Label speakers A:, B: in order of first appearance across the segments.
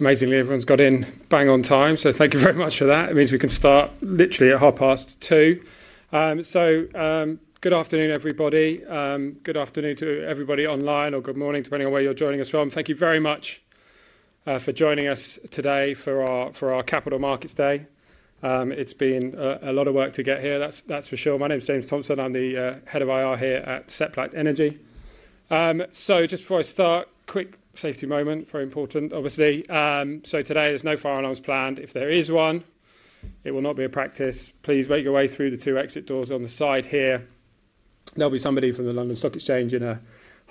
A: Amazingly, everyone's got in bang on time, so thank you very much for that. It means we can start literally at 2:30 P.M. Good afternoon, everybody. Good afternoon to everybody online, or good morning depending on where you're joining us from. Thank you very much for joining us today for our Capital Markets Day. It's been a lot of work to get here, that's for sure. My name's James Thompson. I'm the Head of Investor Relations here at Seplat Energy. Just before I start, quick safety moment, very important, obviously. Today there's no fire alarms planned. If there is one, it will not be a practice. Please make your way through the two exit doors on the side here. There'll be somebody from the London Stock Exchange in a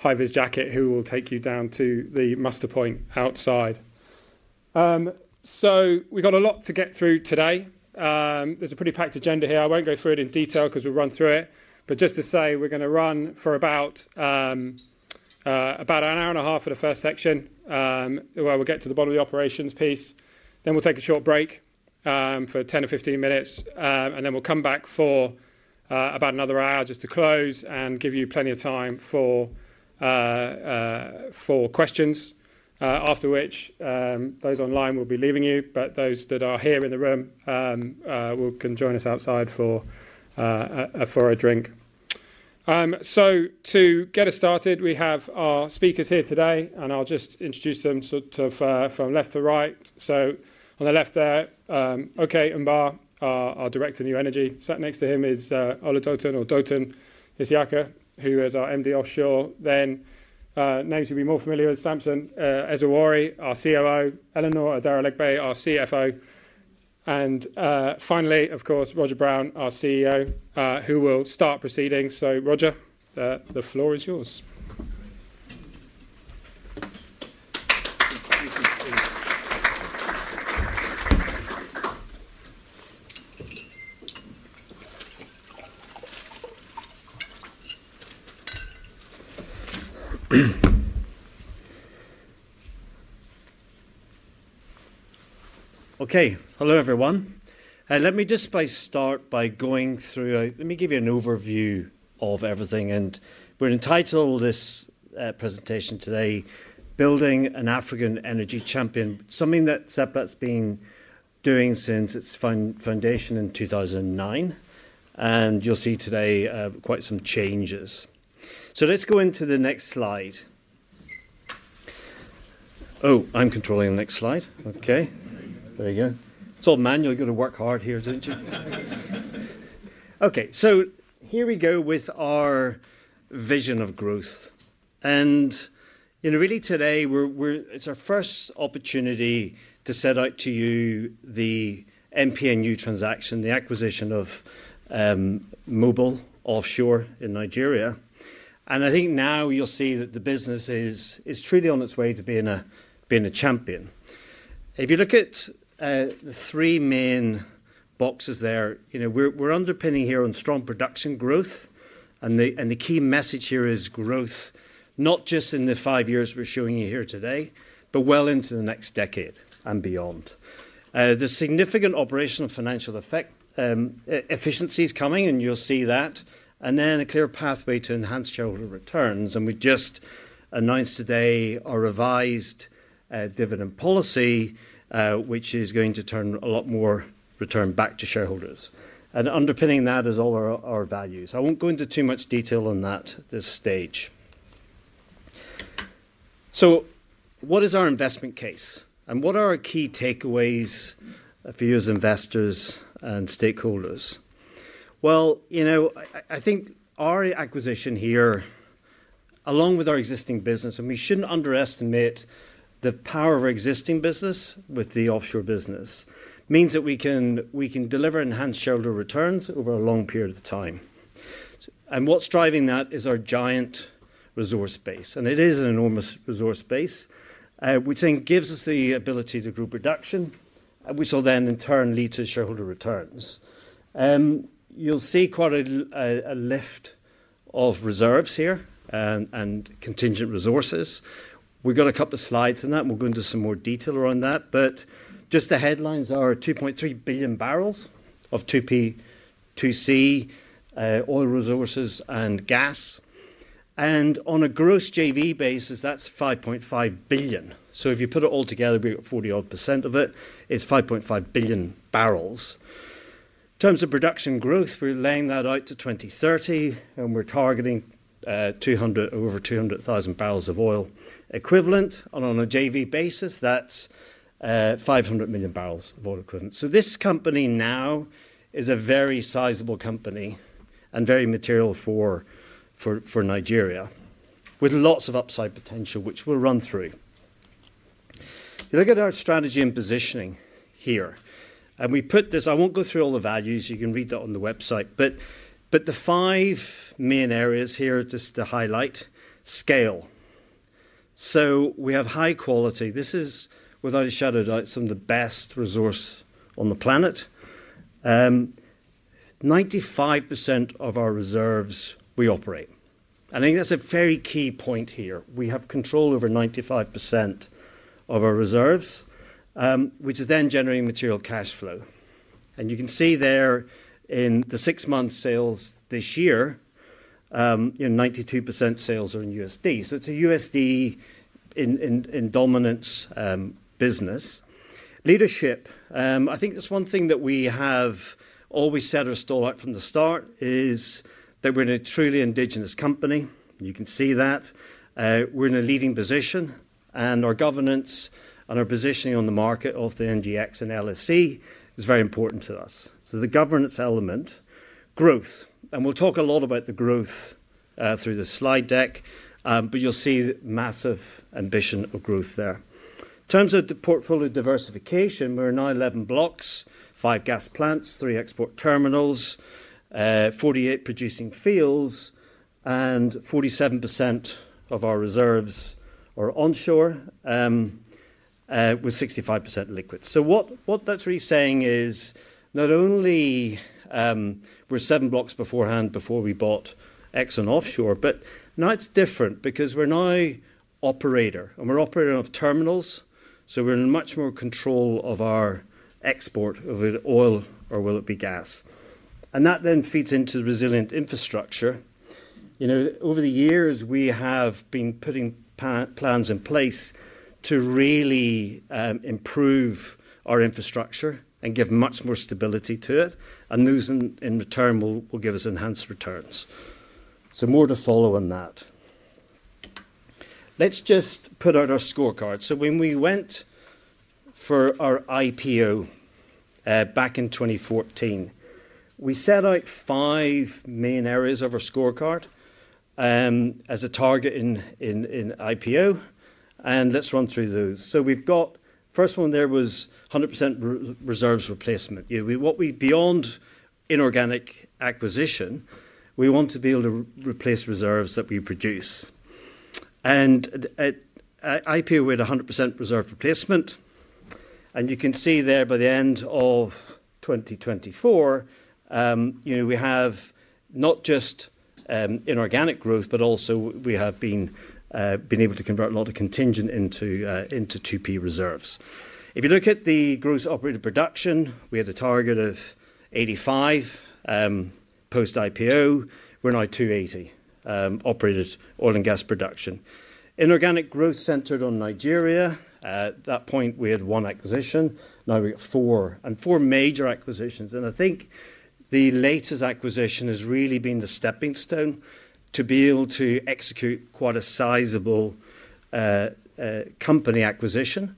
A: hi-vis jacket who will take you down to the muster point outside. We've got a lot to get through today. There's a pretty packed agenda here. I won't go through it in detail because we'll run through it, but just to say we're going to run for about an hour and a half for the first section, where we'll get to the bottom of the operations piece. Then we'll take a short break for 10 or 15 minutes, and then we'll come back for about another hour just to close and give you plenty of time for questions, after which those online will be leaving you, but those that are here in the room can join us outside for a drink. To get us started, we have our speakers here today, and I'll just introduce them from left to right. On the left there, Oke Emba, our Director of New Energy. Sat next to him is Ola Dotun Tsiak, who is our Managing Director, Offshore. Names you'll be more familiar with: Samson Ezugworie, our Chief Operating Officer; Eleanor Adaralegbe, our Chief Financial Officer; and, finally, of course, Roger Brown, our Chief Executive Officer, who will start proceedings. Roger, the floor is yours.
B: OK, hello everyone. Let me just start by going through, let me give you an overview of everything, and we're entitled to this presentation today, Building an African Energy Champion, something that Seplat's been doing since its foundation in 2009, and you'll see today quite some changes. Let's go into the next slide. Oh, I'm controlling the next slide. OK, there you go. It's all manual. You've got to work hard here, don't you? OK, here we go with our vision of growth, and you know, really today it's our first opportunity to set out to you the MPNU transaction, the acquisition of Mobil Producing Nigeria Unlimited in Nigeria, and I think now you'll see that the business is truly on its way to being a champion. If you look at the three main boxes there, we're underpinning here on strong production growth, and the key message here is growth, not just in the five years we're showing you here today, but well into the next decade and beyond. The significant operational financial efficiency is coming, and you'll see that, and then a clear pathway to enhance shareholder returns, and we just announced today our revised dividend policy, which is going to turn a lot more return back to shareholders, and underpinning that is all our values. I won't go into too much detail on that at this stage. What is our investment case, and what are our key takeaways for you as investors and stakeholders? I think our acquisition here, along with our existing business, and we shouldn't underestimate the power of our existing business with the offshore business, means that we can deliver enhanced shareholder returns over a long period of time. What's driving that is our giant resource base, and it is an enormous resource base, which then gives us the ability to group production, which will then in turn lead to shareholder returns. You'll see quite a lift of reserves here and contingent resources. We've got a couple of slides on that, and we'll go into some more detail around that, but just the headlines are 2.3 billion bbl of 2P+2C oil resources and gas, and on a gross JV basis, that's 5.5 billion. If you put it all together, we've got 40% of it. It's 5.5 billion bbl. In terms of production growth, we're laying that out to 2030, and we're targeting over 200,000 bbl of oil equivalent, and on a JV basis, that's 500 million bbl of oil equivalent. This company now is a very sizable company and very material for Nigeria, with lots of upside potential, which we'll run through. You look at our strategy and positioning here, and we put this, I won't go through all the values. You can read that on the website, but the five main areas here just to highlight, scale. We have high quality. This is, without a shadow of a doubt, some of the best resource on the planet. 95% of our reserves we operate, and I think that's a very key point here. We have control over 95% of our reserves, which is then generating material cash flow, and you can see there in the six months sales this year, you know, 92% sales are in USD. It's a USD in dominance business. Leadership, I think that's one thing that we have always set our store out from the start is that we're a truly indigenous company. You can see that. We're in a leading position, and our governance and our positioning on the market of the NGX and LSC is very important to us. The governance element, growth, and we'll talk a lot about the growth through the slide deck, but you'll see massive ambition of growth there. In terms of the portfolio diversification, we're in 11 blocks, five gas plants, three export terminals, 48 producing fields, and 47% of our reserves are onshore with 65% liquid. What that's really saying is not only were seven blocks beforehand before we bought ExxonMobil Offshore, but now it's different because we're now operator, and we're operator of terminals. We're in much more control of our export, will it oil or will it be gas? That then feeds into the resilient infrastructure. Over the years, we have been putting plans in place to really improve our infrastructure and give much more stability to it, and those in return will give us enhanced returns. More to follow on that. Let's just put out our scorecard. When we went for our IPO back in 2014, we set out five main areas of our scorecard as a target in IPO, and let's run through those. The first one there was 100% reserves replacement. Beyond inorganic acquisition, we want to be able to replace reserves that we produce, and IPO with 100% reserve replacement. You can see there by the end of 2024, we have not just inorganic growth, but also we have been able to convert a lot of contingent into 2P reserves. If you look at the gross operated production, we had a target of 85 post IPO. We're now 280, operated oil and gas production. Inorganic growth centered on Nigeria. At that point, we had one acquisition. Now we've got four and four major acquisitions, and I think the latest acquisition has really been the stepping stone to be able to execute quite a sizable company acquisition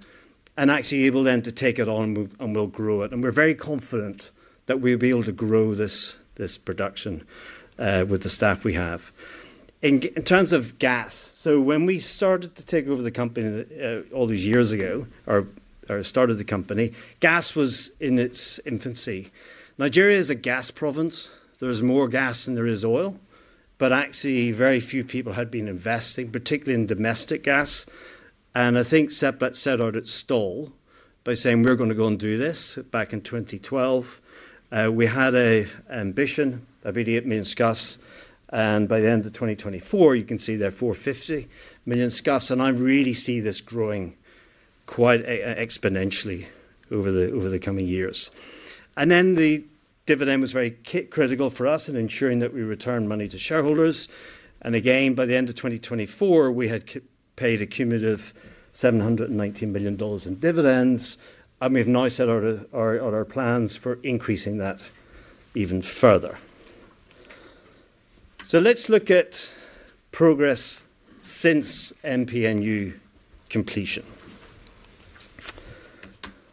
B: and actually able then to take it on and we'll grow it. We're very confident that we'll be able to grow this production with the staff we have. In terms of gas, when we started to take over the company all these years ago or started the company, gas was in its infancy. Nigeria is a gas province. There is more gas than there is oil, but actually very few people had been investing, particularly in domestic gas. I think Seplat set out its stall by saying we're going to go and do this back in 2012. We had an ambition of 88 million scots, and by the end of 2024, you can see there are 450 million scots, and I really see this growing quite exponentially over the coming years. The dividend was very critical for us in ensuring that we return money to shareholders. By the end of 2024, we had paid a cumulative $719 million in dividends, and we've now set out our plans for increasing that even further. Let's look at progress since MPNU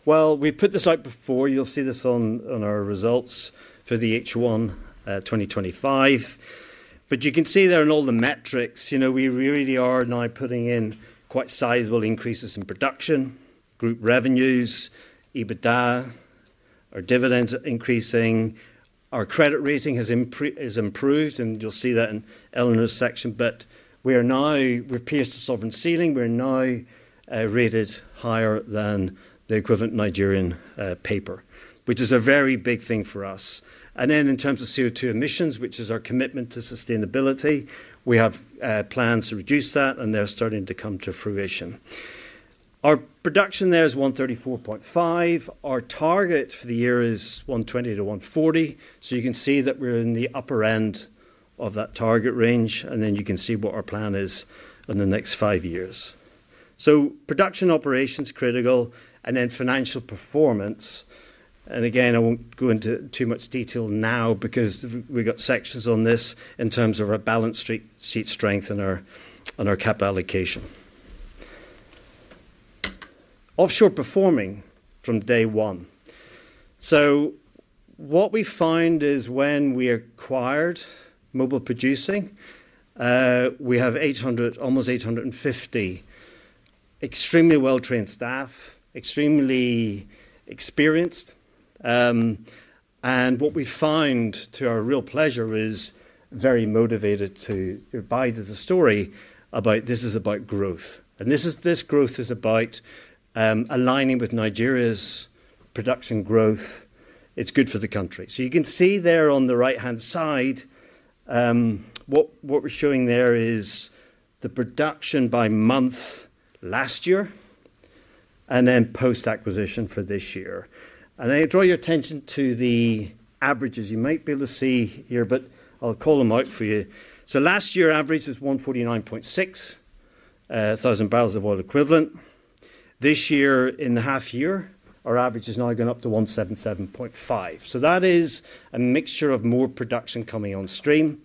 B: completion. We put this out before. You'll see this on our results for the H1 2025, but you can see there in all the metrics, you know, we really are now putting in quite sizable increases in production, group revenues, EBITDA. Our dividends are increasing. Our credit rating has improved, and you'll see that in Eleanor's section, but we are now, we've pierced a sovereign ceiling. We're now rated higher than the equivalent Nigerian paper, which is a very big thing for us. In terms of CO2 emissions, which is our commitment to sustainability, we have plans to reduce that, and they're starting to come to fruition. Our production there is 134.5. Our target for the year is 120-140. You can see that we're in the upper end of that target range, and then you can see what our plan is in the next five years. Production operation is critical, and then financial performance. I won't go into too much detail now because we've got sections on this in terms of our balance sheet strength and our capital allocation. Offshore performing from day one. What we find is when we acquired Mobil Producing Nigeria Unlimited, we have almost 850, extremely well-trained staff, extremely experienced. What we find, to our real pleasure, is very motivated to buy the story about this is about growth, and this growth is about aligning with Nigeria's production growth. It's good for the country. You can see there on the right-hand side, what we're showing there is the production by month last year and then post-acquisition for this year. I draw your attention to the averages. You might be able to see here, but I'll call them out for you. Last year's average is 149.6, 1000 bbl of oil equivalent. This year, in the half year, our average has now gone up to 177.5. That is a mixture of more production coming on stream,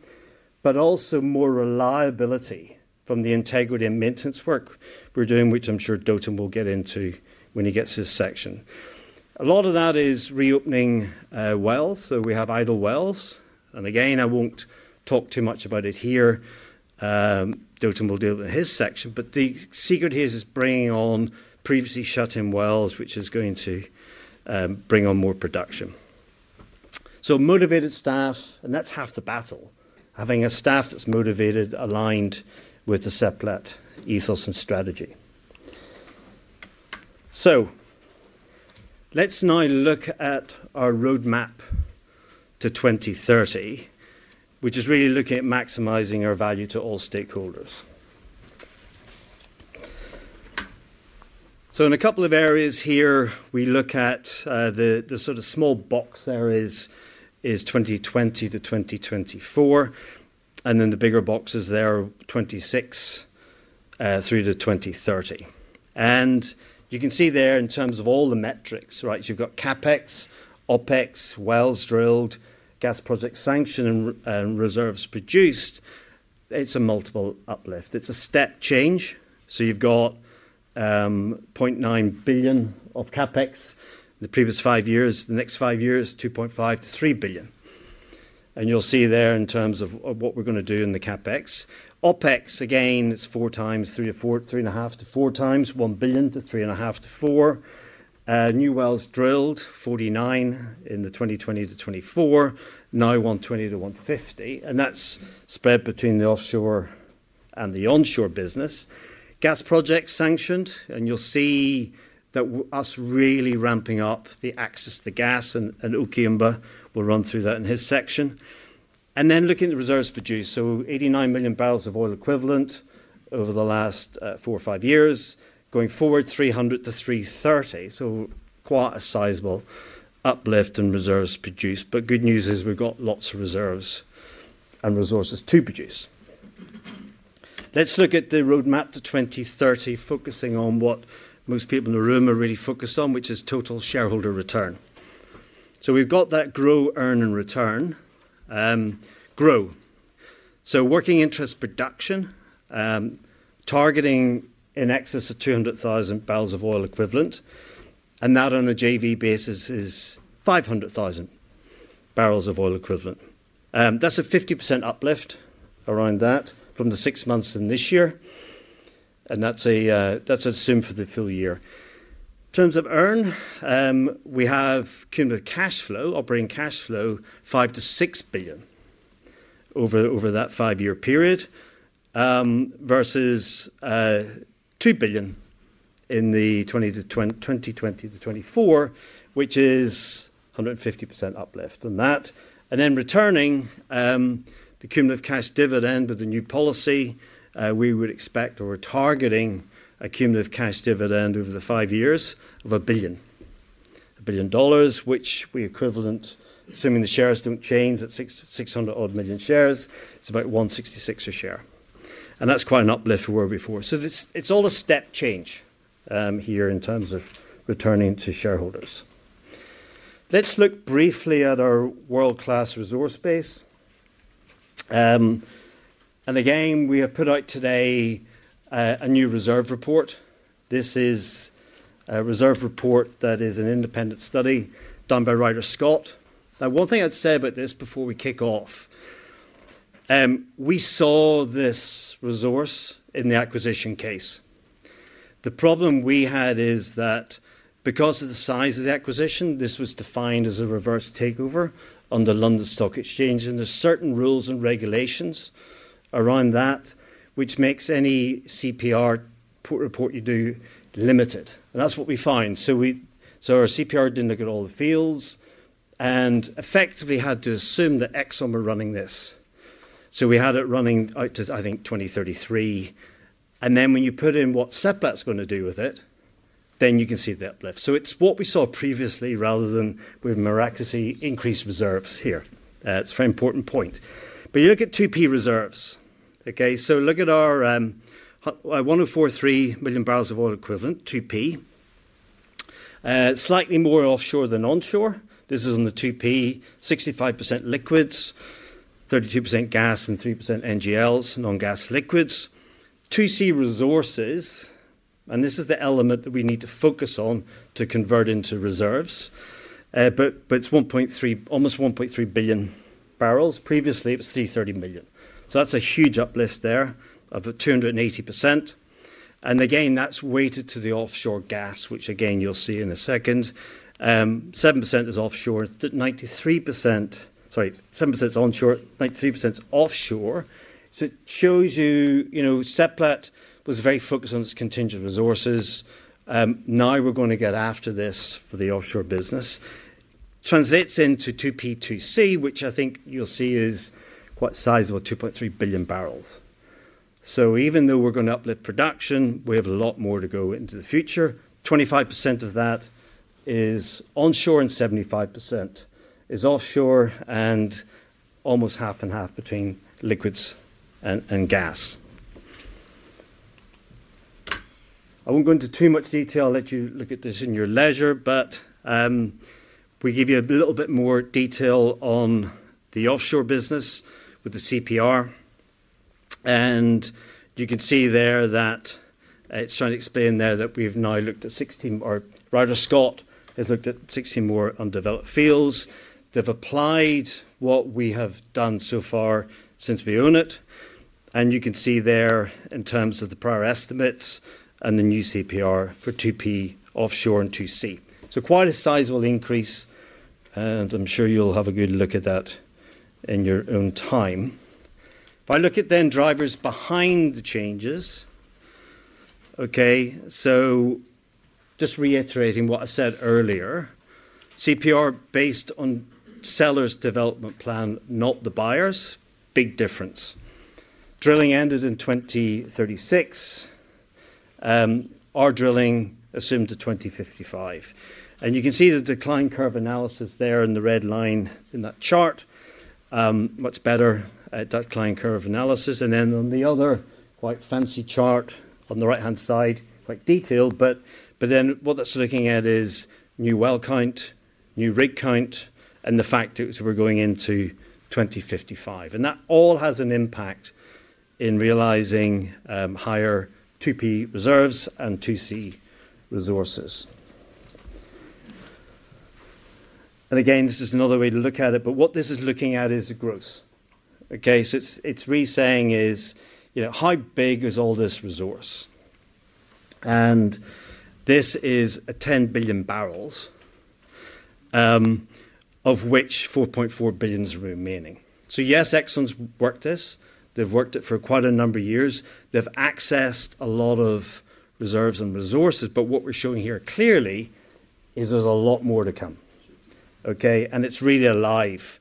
B: but also more reliability from the integrity and maintenance work we're doing, which I'm sure Tothen will get into when he gets to his section. A lot of that is reopening wells. We have idle wells, and again, I won't talk too much about it here. Tothen will deal with his section, but the secret here is bringing on previously shut-in wells, which is going to bring on more production. Motivated staff, and that's half the battle, having a staff that's motivated, aligned with the Seplat ethos and strategy. Let's now look at our roadmap to 2030, which is really looking at maximizing our value to all stakeholders. In a couple of areas here, we look at the sort of small box there is 2020 to 2024, and then the bigger boxes there are 2026 through to 2030. You can see there in terms of all the metrics, right? You've got CapEx, OpEx, wells drilled, gas project sanctioned, and reserves produced. It's a multiple uplift. It's a step change. You've got $0.9 billion of CapEx in the previous five years. The next five years, $2.5 billion- $3 billion. You'll see there in terms of what we're going to do in the CapEx. OpEx, again, is three and a half to four times, $1 billion to three and a half to four. New wells drilled, 49 in the 2020 to 2024, now 120-150, and that's spread between the offshore and the onshore business. Gas project sanctioned, and you'll see that us really ramping up the access to gas, and Oke Emba will run through that in his section. Then looking at the reserves produced, 89 million bbl of oil equivalent over the last four or five years. Going forward, 300-330, so quite a sizable uplift in reserves produced. Good news is we've got lots of reserves and resources to produce. Let's look at the roadmap to 2030, focusing on what most people in the room are really focused on, which is total shareholder return. We've got that grow, earn, and return. Grow, so working interest production, targeting in excess of 200,000 bbl of oil equivalent, and that on a JV basis is 500,000 bbl of oil equivalent. That's a 50% uplift around that from the six months in this year, and that's assumed for the full year. In terms of earn, we have cumulative operating cash flow, $5 billion-$6 billion over that five-year period versus $2 billion in the 2020 to 2024, which is a 150% uplift on that. Returning the cumulative cash dividend with a new policy, we would expect or we're targeting a cumulative cash dividend over the five years of $1 billion, which we equivalent, assuming the shares don't change, at 600 odd million shares, it's about $1.66 a share. That's quite an uplift from where we were before. It's all a step change here in terms of returning to shareholders. Let's look briefly at our world-class resource base. Again, we have put out today a new reserve report. This is a reserve report that is an independent study done by Roger Scott. One thing I'd say about this before we kick off, we saw this resource in the acquisition case. The problem we had is that because of the size of the acquisition, this was defined as a reverse takeover on the London Stock Exchange, and there are certain rules and regulations around that, which makes any CPR report you do limited. That's what we find. Our CPR didn't look at all the fields and effectively had to assume that ExxonMobil were running this. We had it running out to, I think, 2033. When you put in what Seplat's going to do with it, then you can see the uplift. It's what we saw previously rather than we've miraculously increased reserves here. It's a very important point. You look at 2P reserves, OK? Look at our 1,043 million bbl of oil equivalent, 2P. Slightly more offshore than onshore. This is on the 2P, 65% liquids, 32% gas, and 3% NGLs, non-gas liquids. 2C resources, and this is the element that we need to focus on to convert into reserves. It's 1.3 billion, almost 1.3 billion bbl. Previously, it was 330 million. That's a huge uplift there of 280%. Again, that's weighted to the offshore gas, which you'll see in a second. 7% is onshore. 93% is offshore. It shows you, you know, Seplat Energy was very focused on its contingent resources. Now we're going to get after this for the offshore business. Translates into 2P+2C, which I think you'll see is quite sizable, 2.3 billion bbl. Even though we're going to uplift production, we have a lot more to go into the future. 25% of that is onshore, and 75% is offshore, and almost half and half between liquids and gas. I won't go into too much detail. I'll let you look at this in your leisure, but we give you a little bit more detail on the offshore business with the CPR. You can see there that it's trying to explain that we've now looked at 16, or Roger Scott has looked at 16 more undeveloped fields. They've applied what we have done so far since we own it. You can see there in terms of the prior estimates and the new CPR for 2P offshore and 2C. Quite a sizable increase, and I'm sure you'll have a good look at that in your own time. If I look at drivers behind the changes, just reiterating what I said earlier, CPR based on sellers' development plan, not the buyers. Big difference. Drilling ended in 2036. Our drilling assumed to 2055. You can see the decline curve analysis there in the red line in that chart. Much better at that decline curve analysis. On the other quite fancy chart on the right-hand side, quite detailed, but what that's looking at is new well count, new rig count, and the fact that we're going into 2055. That all has an impact in realizing higher 2P reserves and 2C resources. Again, this is another way to look at it, but what this is looking at is the growth. It's really saying is, you know, how big is all this resource? This is a 10 billion bbl, of which 4.4 billion is remaining. Yes, ExxonMobil's worked this. They've worked it for quite a number of years. They've accessed a lot of reserves and resources, but what we're showing here clearly is there's a lot more to come. It's really alive.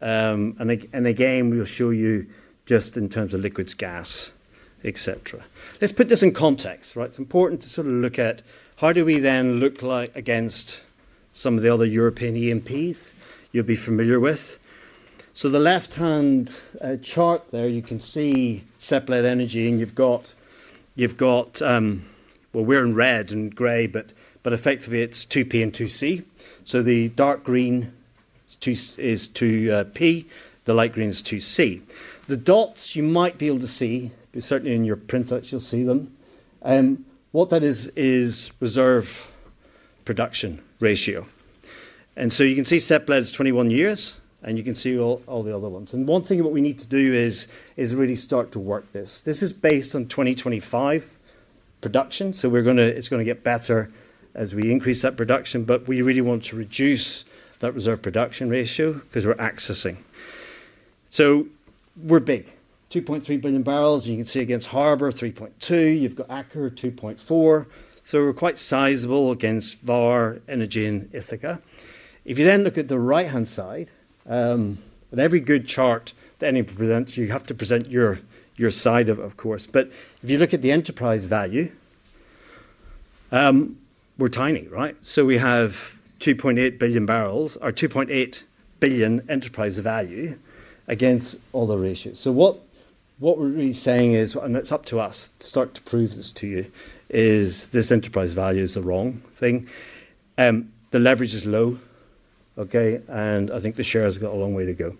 B: Again, we'll show you just in terms of liquids, gas, et cetera. Let's put this in context, right? It's important to sort of look at how do we then look like against some of the other European E&Ps you'll be familiar with. The left-hand chart there, you can see Seplat Energy, and you've got, well, we're in red and gray, but effectively it's 2P and 2C. The dark green is 2P, the light green is 2C. The dots you might be able to see, they're certainly in your printouts, you'll see them. What that is, is reserve production ratio. You can see Seplat's 21 years, and you can see all the other ones. One thing that we need to do is really start to work this. This is based on 2025 production. It's going to get better as we increase that production, but we really want to reduce that reserve production ratio because we're accessing. We're big, 2.3 billion bbl, and you can see against Harbor 3.2. You've got Acker 2.4. We're quite sizable against VAR, Energy, and Ithaca. If you then look at the right-hand side, every good chart that anyone presents, you have to present your side, of course, but if you look at the enterprise value, we're tiny, right? We have 2.8 billion bbl, or $2.8 billion enterprise value against all the ratios. What we're really saying is, and it's up to us to start to prove this to you, is this enterprise value is the wrong thing. The leverage is low, OK, and I think the share has got a long way to go.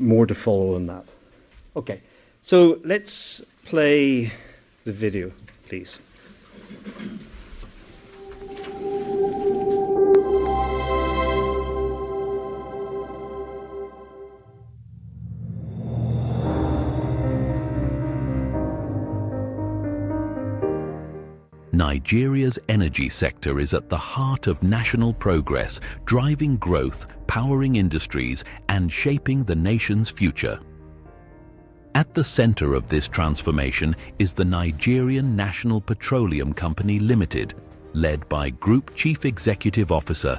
B: More to follow on that. OK, let's play the video, please.
C: Nigeria's energy sector is at the heart of national progress, driving growth, powering industries, and shaping the nation's future. At the center of this transformation is the Nigerian National Petroleum Company Limited, led by Group Chief Executive Officer.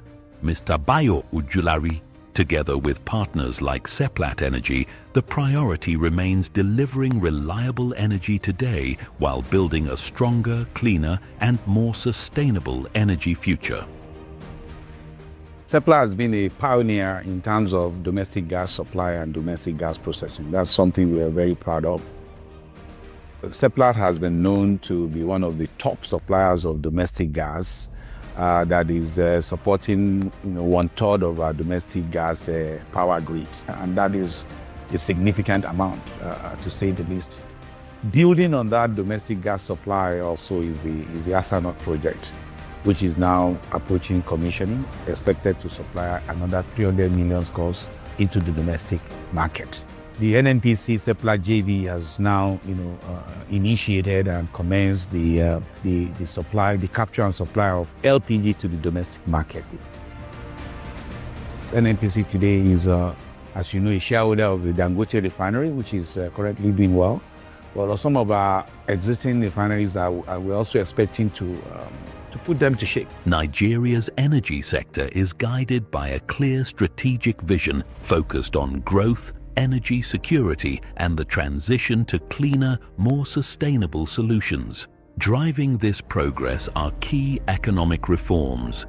C: Together with partners like Seplat Energy, the priority remains delivering reliable energy today while building a stronger, cleaner, and more sustainable energy future. Seplat has been a pioneer in terms of domestic gas supply and domestic gas processing. That's something we are very proud of. Seplat has been known to be one of the top suppliers of domestic gas that is supporting one-third of our domestic gas power grid. That is a significant amount, to say the least. Building on that domestic gas supply also is the ANOH Gas Processing Plant project, which is now approaching commissioning, expected to supply another 300 million standard cubic feet into the domestic market. The Nigerian National Petroleum Company Limited Seplat JV has now initiated and commenced the capture and supply of LPG to the domestic market. Nigerian National Petroleum Company Limited today is, as you know, a shareholder of the Dangote Refinery, which is currently doing well. Some of our existing refineries, we're also expecting to put them to shape. Nigeria's energy sector is guided by a clear strategic vision focused on growth, energy security, and the transition to cleaner, more sustainable solutions. Driving this progress are key economic reforms,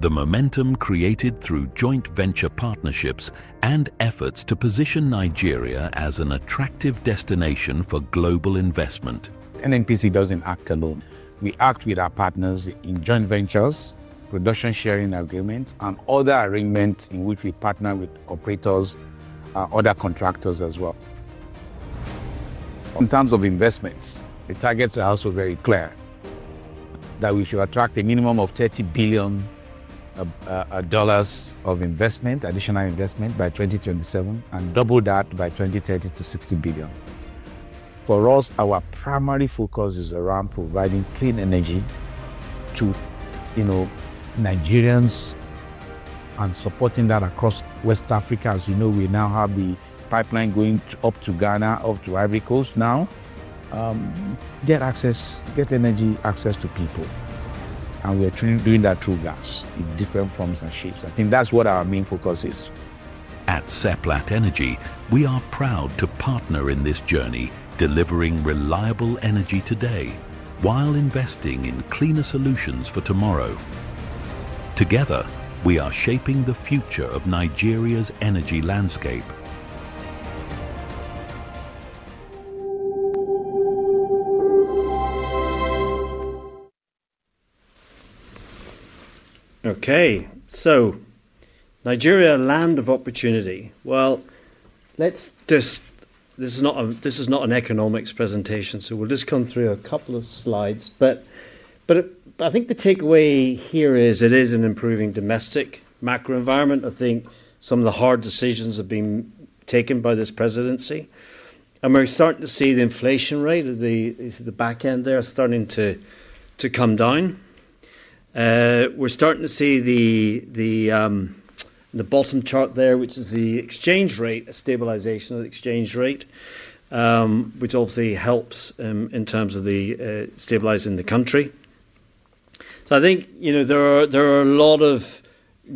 C: the momentum created through joint venture partnerships, and efforts to position Nigeria as an attractive destination for global investment. NNPC doesn't act alone. We act with our partners in joint ventures, production sharing agreements, and other arrangements in which we partner with operators, other contractors as well. In terms of investments, the targets are also very clear that we should attract a minimum of $30 billion of additional investment by 2027 and double that by 2030 to $60 billion. For us, our primary focus is around providing clean energy to Nigerians and supporting that across West Africa. As you know, we now have the pipeline going up to Ghana, up to Ivory Coast now. Get access, get energy access to people. We are doing that through gas in different forms and shapes. I think that's what our main focus is. At Seplat Energy, we are proud to partner in this journey, delivering reliable energy today while investing in cleaner solutions for tomorrow. Together, we are shaping the future of Nigeria's energy landscape.
B: OK, so Nigeria, land of opportunity. This is not an economics presentation, so we'll just come through a couple of slides. I think the takeaway here is it is an improving domestic macro environment. I think some of the hard decisions have been taken by this presidency. We're starting to see the inflation rate at the back end there starting to come down. We're starting to see the bottom chart there, which is the exchange rate, a stabilization of the exchange rate, which obviously helps in terms of stabilizing the country. I think there are a lot of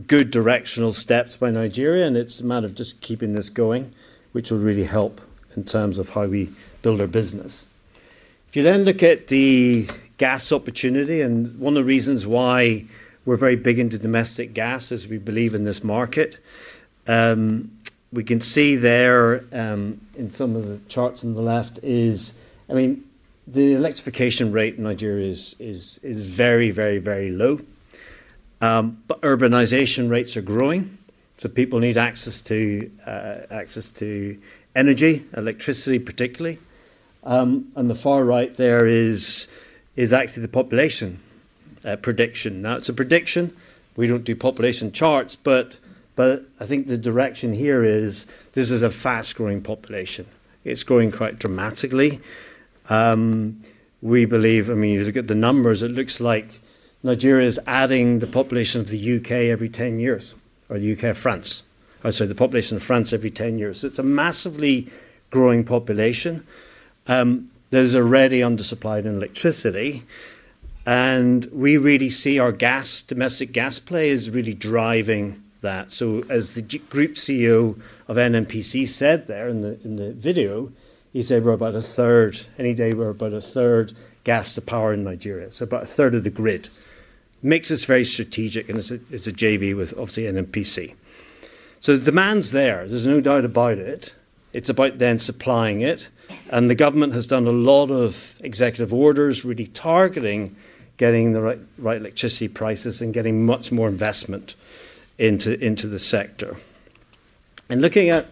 B: good directional steps by Nigeria, and it's a matter of just keeping this going, which will really help in terms of how we build our business. If you then look at the gas opportunity, and one of the reasons why we're very big into domestic gas is we believe in this market. We can see there in some of the charts on the left, the electrification rate in Nigeria is very, very, very low. Urbanization rates are growing, so people need access to energy, electricity particularly. The far right there is actually the population prediction. Now, it's a prediction. We don't do population charts, but I think the direction here is this is a fast-growing population. It's growing quite dramatically. We believe, I mean, look at the numbers. It looks like Nigeria is adding the population of the U.K. every 10 years, or the U.K. or France. I'm sorry, the population of France every 10 years. It's a massively growing population. There's a ready undersupplied in electricity. We really see our gas, domestic gas play is really driving that. As the Group CEO of Nigerian National Petroleum Company Limited said there in the video, he said we're about a third, any day we're about a third gas to power in Nigeria. So about a third of the grid. It makes us very strategic as a JV with obviously Nigerian National Petroleum Company Limited. The demand's there. There's no doubt about it. It's about then supplying it. The government has done a lot of executive orders really targeting getting the right electricity prices and getting much more investment into the sector. Looking at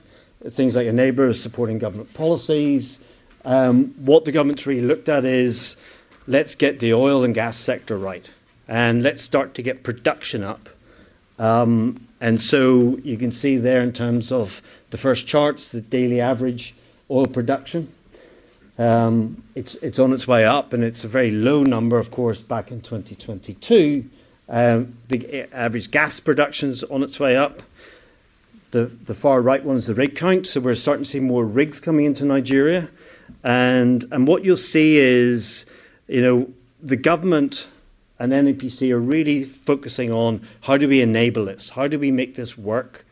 B: things like your neighbors supporting government policies, what the government's really looked at is let's get the oil and gas sector right, and let's start to get production up. You can see there in terms of the first charts, the daily average oil production, it's on its way up, and it's a very low number, of course, back in 2022. The average gas production is on its way up. The far right one is the rig count. We're starting to see more rigs coming into Nigeria. What you'll see is the government and Nigerian National Petroleum Company Limited are really focusing on how do we enable this? How do we make this work?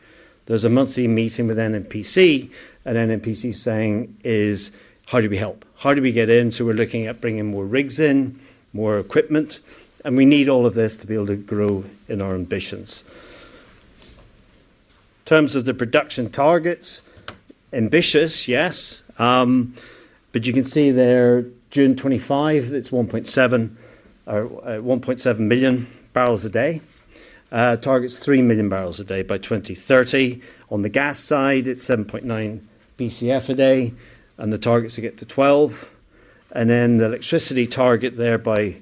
B: There's a monthly meeting with Nigerian National Petroleum Company Limited, and what Nigerian National Petroleum Company Limited is saying is how do we help? How do we get in? We're looking at bringing more rigs in, more equipment, and we need all of this to be able to grow in our ambitions. In terms of the production targets, ambitious, yes. You can see there, June 2025, it's 1.7 million bbl a day. Target's 3 million bbl a day by 2030. On the gas side, it's 7.9 BCF a day, and the targets will get to 12. The electricity target by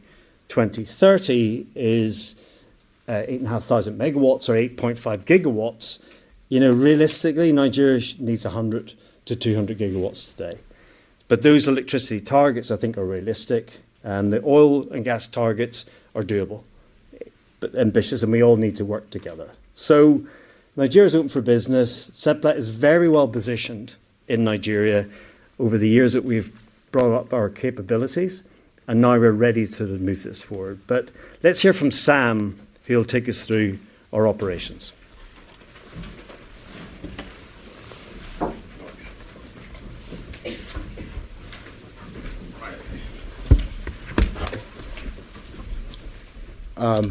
B: 2030 is 8500 MW or 8.5 GW. Realistically, Nigeria needs 100 GW-200 GW today. Those electricity targets, I think, are realistic, and the oil and gas targets are doable, but ambitious, and we all need to work together. Nigeria's open for business. Seplat Energy is very well positioned in Nigeria over the years that we've brought up our capabilities, and now we're ready to move this forward. Let's hear from Sam, who will take us through our operations.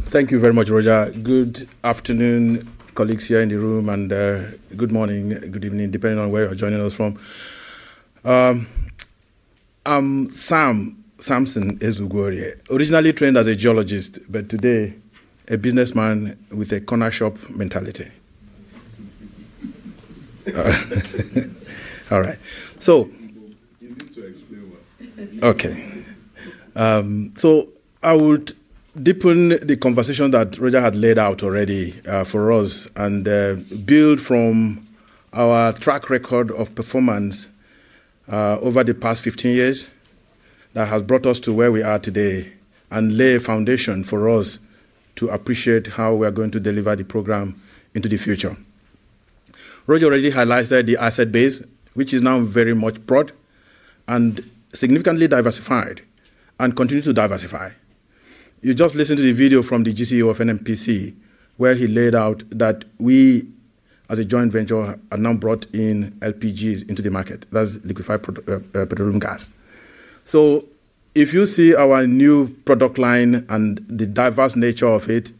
D: Thank you very much, Roger. Good afternoon, colleagues here in the room, and good morning, good evening, depending on where you're joining us from. I'm Sam, Samson Ezugworie, originally trained as a geologist, but today a businessman with a corner shop mentality. I would deepen the conversation that Roger had laid out already for us and build from our track record of performance over the past 15 years that has brought us to where we are today and lay a foundation for us to appreciate how we are going to deliver the program into the future. Roger already highlighted the asset base, which is now very much broad and significantly diversified and continues to diversify. You just listened to the video from the GCE of Nigerian National Petroleum Company Limited where he laid out that we, as a joint venture, are now brought in LPGs into the market. That's liquefied petroleum gas. If you see our new product line and the diverse nature of it,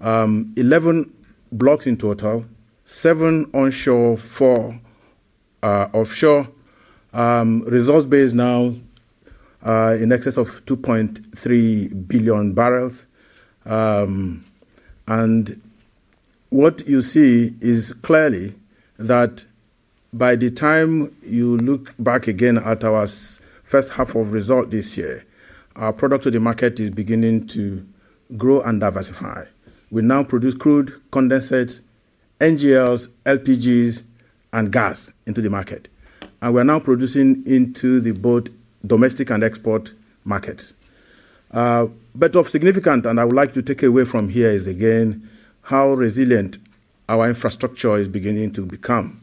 D: 11 blocks in total, seven onshore, four offshore, resource base now in excess of 2.3 billion bbl. What you see is clearly that by the time you look back again at our first half of result this year, our product to the market is beginning to grow and diversify. We now produce crude, condensates, NGLs, LPGs, and gas into the market. We're now producing into both domestic and export markets. Of significance, and I would like to take away from here, is again how resilient our infrastructure is beginning to become.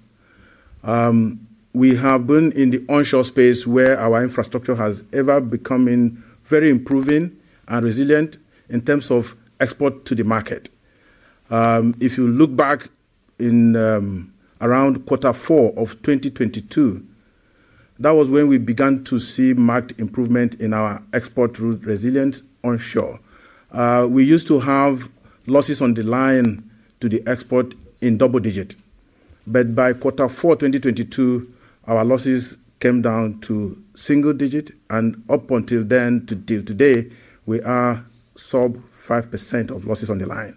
D: We have been in the onshore space where our infrastructure has ever become very improving and resilient in terms of export to the market. If you look back in around quarter four of 2022, that was when we began to see marked improvement in our export route resilience onshore. We used to have losses on the line to the export in double digits. By quarter four, 2022, our losses came down to single digits, and up until then, to today, we are sub 5% of losses on the line.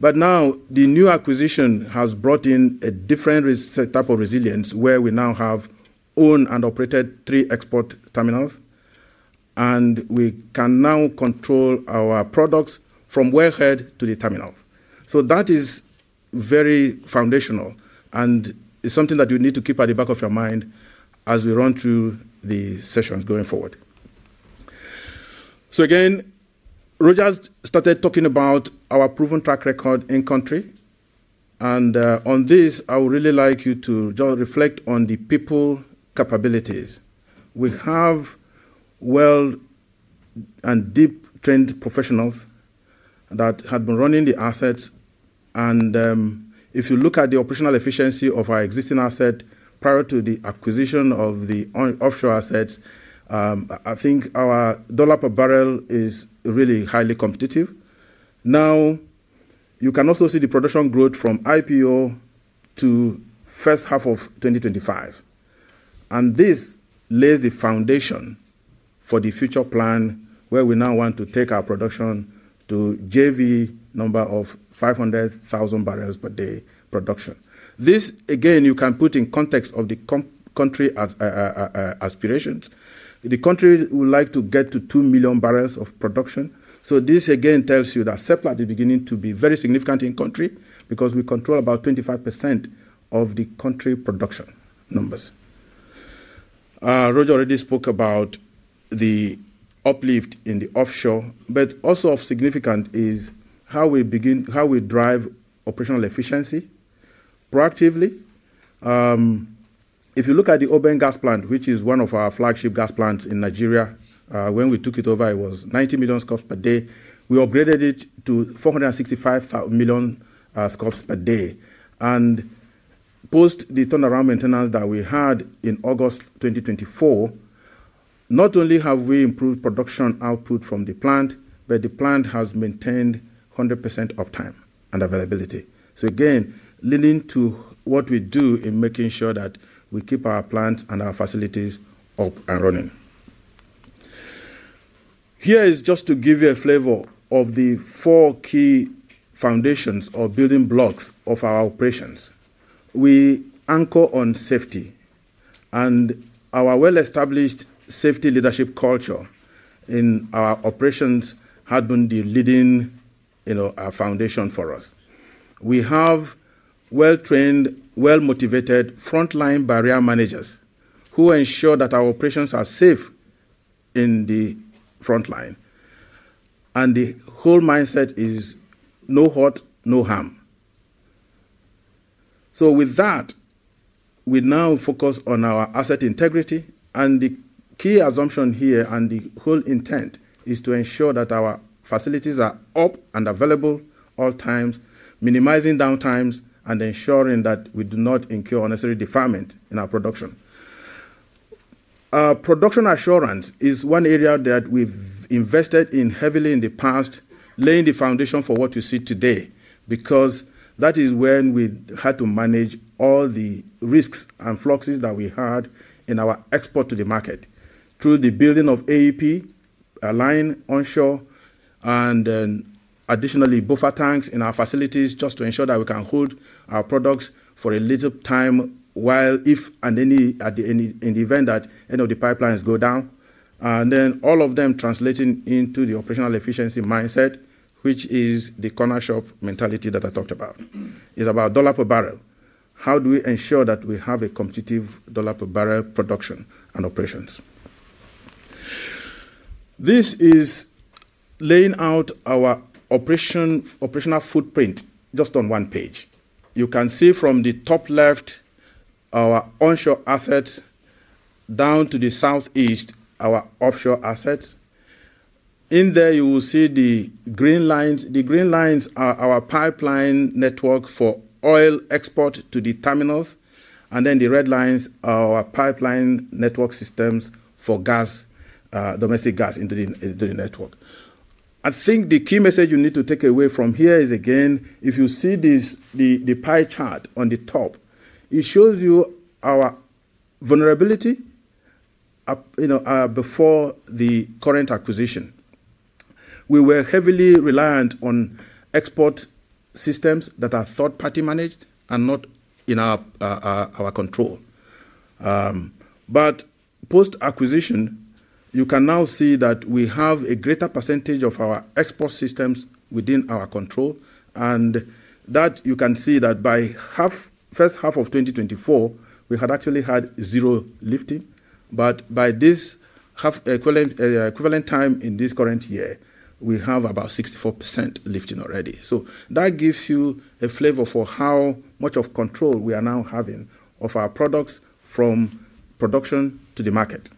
D: The new acquisition has brought in a different type of resilience where we now have owned and operated three export terminals, and we can now control our products from where we're headed to the terminals. That is very foundational and is something that you need to keep at the back of your mind as we run through the sessions going forward. Roger started talking about our proven track record in country. On this, I would really like you to reflect on the people capabilities. We have well and deep-trained professionals that have been running the assets. If you look at the operational efficiency of our existing assets prior to the acquisition of the offshore assets, I think our dollar per barrel is really highly competitive. You can also see the production growth from IPO to the first half of 2025. This lays the foundation for the future plan where we now want to take our production to JV number of 500,000 bbl per day production. This, again, you can put in context of the country's aspirations. The country would like to get to 2 million bbl of production. This, again, tells you that Seplat Energy is beginning to be very significant in country because we control about 25% of the country production numbers. Roger already spoke about the uplift in the offshore, but also of significance is how we begin, how we drive operational efficiency proactively. If you look at the Oben gas plant, which is one of our flagship gas plants in Nigeria, when we took it over, it was 90 million scf per day. We upgraded it to 465 million scf per day. Post the turnaround maintenance that we had in August 2024, not only have we improved production output from the plant, but the plant has maintained 100% uptime and availability. Again, leaning to what we do in making sure that we keep our plants and our facilities up and running. Here is just to give you a flavor of the four key foundations or building blocks of our operations. We anchor on safety, and our well-established safety leadership culture in our operations has been the leading foundation for us. We have well-trained, well-motivated frontline barrier managers who ensure that our operations are safe in the frontline. The whole mindset is no hurt, no harm. With that, we now focus on our asset integrity, and the key assumption here and the whole intent is to ensure that our facilities are up and available at all times, minimizing downtimes, and ensuring that we do not incur unnecessary deferment in our production. Our production assurance is one area that we've invested in heavily in the past, laying the foundation for what you see today, because that is when we had to manage all the risks and fluxes that we had in our export to the market through the building of AEP, a line onshore, and then additionally buffer tanks in our facilities just to ensure that we can hold our products for a little time while, if and any, in the event that any of the pipelines go down. All of them translating into the operational efficiency mindset, which is the corner shop mentality that I talked about. It's about dollar per barrel. How do we ensure that we have a competitive dollar per barrel production and operations? This is laying out our operational footprint just on one page. You can see from the top left, our onshore assets, down to the southeast, our offshore assets. In there, you will see the green lines. The green lines are our pipeline network for oil export to the terminals, and the red lines are our pipeline network systems for gas, domestic gas into the network. I think the key message you need to take away from here is, again, if you see the pie chart on the top, it shows you our vulnerability before the current acquisition. We were heavily reliant on export systems that are third-party managed and not in our control. Post-acquisition, you can now see that we have a greater percentage of our export systems within our control, and you can see that by first half of 2024, we had actually had zero lifting. By this half equivalent time in this current year, we have about 64% lifting already. That gives you a flavor for how much of control we are now having of our products from production to the market.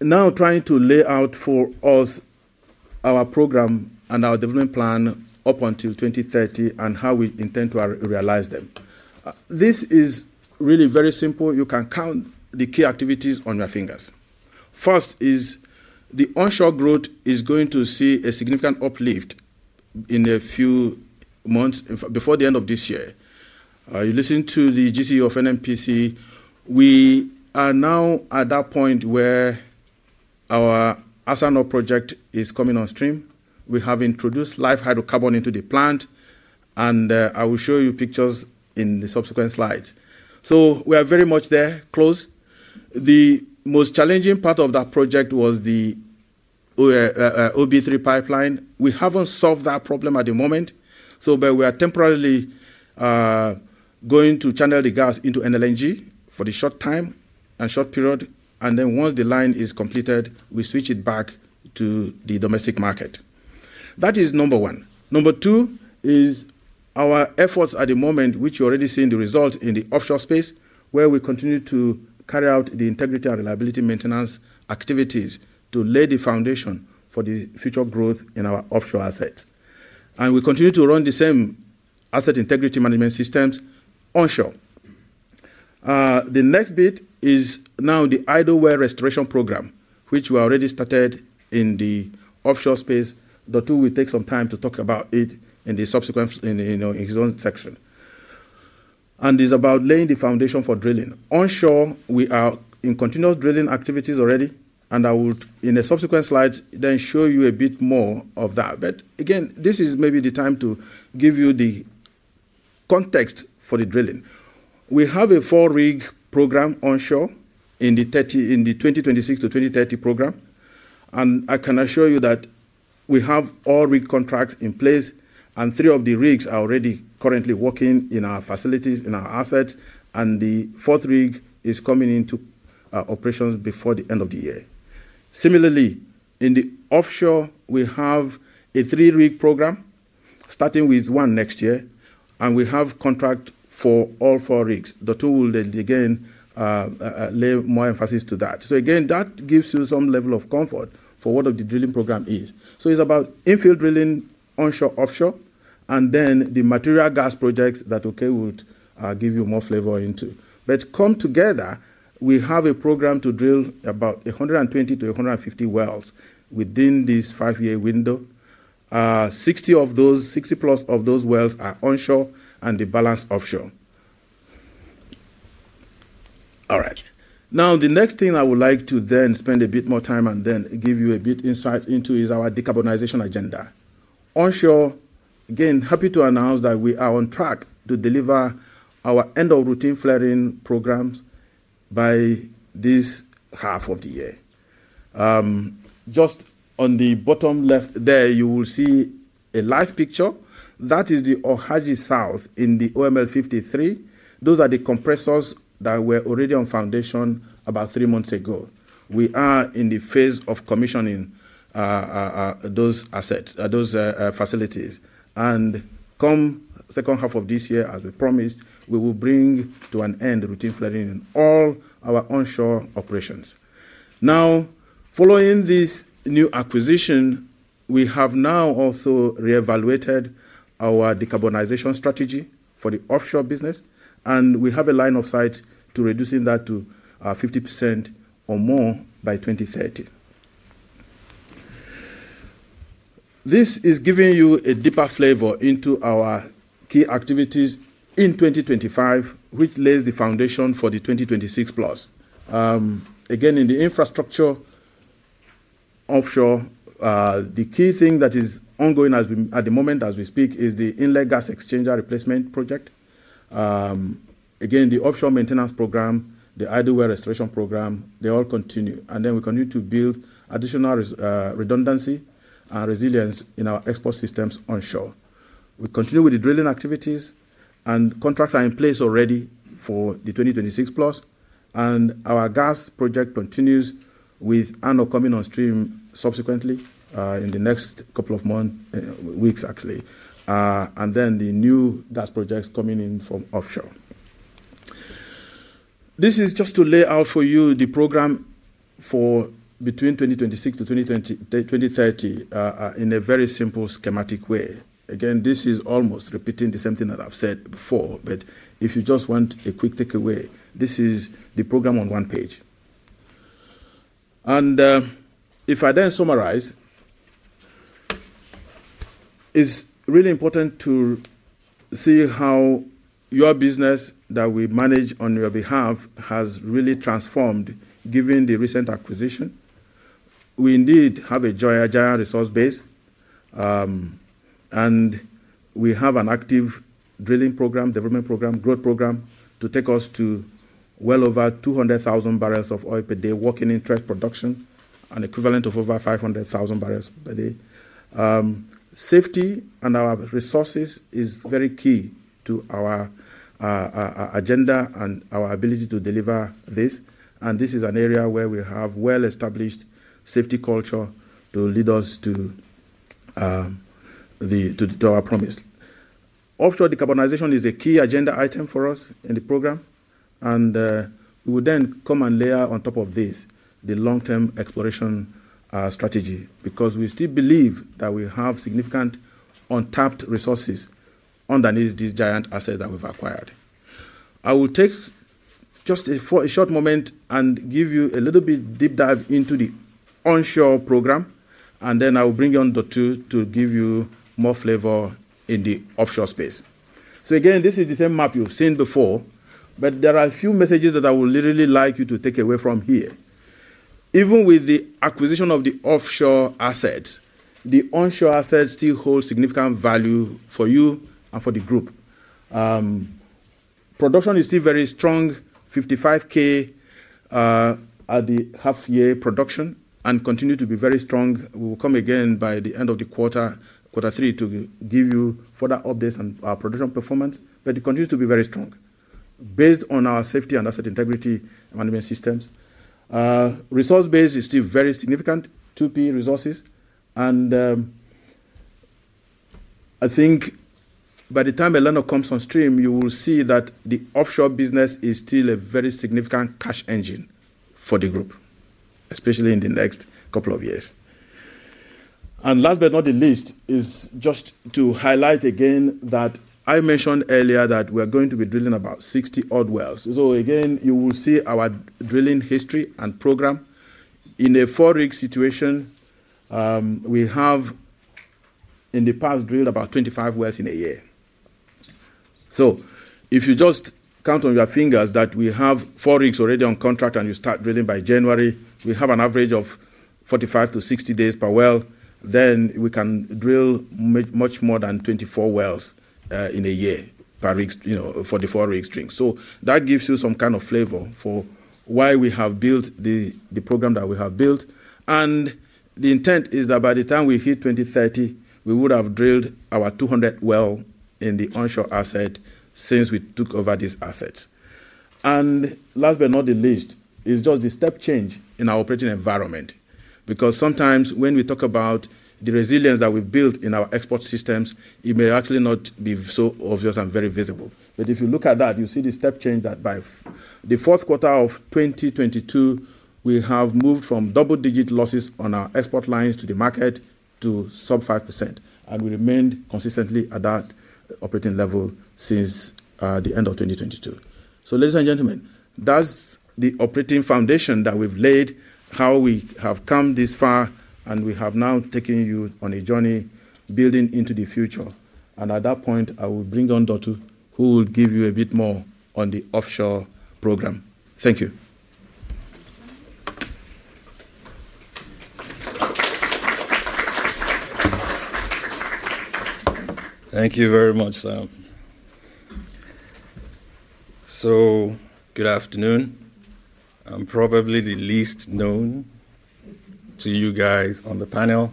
D: Now trying to lay out for us our program and our development plan up until 2030 and how we intend to realize them. This is really very simple. You can count the key activities on your fingers. First is the onshore growth is going to see a significant uplift in a few months before the end of this year. You listen to the GCE of NNPC. We are now at that point where our Asanot project is coming on stream. We have introduced live hydrocarbon into the plant, and I will show you pictures in the subsequent slides. We are very much there, close. The most challenging part of that project was the OB3 pipeline. We haven't solved that problem at the moment, but we are temporarily going to channel the gas into Nigeria LNG for the short time and short period. Once the line is completed, we switch it back to the domestic market. That is number one. Number two is our efforts at the moment, which you're already seeing the results in the offshore space, where we continue to carry out the integrity and reliability maintenance activities to lay the foundation for the future growth in our offshore assets. We continue to run the same asset integrity management systems onshore. The next bit is now the idle ware restoration program, which we already started in the offshore space. Dr. Wu will take some time to talk about it in his own section. It's about laying the foundation for drilling. Onshore, we are in continuous drilling activities already, and I will, in a subsequent slide, show you a bit more of that. This is maybe the time to give you the context for the drilling. We have a four-rig program onshore in the 2026 to 2030 program, and I can assure you that we have all rig contracts in place, and three of the rigs are already currently working in our facilities, in our assets, and the fourth rig is coming into operations before the end of the year. Similarly, in the offshore, we have a three-rig program starting with one next year, and we have a contract for all four rigs. Dr. Wu will, again, lay more emphasis to that. That gives you some level of comfort for what the drilling program is. It's about infield drilling, onshore, offshore, and then the material gas projects that Dr. Wu will give you more flavor into. Come together, we have a program to drill about 120 wells-150 wells within this five-year window. 60 of those, 60 plus of those wells are onshore, and the balance offshore. The next thing I would like to spend a bit more time on and give you a bit of insight into is our decarbonization agenda. Onshore, again, happy to announce that we are on track to deliver our end-of-routine flaring programs by this half of the year. Just on the bottom left there, you will see a live picture. That is the OHG cells in the OML 53. Those are the compressors that were already on foundation about three months ago. We are in the phase of commissioning those assets, those facilities. Come the second half of this year, as we promised, we will bring to an end routine flaring in all our onshore operations. Now, following this new acquisition, we have now also reevaluated our decarbonization strategy for the offshore business, and we have a line of sight to reducing that to 50% or more by 2030. This is giving you a deeper flavor into our key activities in 2025, which lays the foundation for the 2026 plus. In the infrastructure offshore, the key thing that is ongoing at the moment as we speak is the inlet gas exchanger replacement project. The offshore maintenance program, the idle ware restoration program, they all continue. We continue to build additional redundancy and resilience in our export systems onshore. We continue with the drilling activities, and contracts are in place already for the 2026 plus. Our gas project continues with ANOH Gas Processing Plant coming on stream subsequently in the next couple of months, weeks, actually. The new gas projects coming in from offshore. This is just to lay out for you the program for between 2026 to 2030 in a very simple schematic way. This is almost repeating the same thing that I've said before, but if you just want a quick takeaway, this is the program on one page. If I then summarize, it's really important to see how your business that we manage on your behalf has really transformed given the recent acquisition. We indeed have a gigantic resource base, and we have an active drilling program, development program, growth program to take us to well over 200,000 bbl of oil per day working in trash production, an equivalent of over 500,000 bbl per day. Safety and our resources are very key to our agenda and our ability to deliver this. This is an area where we have well-established safety culture to lead us to our promise. Offshore decarbonization is a key agenda item for us in the program. We would then come and layer on top of this the long-term exploration strategy because we still believe that we have significant untapped resources underneath these giant assets that we've acquired. I will take just a short moment and give you a little bit deep dive into the onshore program, and then I will bring you on Dr. Wu to give you more flavor in the offshore space. This is the same map you've seen before, but there are a few messages that I would really like you to take away from here. Even with the acquisition of the offshore assets, the onshore assets still hold significant value for you and for the group. Production is still very strong, 55,000 at the half-year production, and continues to be very strong. We will come again by the end of the quarter, quarter three, to give you further updates on our production performance, but it continues to be very strong based on our safety and asset integrity management systems. Resource base is still very significant, 2P resources. I think by the time the lineup comes on stream, you will see that the offshore business is still a very significant cash engine for the group, especially in the next couple of years. Last but not the least is just to highlight again that I mentioned earlier that we are going to be drilling about 60-odd wells. You will see our drilling history and program. In a four-rig situation, we have in the past drilled about 25 wells in a year. If you just count on your fingers that we have four rigs already on contract and you start drilling by January, we have an average of 45-60 days per well. We can drill much more than 24 wells in a year per rig, you know, four rig strings. That gives you some kind of flavor for why we have built the program that we have built. The intent is that by the time we hit 2030, we would have drilled our 200th well in the onshore asset since we took over these assets. Last but not the least is just the step change in our operating environment because sometimes when we talk about the resilience that we build in our export systems, it may actually not be so obvious and very visible. If you look at that, you see the step change that by the fourth quarter of 2022, we have moved from double-digit losses on our export lines to the market to sub 5%. We remained consistently at that operating level since the end of 2022. Ladies and gentlemen, that's the operating foundation that we've laid, how we have come this far, and we have now taken you on a journey building into the future. At that point, I will bring you on Dr. Wu who will give you a bit more on the offshore program. Thank you.
E: Thank you very much, Sam. Good afternoon. I'm probably the least known to you guys on the panel.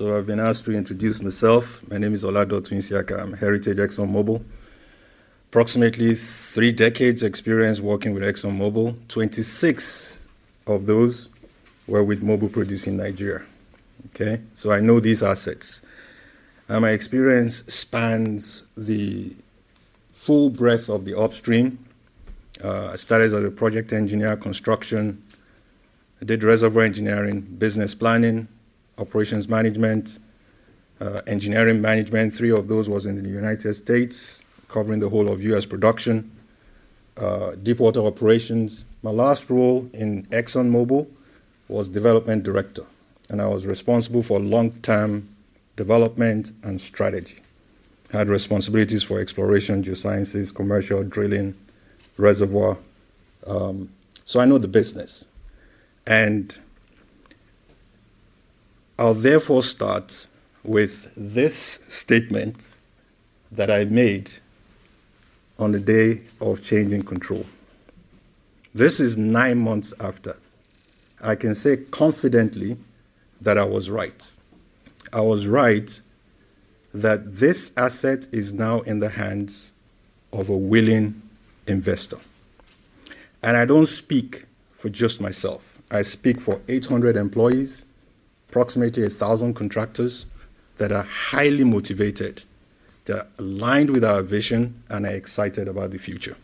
E: I've been asked to introduce myself. My name is Ola Dotun Tsiak. I'm a heritage ExxonMobil. Approximately three decades of experience working with ExxonMobil. 26 of those were with Mobil Producing Nigeria. I know these assets. My experience spans the full breadth of the upstream. I started as a project engineer, construction. I did reservoir engineering, business planning, operations management, engineering management. Three of those were in the United States, covering the whole of U.S. production, deep water operations. My last role in ExxonMobil was Development Director, and I was responsible for long-term development and strategy. I had responsibilities for exploration, geosciences, commercial drilling, reservoir. I know the business. I'll therefore start with this statement that I made on the day of changing control. This is nine months after. I can say confidently that I was right. I was right that this asset is now in the hands of a willing investor. I don't speak for just myself. I speak for 800 employees, approximately 1,000 contractors that are highly motivated, that are aligned with our vision, and are excited about the future.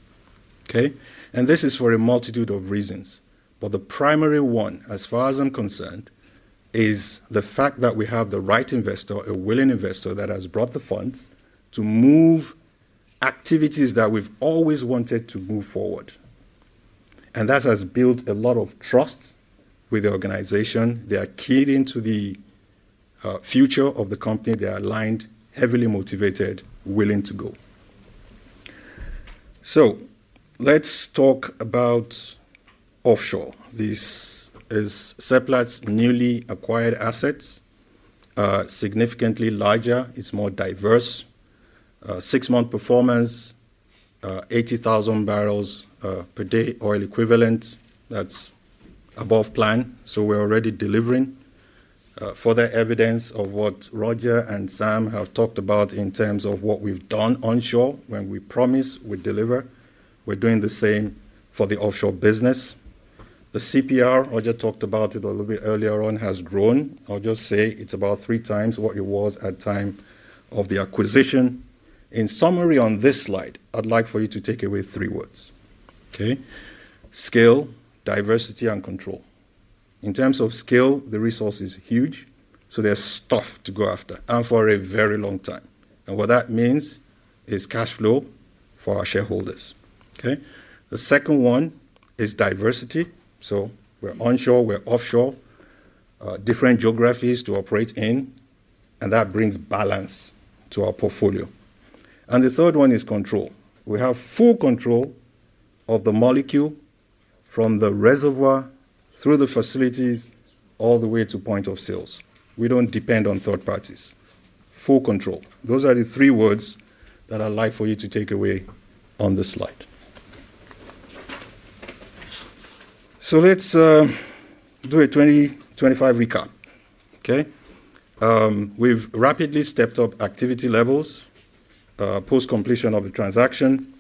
E: This is for a multitude of reasons. The primary one, as far as I'm concerned, is the fact that we have the right investor, a willing investor that has brought the funds to move activities that we've always wanted to move forward. That has built a lot of trust with the organization. They are keyed into the future of the company. They are aligned, heavily motivated, willing to go. Let's talk about offshore. This is Seplat's newly acquired assets, significantly larger. It's more diverse. Six-month performance, 80,000 bbl per day oil equivalent. That's above plan. We're already delivering. Further evidence of what Roger and Sam have talked about in terms of what we've done onshore when we promise we deliver. We're doing the same for the offshore business. The CPR, Roger talked about it a little bit earlier on, has grown. I'll just say it's about three times what it was at the time of the acquisition. In summary, on this slide, I'd like for you to take away three words. Scale, diversity, and control. In terms of scale, the resource is huge. There's stuff to go after and for a very long time. What that means is cash flow for our shareholders. OK, the second one is diversity. We're onshore, we're offshore, different geographies to operate in. That brings balance to our portfolio. The third one is control. We have full control of the molecule from the reservoir through the facilities all the way to point of sales. We don't depend on third parties. Full control. Those are the three words that I'd like for you to take away on this slide. Let's do a 2025 recap. We've rapidly stepped up activity levels post completion of the transaction.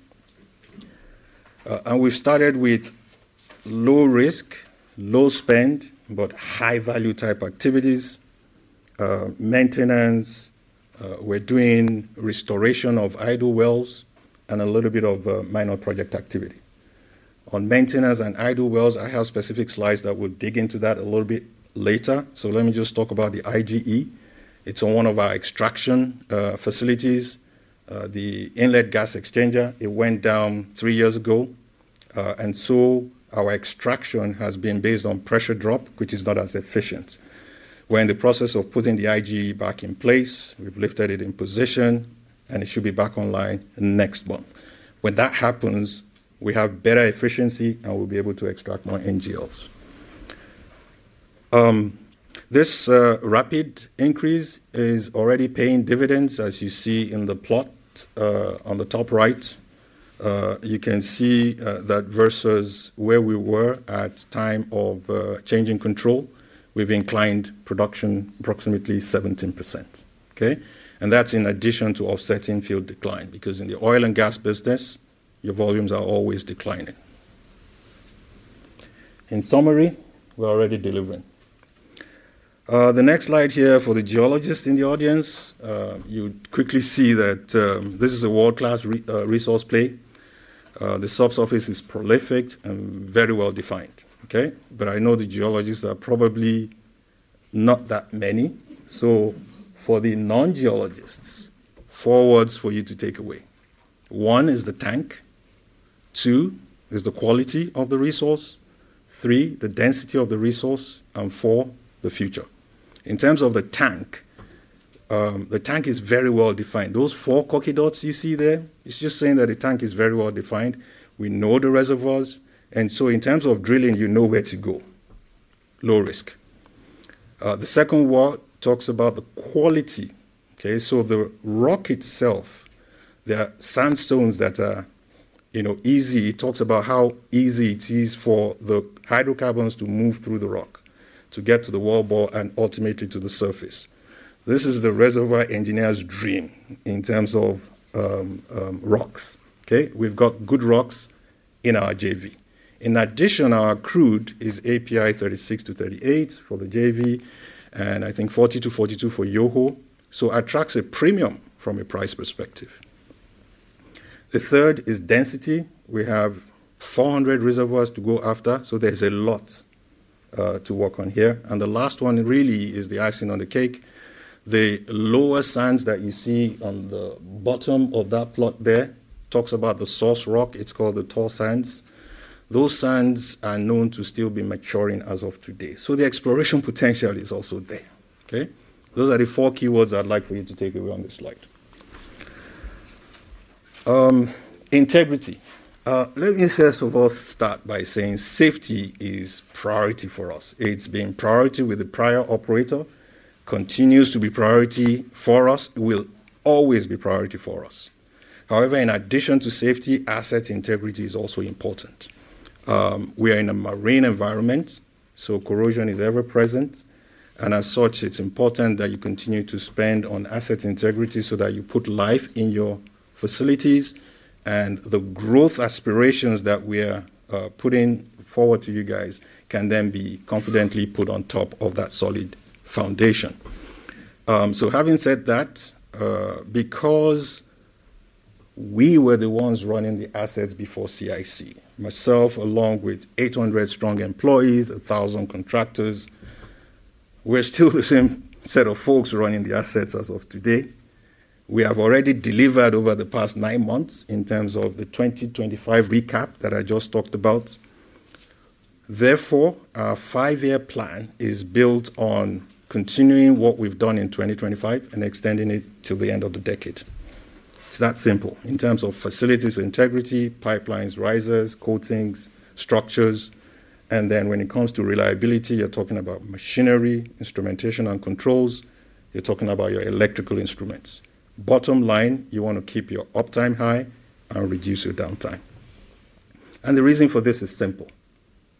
E: We've started with low risk, low spend, but high-value type activities. Maintenance, we're doing restoration of idle wells and a little bit of minor project activity. On maintenance and idle wells, I have specific slides that will dig into that a little bit later. Let me just talk about the IGE. It's on one of our extraction facilities, the inlet gas exchanger. It went down three years ago, and our extraction has been based on pressure drop, which is not as efficient. We're in the process of putting the IGE back in place. We've lifted it in position, and it should be back online next month. When that happens, we have better efficiency, and we'll be able to extract more NGLs. This rapid increase is already paying dividends, as you see in the plot on the top right. You can see that versus where we were at the time of changing control, we've inclined production approximately 17%. That's in addition to offset infield decline because in the oil and gas business, your volumes are always declining. In summary, we're already delivering. The next slide here for the geologists in the audience, you quickly see that this is a world-class resource play. The subsurface is prolific and very well defined. I know the geologists are probably not that many. For the non-geologists, four words for you to take away. One is the tank. Two, it's the quality of the resource. Three, the density of the resource. Four, the future. In terms of the tank, the tank is very well defined. Those four cocky dots you see there, it's just saying that the tank is very well defined. We know the reservoirs, and in terms of drilling, you know where to go. Low risk. The second wall talks about the quality. The rock itself, the sandstones that are, you know, easy. It talks about how easy it is for the hydrocarbons to move through the rock to get to the wall ball and ultimately to the surface. This is the reservoir engineer's dream in terms of rocks. OK, we've got good rocks in our JV. In addition, our crude is API 36-38 for the JV, and I think 40-42 for Yoho. It attracts a premium from a price perspective. The third is density. We have 400 reservoirs to go after. There's a lot to work on here. The last one really is the icing on the cake. The lower sands that you see on the bottom of that plot there talks about the source rock. It's called the tall sands. Those sands are known to still be maturing as of today. The exploration potential is also there. OK, those are the four keywords I'd like for you to take away on this slide. Integrity. Let me just start by saying safety is priority for us. It's been priority with the prior operator. It continues to be priority for us. It will always be priority for us. However, in addition to safety, asset integrity is also important. We are in a marine environment, so corrosion is ever present. It's important that you continue to spend on asset integrity so that you put life in your facilities. The growth aspirations that we are putting forward to you guys can then be confidently put on top of that solid foundation. Having said that, because we were the ones running the assets before CIC, myself, along with 800 strong employees, 1,000 contractors, we're still the same set of folks running the assets as of today. We have already delivered over the past nine months in terms of the 2025 recap that I just talked about. Therefore, our five-year plan is built on continuing what we've done in 2025 and extending it till the end of the decade. It's that simple in terms of facilities integrity, pipelines, risers, coatings, structures. When it comes to reliability, you're talking about machinery, instrumentation, and controls. You're talking about your electrical instruments. Bottom line, you want to keep your uptime high and reduce your downtime. The reason for this is simple.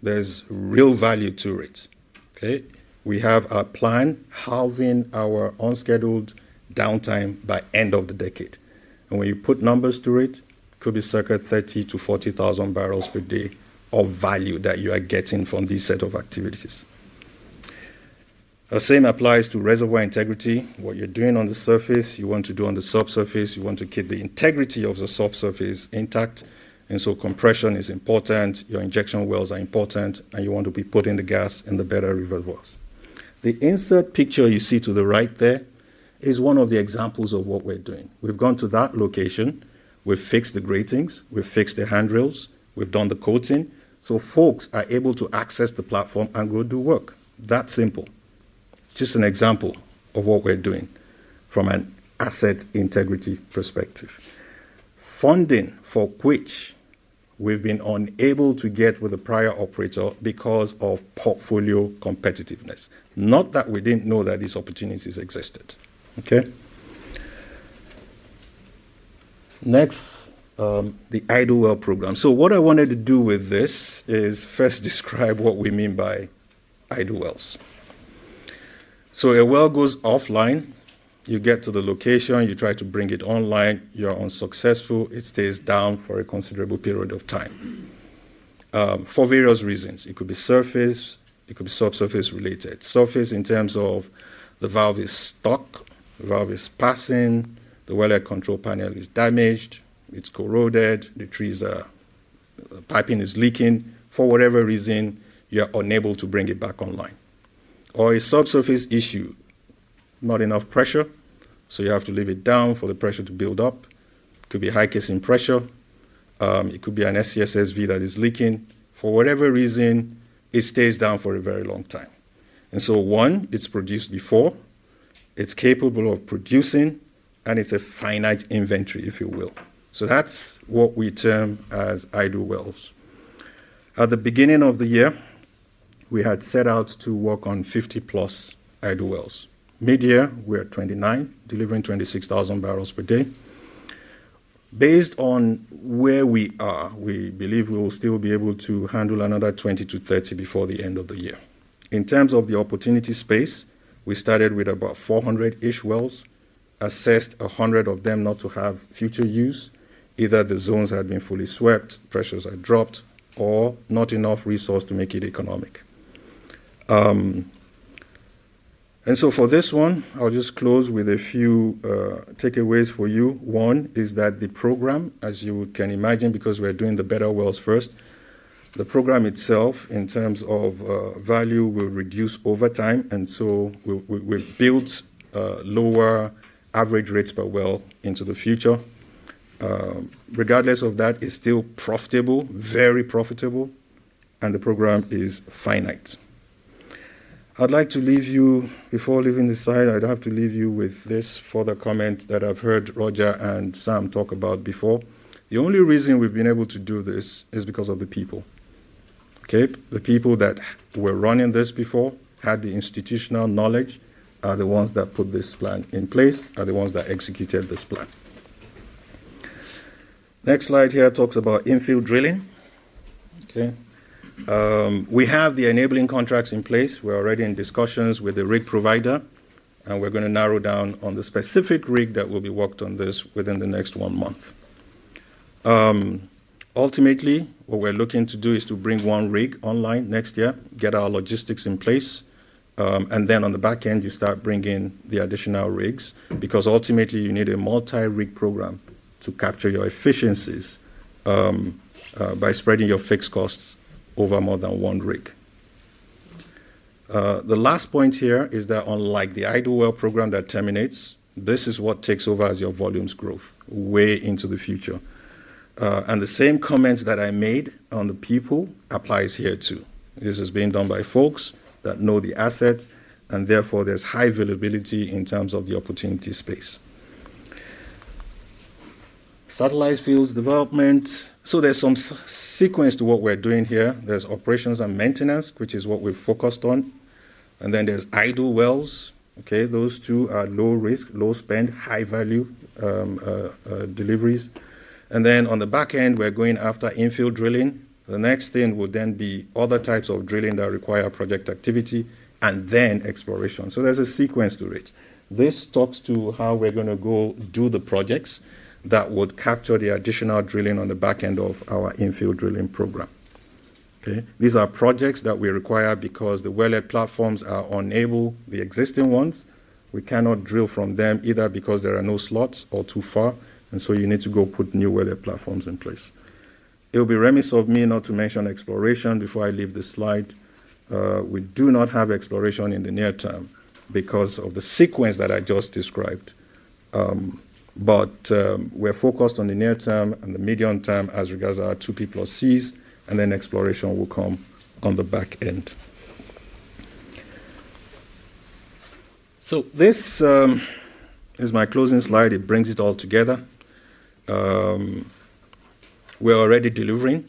E: There's real value to it. We have a plan housing our unscheduled downtime by the end of the decade. When you put numbers to it, it could be circa 30,000 bbl-40,000 bbl per day of value that you are getting from this set of activities. The same applies to reservoir integrity. What you're doing on the surface, you want to do on the subsurface. You want to keep the integrity of the subsurface intact. Compression is important. Your injection wells are important, and you want to be putting the gas in the better reservoirs. The insert picture you see to the right there is one of the examples of what we're doing. We've gone to that location. We've fixed the gratings. We've fixed the handrails. We've done the coating. Folks are able to access the platform and go do work. That simple. It's just an example of what we're doing from an asset integrity perspective. Funding for which we've been unable to get with the prior operator because of portfolio competitiveness. Not that we didn't know that these opportunities existed. Next, the idle well program. What I wanted to do with this is first describe what we mean by idle wells. A well goes offline. You get to the location. You try to bring it online. You're unsuccessful. It stays down for a considerable period of time for various reasons. It could be surface. It could be subsurface related. Surface in terms of the valve is stuck. The valve is passing. The well air control panel is damaged. It's corroded. The trees are, the piping is leaking. For whatever reason, you're unable to bring it back online. Or a subsurface issue. Not enough pressure. You have to leave it down for the pressure to build up. It could be high casing pressure. It could be an SCSSV that is leaking. For whatever reason, it stays down for a very long time. One, it's produced before. It's capable of producing. It's a finite inventory, if you will. That's what we term as idle wells. At the beginning of the year, we had set out to work on 50+ idle wells. Mid-year, we're at 29, delivering 26,000 bbl per day. Based on where we are, we believe we will still be able to handle another 20-30 before the end of the year. In terms of the opportunity space, we started with about 400-ish wells, assessed 100 of them not to have future use. Either the zones had been fully swept, pressures had dropped, or not enough resource to make it economic. For this one, I'll just close with a few takeaways for you. One is that the program, as you can imagine, because we are doing the better wells first, the program itself in terms of value will reduce over time. We've built lower average rates per well into the future. Regardless of that, it's still profitable, very profitable. The program is finite. I'd like to leave you, before leaving this slide, I'd have to leave you with this further comment that I've heard Roger and Sam talk about before. The only reason we've been able to do this is because of the people. OK, the people that were running this before had the institutional knowledge, are the ones that put this plan in place, are the ones that executed this plan. Next slide here talks about infield drilling. OK, we have the enabling contracts in place. We're already in discussions with the rig provider, and we're going to narrow down on the specific rig that will be worked on this within the next one month. Ultimately, what we're looking to do is to bring one rig online next year, get our logistics in place. On the back end, you start bringing the additional rigs because ultimately you need a multi-rig program to capture your efficiencies by spreading your fixed costs over more than one rig. The last point here is that unlike the idle well program that terminates, this is what takes over as your volumes grow way into the future. The same comments that I made on the people apply here too. This has been done by folks that know the assets, and therefore there's high availability in terms of the opportunity space. Satellite fields development. There's some sequence to what we're doing here. There's operations and maintenance, which is what we've focused on, and then there's idle wells. OK, those two are low risk, low spend, high value deliveries. On the back end, we're going after infield drilling. The next thing would then be other types of drilling that require project activity and then exploration. There's a sequence to it. This talks to how we're going to go do the projects that would capture the additional drilling on the back end of our infield drilling program. These are projects that we require because the well air platforms are unable, the existing ones. We cannot drill from them either because there are no slots or too far, and you need to go put new well air platforms in place. It would be remiss of me not to mention exploration before I leave the slide. We do not have exploration in the near term because of the sequence that I just described. We're focused on the near term and the medium term as regards to our 2P+2C, and then exploration will come on the back end. This is my closing slide. It brings it all together. We're already delivering.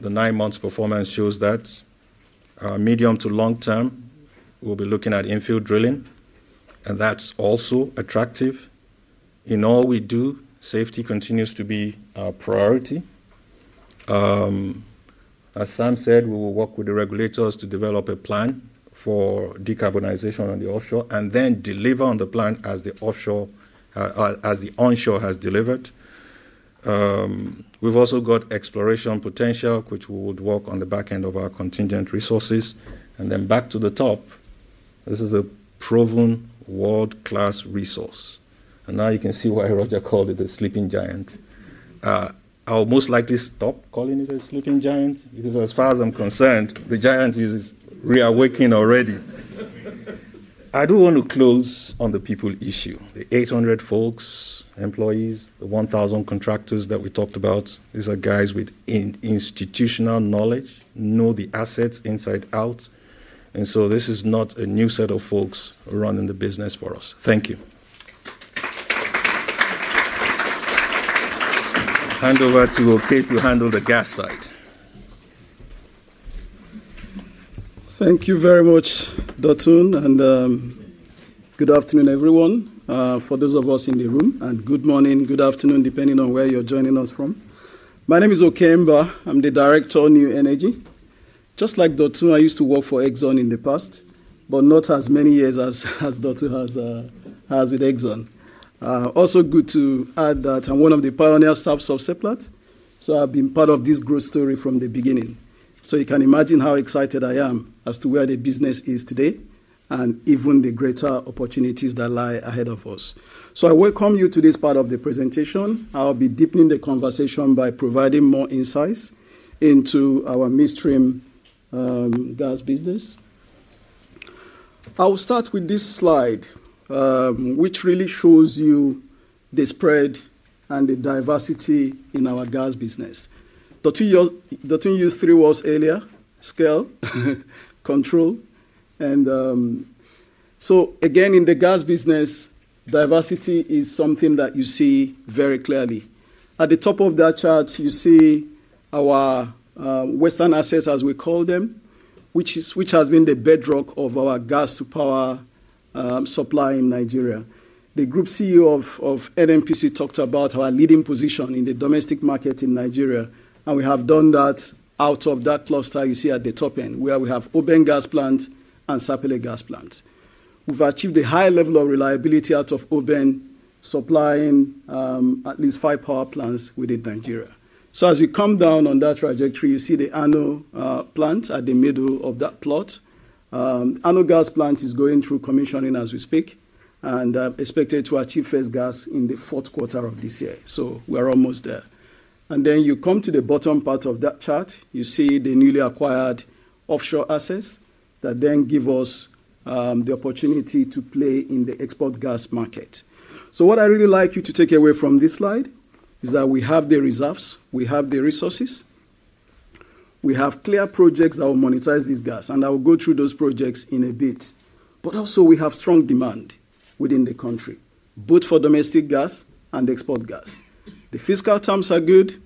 E: The nine months performance shows that. Medium to long term, we'll be looking at infield drilling, and that's also attractive. In all we do, safety continues to be our priority. As Sam said, we will work with the regulators to develop a plan for decarbonization on the offshore and then deliver on the plan as the offshore. The onshore has delivered, we've also got exploration potential, which we would work on the back end of our contingent resources. Back to the top, this is a proven world-class resource. Now you can see why Roger called it a sleeping giant. I'll most likely stop calling it a sleeping giant because as far as I'm concerned, the giant is reawakening already. I do want to close on the people issue. The 800 folks, employees, the 1,000 contractors that we talked about, these are guys with institutional knowledge, know the assets inside out. This is not a new set of folks running the business for us. Thank you. Hand over to Oke to handle the gas side.
F: Thank you very much, Dotun. Good afternoon, everyone. For those of us in the room, and good morning, good afternoon, depending on where you're joining us from. My name is Oke Emba. I'm the Director of New Energy. Just like Dotun, I used to work for ExxonMobil in the past, but not as many years as Dotun has with ExxonMobil. Also, good to add that I'm one of the pioneers of Seplat. I've been part of this growth story from the beginning. You can imagine how excited I am as to where the business is today and even the greater opportunities that lie ahead of us. I welcome you to this part of the presentation. I'll be deepening the conversation by providing more insights into our midstream gas business. I'll start with this slide, which really shows you the spread and the diversity in our gas business. Dotun used three words earlier: scale, control. In the gas business, diversity is something that you see very clearly. At the top of that chart, you see our Western assets, as we call them, which has been the bedrock of our gas-to-power supply in Nigeria. The Group CEO of Nigerian National Petroleum Company talked about our leading position in the domestic market in Nigeria. We have done that out of that cluster you see at the top end, where we have Oben Gas Plant and Sapele Gas Plant. We've achieved a high level of reliability out of Oben supplying at least five power plants within Nigeria. As we come down on that trajectory, you see the ANOH Gas Processing Plant at the middle of that plot. ANOH Gas Processing Plant is going through commissioning as we speak and expected to achieve first gas in the fourth quarter of this year. We're almost there. At the bottom part of that chart, you see the newly acquired offshore assets that then give us the opportunity to play in the export gas market. What I really like you to take away from this slide is that we have the reserves, we have the resources, we have clear projects that will monetize this gas. I will go through those projects in a bit. We have strong demand within the country, both for domestic gas and export gas. The fiscal terms are good.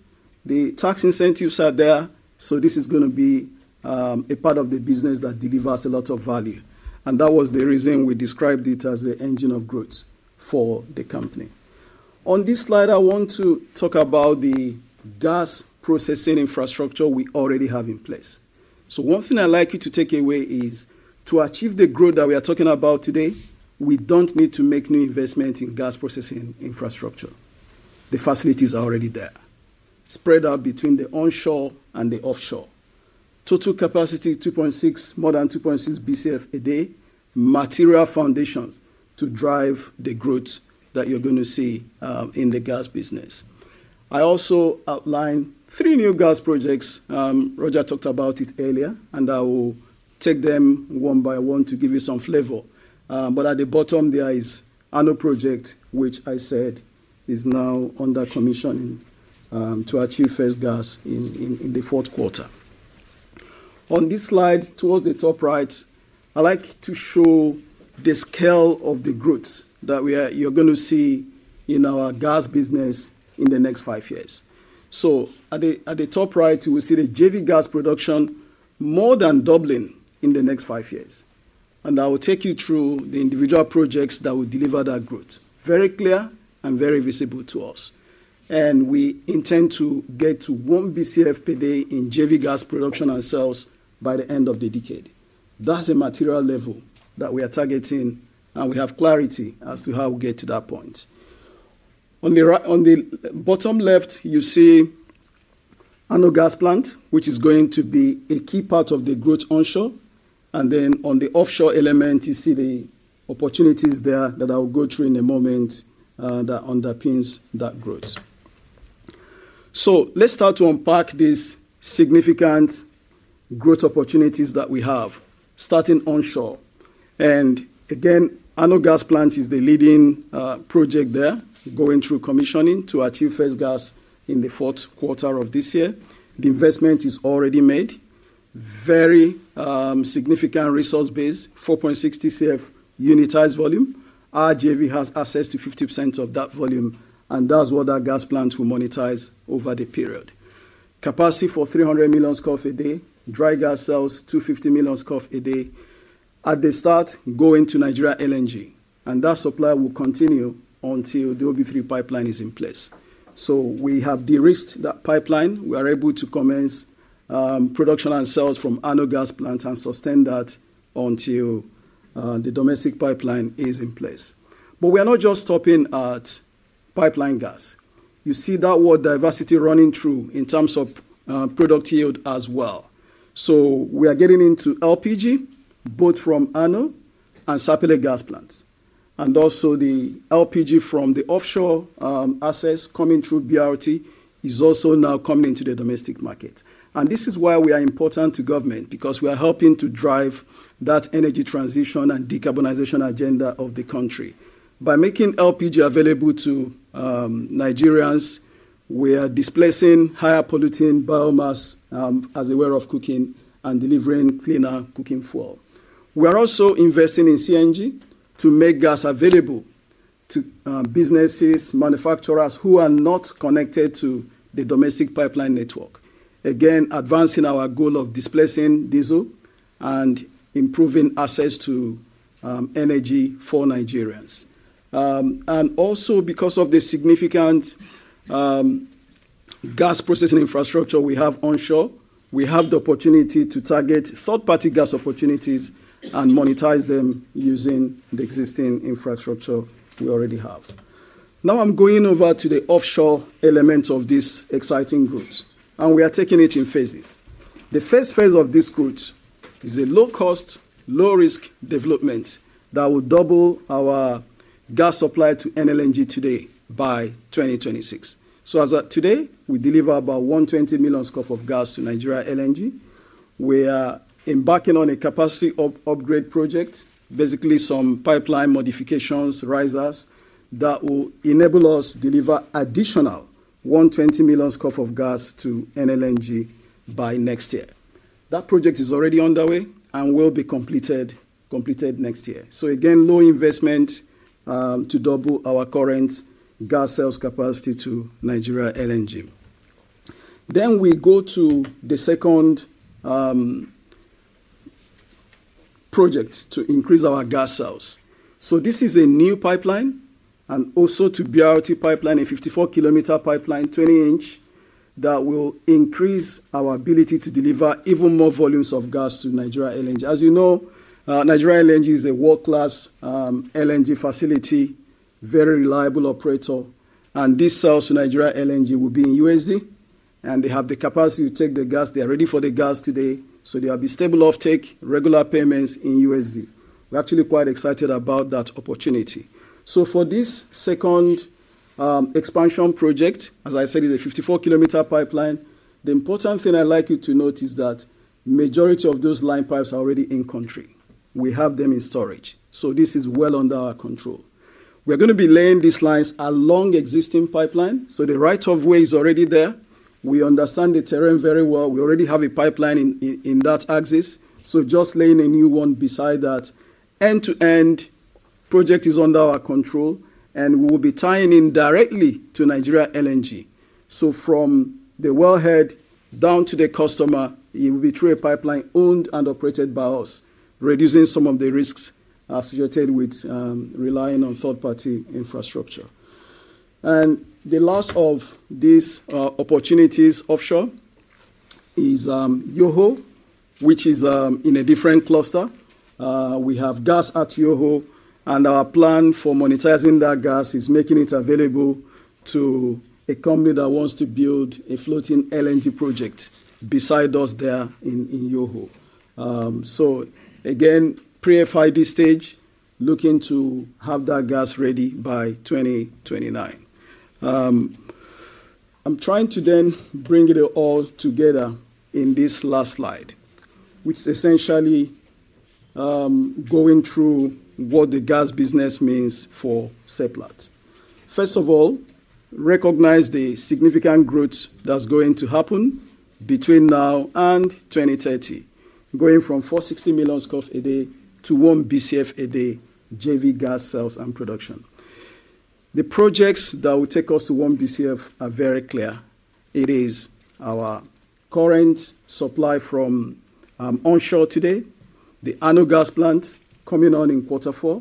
F: The tax incentives are there. This is going to be a part of the business that delivers a lot of value. That was the reason we described it as the engine of growth for the company. On this slide, I want to talk about the gas processing infrastructure we already have in place. One thing I'd like you to take away is to achieve the growth that we are talking about today, we don't need to make new investments in gas processing infrastructure. The facilities are already there, spread out between the onshore and the offshore. Total capacity is more than 2.6 bcf a day. Material foundations to drive the growth that you're going to see in the gas business. I also outlined three new gas projects. Roger talked about it earlier, and I will take them one by one to give you some flavor. At the bottom, there is ANOH project, which I said is now under commissioning to achieve first gas in the fourth quarter. On this slide, towards the top right, I like to show the scale of the growth that you're going to see in our gas business in the next five years. At the top right, you will see the JV gas production more than doubling in the next five years. I will take you through the individual projects that will deliver that growth. Very clear and very visible to us. We intend to get to 1 bcf per day in JV gas production ourselves by the end of the decade. That's a material level that we are targeting, and we have clarity as to how we get to that point. On the bottom left, you see ANOH Gas Processing Plant, which is going to be a key part of the growth onshore. On the offshore element, you see the opportunities there that I will go through in a moment that underpins that growth. Let's start to unpack these significant growth opportunities that we have, starting onshore. Again, ANOH Gas Processing Plant is the leading project there, going through commissioning to achieve first gas in the fourth quarter of this year. The investment is already made. Very significant resource base, 4.6 bcf unitized volume. RJV has access to 50% of that volume, and that's what our gas plants will monetize over the period. Capacity for 300 million scf a day. Dry gas sales, 250 million scf a day at the start, going to Nigeria LNG. That supply will continue until the OB3 pipeline is in place. We have de-risked that pipeline. We are able to commence production and sales from ANOH Gas Processing Plant and sustain that until the domestic pipeline is in place. We are not just stopping at pipeline gas. You see that word diversity running through in terms of product yield as well. We are getting into LPG, both from ANOH and Sapele gas plants. Also, the LPG from the offshore assets coming through BRT is also now coming into the domestic market. This is why we are important to government because we are helping to drive that energy transition and decarbonization agenda of the country. By making LPG available to Nigerians, we are displacing higher polluting biomass as a way of cooking and delivering cleaner cooking fuel. We are also investing in CNG to make gas available to businesses, manufacturers who are not connected to the domestic pipeline network. Again, advancing our goal of displacing diesel and improving access to energy for Nigerians. Also, because of the significant gas processing infrastructure we have onshore, we have the opportunity to target third-party gas opportunities and monetize them using the existing infrastructure we already have. Now, I'm going over to the offshore element of this exciting route. We are taking it in phases. The first phase of this route is a low-cost, low-risk development that will double our gas supply to Nigeria LNG by 2026. As of today, we deliver about 120 million scops of gas to Nigeria LNG. We are embarking on a capacity upgrade project, basically some pipeline modifications, risers that will enable us to deliver an additional 120 million scops of gas to Nigeria LNG by next year. That project is already underway and will be completed next year. Again, low investment to double our current gas sales capacity to Nigeria LNG. We go to the second project to increase our gas sales. This is a new pipeline and also to BRT pipeline, a 54 km pipeline, 20 in that will increase our ability to deliver even more volumes of gas to Nigeria LNG. As you know, Nigeria LNG is a world-class LNG facility, very reliable operator. These sales to Nigeria LNG will be in USD. They have the capacity to take the gas. They are ready for the gas today. There will be stable offtake, regular payments in USD. We're actually quite excited about that opportunity. For this second expansion project, as I said, it's a 54 km pipeline. The important thing I'd like you to note is that the majority of those line pipes are already in country. We have them in storage. This is well under our control. We're going to be laying these lines along existing pipelines. The right-of-way is already there. We understand the terrain very well. We already have a pipeline in that axis, so just laying a new one beside that. End-to-end project is under our control. We will be tying in directly to Nigeria LNG. From the wellhead down to the customer, it will be through a pipeline owned and operated by us, reducing some of the risks associated with relying on third-party infrastructure. The last of these opportunities offshore is Yoho, which is in a different cluster. We have gas at Yoho, and our plan for monetizing that gas is making it available to a company that wants to build a floating LNG project beside us there in Yoho. Again, pre-AFID stage, looking to have that gas ready by 2029. I'm trying to then bring it all together in this last slide, which is essentially going through what the gas business means for Seplat Energy. First of all, recognize the significant growth that's going to happen between now and 2030, going from 460 million scf a day to 1 bcf a day JV gas sales and production. The projects that will take us to 1 bcf are very clear. It is our current supply from onshore today, the ANOH Gas Processing Plant coming on in quarter four,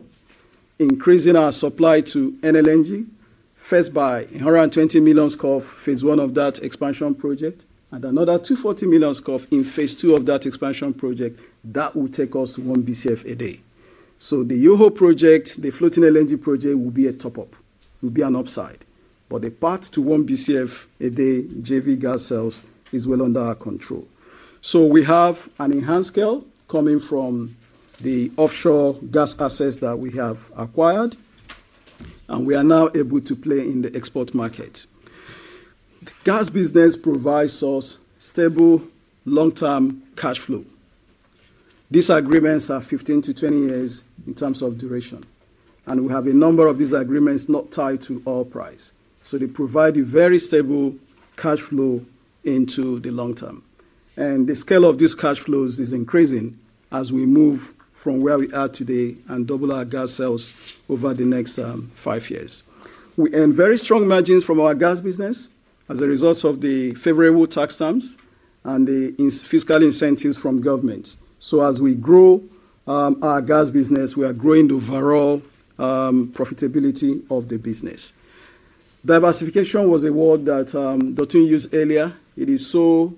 F: increasing our supply to Nigeria LNG, first by 120 million scf phase one of that expansion project, and another 240 million scf in phase two of that expansion project that will take us to 1 bcf a day. The Yoho project, the floating LNG project, will be a top-up, will be an upside. The path to 1 bcf a day JV gas sales is well under our control. We have an enhanced scale coming from the offshore gas assets that we have acquired, and we are now able to play in the export market. The gas business provides us stable long-term cash flow. These agreements are 15-20 years in terms of duration, and we have a number of these agreements not tied to our price. They provide a very stable cash flow into the long term, and the scale of these cash flows is increasing as we move from where we are today and double our gas sales over the next five years. We earn very strong margins from our gas business as a result of the favorable tax stamps and the fiscal incentives from government. As we grow our gas business, we are growing the overall profitability of the business. Diversification was a word that Dotun used earlier. It is so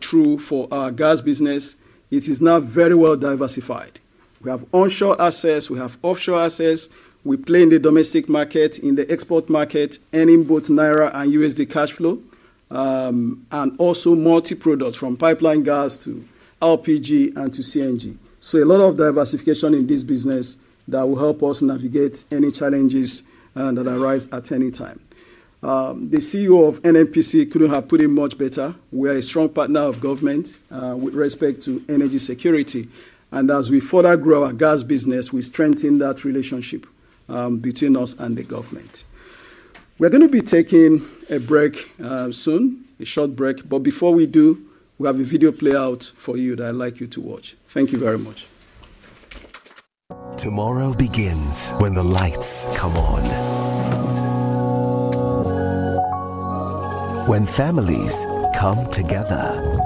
F: true for our gas business. It is now very well diversified. We have onshore assets, we have offshore assets, we play in the domestic market, in the export market, and in both Naira and USD cash flow, and also multi-products from pipeline gas to LPG and to CNG. A lot of diversification in this business will help us navigate any challenges that arise at any time. The CEO of Nigerian National Petroleum Company couldn't have put it much better. We are a strong partner of government with respect to energy security. As we further grow our gas business, we strengthen that relationship between us and the government. We're going to be taking a break soon, a short break. Before we do, we have a video play out for you that I'd like you to watch. Thank you very much.
C: Tomorrow begins when the lights come on, when families come together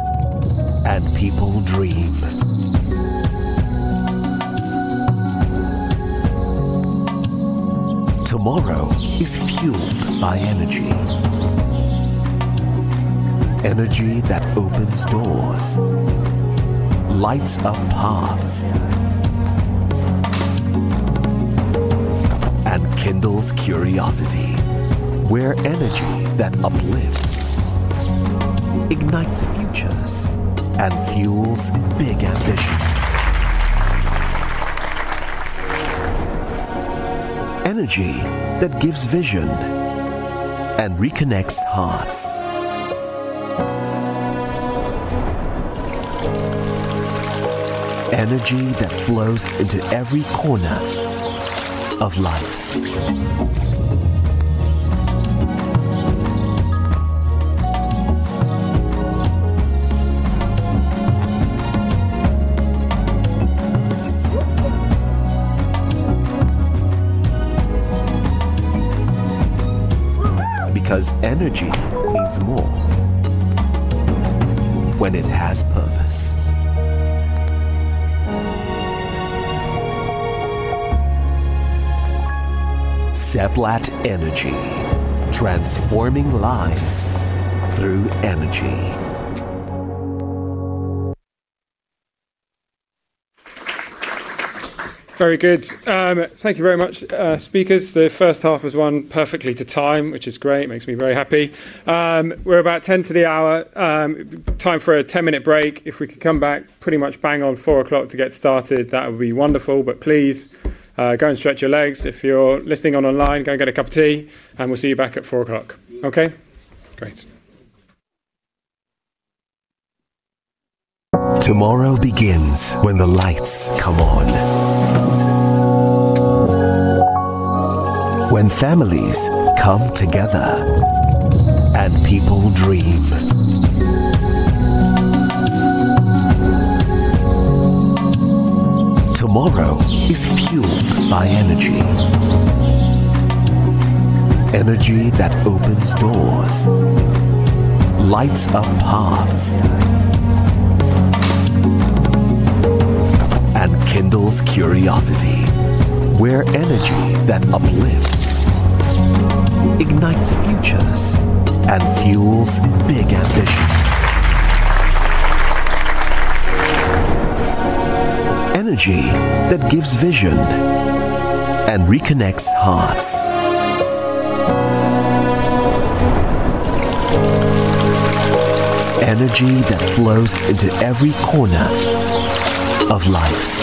C: and people dream. Tomorrow is fueled by energy, energy that opens doors, lights up paths and kindles curiosity, where energy that uplifts ignites futures and fuels big ambitions. Energy that gives vision and reconnects hearts, energy that flows into every corner of life. Because energy means more when it has purpose. Seplat Energy, transforming lives through energy.
A: Very good. Thank you very much, speakers. The first half was run perfectly to time, which is great. It makes me very happy. We're about 10 to the hour. Time for a 10-minute break. If we could come back pretty much bang on 4:00 P.M. to get started, that would be wonderful. Please, go and stretch your legs. If you're listening online, go and get a cup of tea. We'll see you back at 4:00 P.M. OK? Great.
C: Tomorrow begins when the lights come on, when families come together and people dream. Tomorrow is fueled by energy, energy that opens doors, lights up paths, and kindles curiosity, where energy that uplifts ignites futures and fuels big ambitions. Energy that gives vision and reconnects hearts, energy that flows into every corner of life.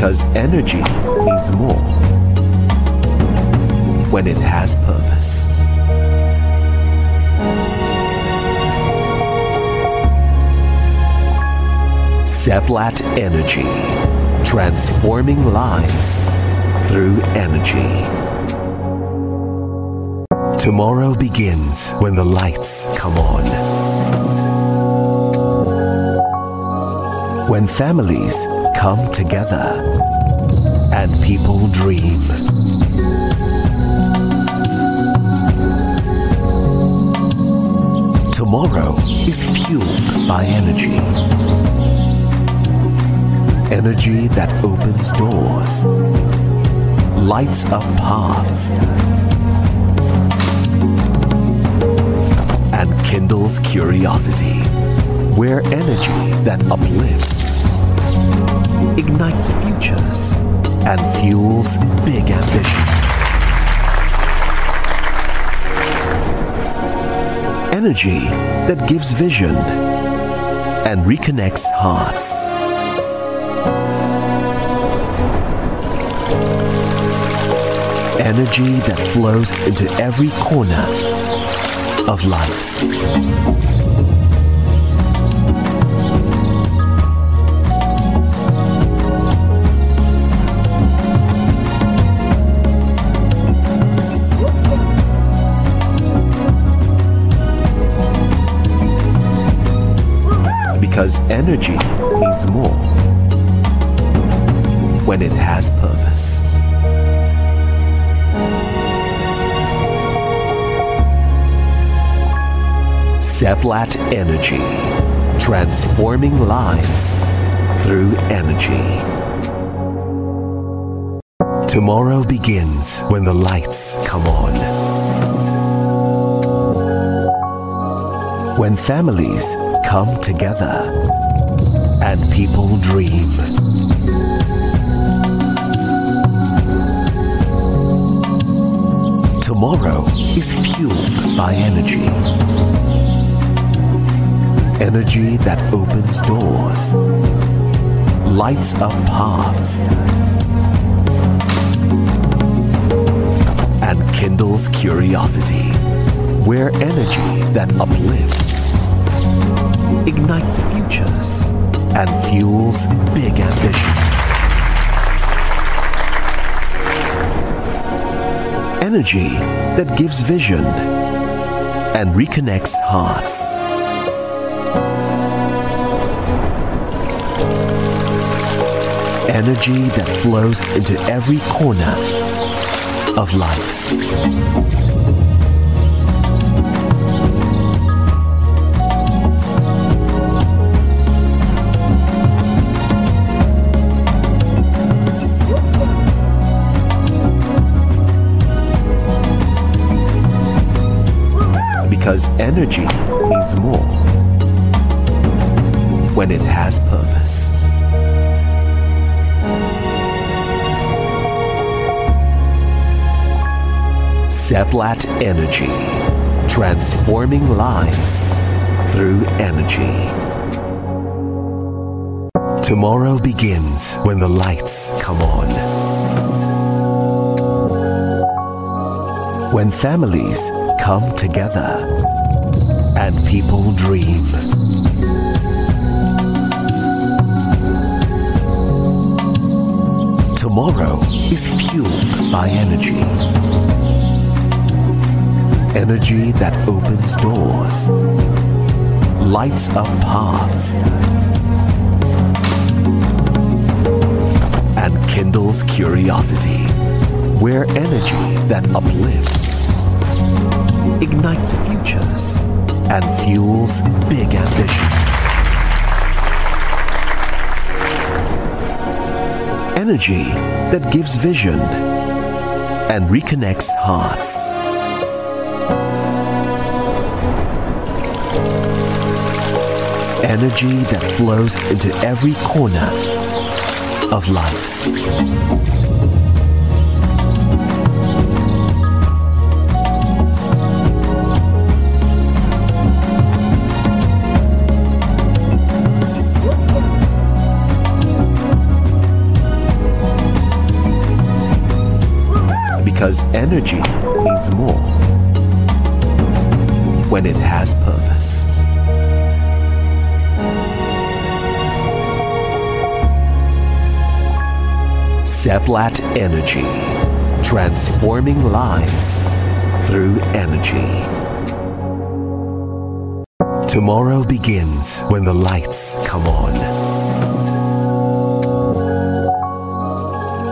C: Because energy means more when it has purpose. Seplat Energy, transforming lives through energy. Tomorrow begins when the lights come on, when families come together and people dream. Tomorrow is fueled by energy, energy that opens doors, lights up paths, and kindles curiosity, where energy that uplifts ignites futures and fuels bigger visions. Energy that gives vision and reconnects hearts, energy that flows into every corner of life. Because energy means more when it has purpose. Seplat Energy, transforming lives through energy. Tomorrow begins when the lights come on,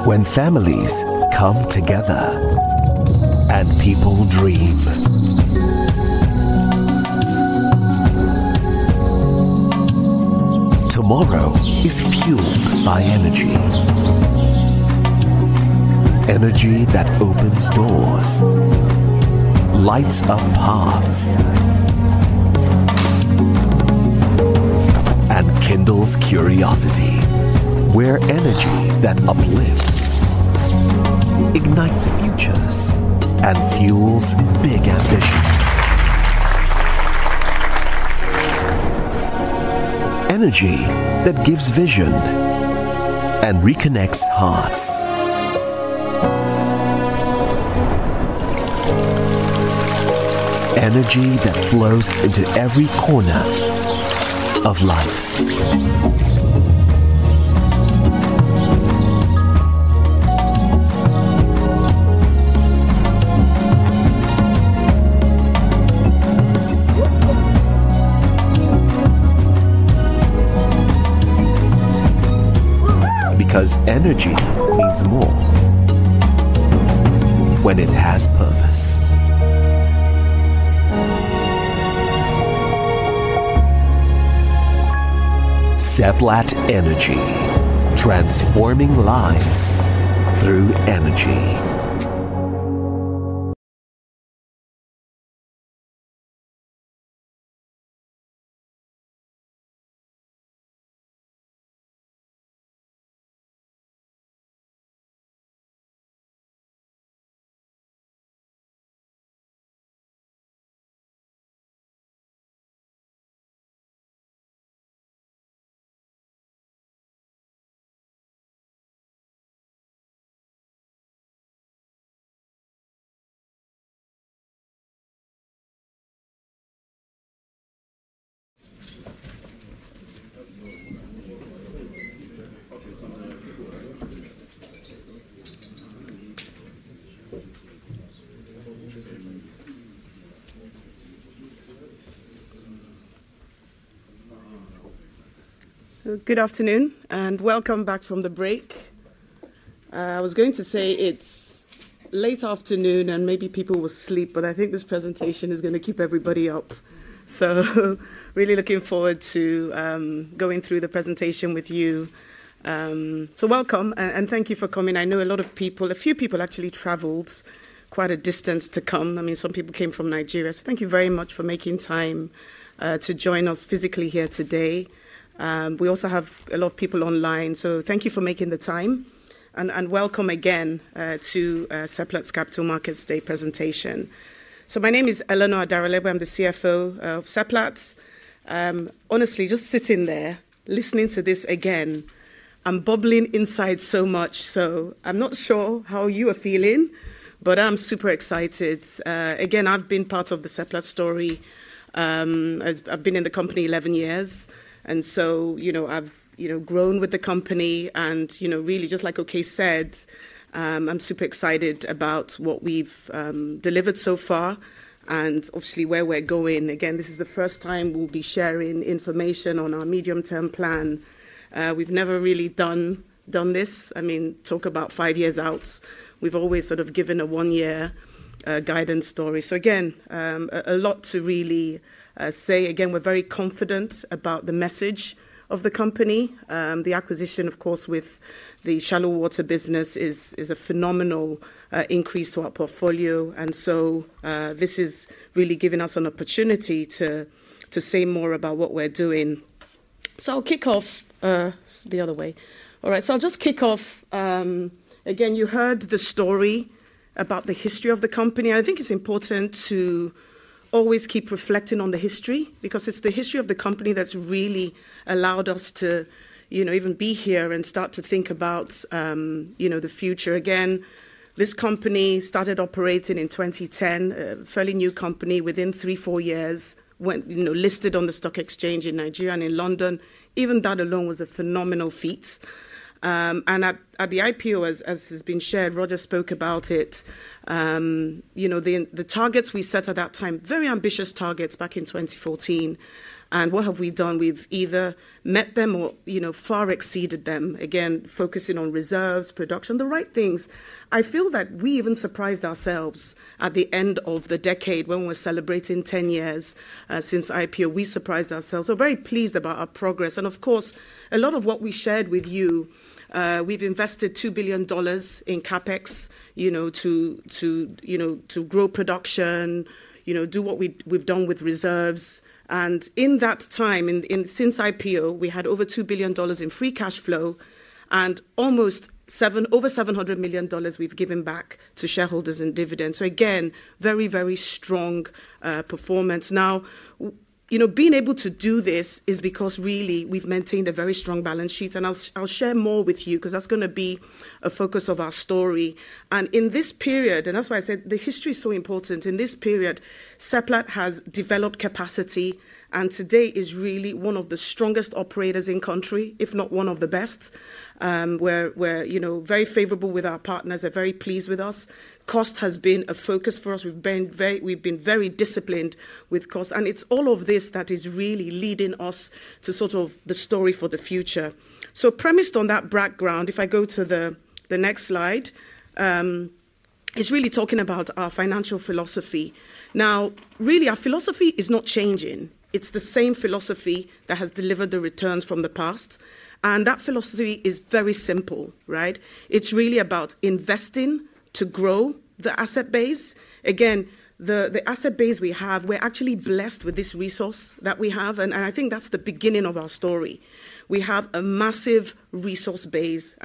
C: when families come together and people dream. Tomorrow is fueled by energy, energy that opens doors, lights up paths, and kindles curiosity, where energy that uplifts ignites futures and fuels bigger visions. Energy that gives vision and reconnects hearts, energy that flows into every corner of life.
G: Good afternoon and welcome back from the break. I was going to say it's late afternoon and maybe people were asleep, but I think this presentation is going to keep everybody up. I'm really looking forward to going through the presentation with you. Welcome and thank you for coming. I know a lot of people, a few people actually traveled quite a distance to come. I mean, some people came from Nigeria. Thank you very much for making time to join us physically here today. We also have a lot of people online. Thank you for making the time. Welcome again to Seplat Energy's Capital Markets Day presentation. My name is Eleanor Adaralegbe. I'm the CFO of Seplat Energy. Honestly, just sitting there listening to this again, I'm bubbling inside so much. I'm not sure how you are feeling, but I'm super excited. I've been part of the Seplat story. I've been in the company 11 years. I've grown with the company. Just like Oke said, I'm super excited about what we've delivered so far and obviously where we're going. This is the first time we'll be sharing information on our medium-term plan. We've never really done this. I mean, talk about five years out. We've always sort of given a one-year guidance story. There's a lot to really say. We're very confident about the message of the company. The acquisition, of course, with the shallow water business is a phenomenal increase to our portfolio. This has really given us an opportunity to say more about what we're doing. I'll kick off the other way. I'll just kick off. You heard the story about the history of the company. I think it's important to always keep reflecting on the history because it's the history of the company that's really allowed us to even be here and start to think about the future. This company started operating in 2010, a fairly new company. Within three, four years, listed on the stock exchange in Nigeria and in London. Even that alone was a phenomenal feat. At the IPO, as has been shared, Roger spoke about it. The targets we set at that time, very ambitious targets back in 2014. What have we done? We've either met them or far exceeded them, focusing on reserves, production, the right things. I feel that we even surprised ourselves at the end of the decade when we were celebrating 10 years since IPO. We surprised ourselves. We're very pleased about our progress. Of course, a lot of what we shared with you, we've invested $2 billion in capex to grow production, do what we've done with reserves. In that time, since IPO, we had over $2 billion in free cash flow and almost over $700 million we've given back to shareholders in dividends. Very, very strong performance. You know, being able to do this is because really we've maintained a very strong balance sheet. I'll share more with you because that's going to be a focus of our story. In this period, and that's why I said the history is so important, Seplat Energy has developed capacity and today is really one of the strongest operators in the country, if not one of the best. We're very favorable with our partners. They're very pleased with us. Cost has been a focus for us. We've been very disciplined with cost. It's all of this that is really leading us to sort of the story for the future. Premised on that background, if I go to the next slide, it's really talking about our financial philosophy. Really, our philosophy is not changing. It's the same philosophy that has delivered the returns from the past. That philosophy is very simple, right? It's really about investing to grow the asset base. Again, the asset base we have, we're actually blessed with this resource that we have. I think that's the beginning of our story. We have a massive resource base.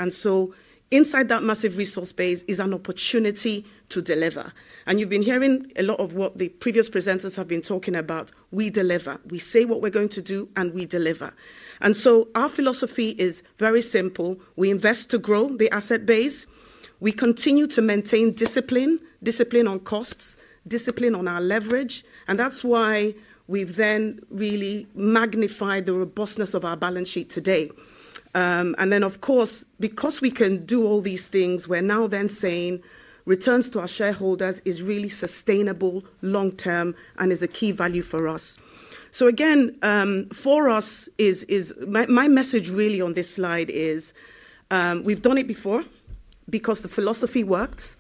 G: Inside that massive resource base is an opportunity to deliver. You've been hearing a lot of what the previous presenters have been talking about. We deliver. We say what we're going to do and we deliver. Our philosophy is very simple. We invest to grow the asset base. We continue to maintain discipline, discipline on costs, discipline on our leverage. That's why we've then really magnified the robustness of our balance sheet today. Because we can do all these things, we're now then saying returns to our shareholders are really sustainable long term and is a key value for us. For us, my message really on this slide is we've done it before because the philosophy worked.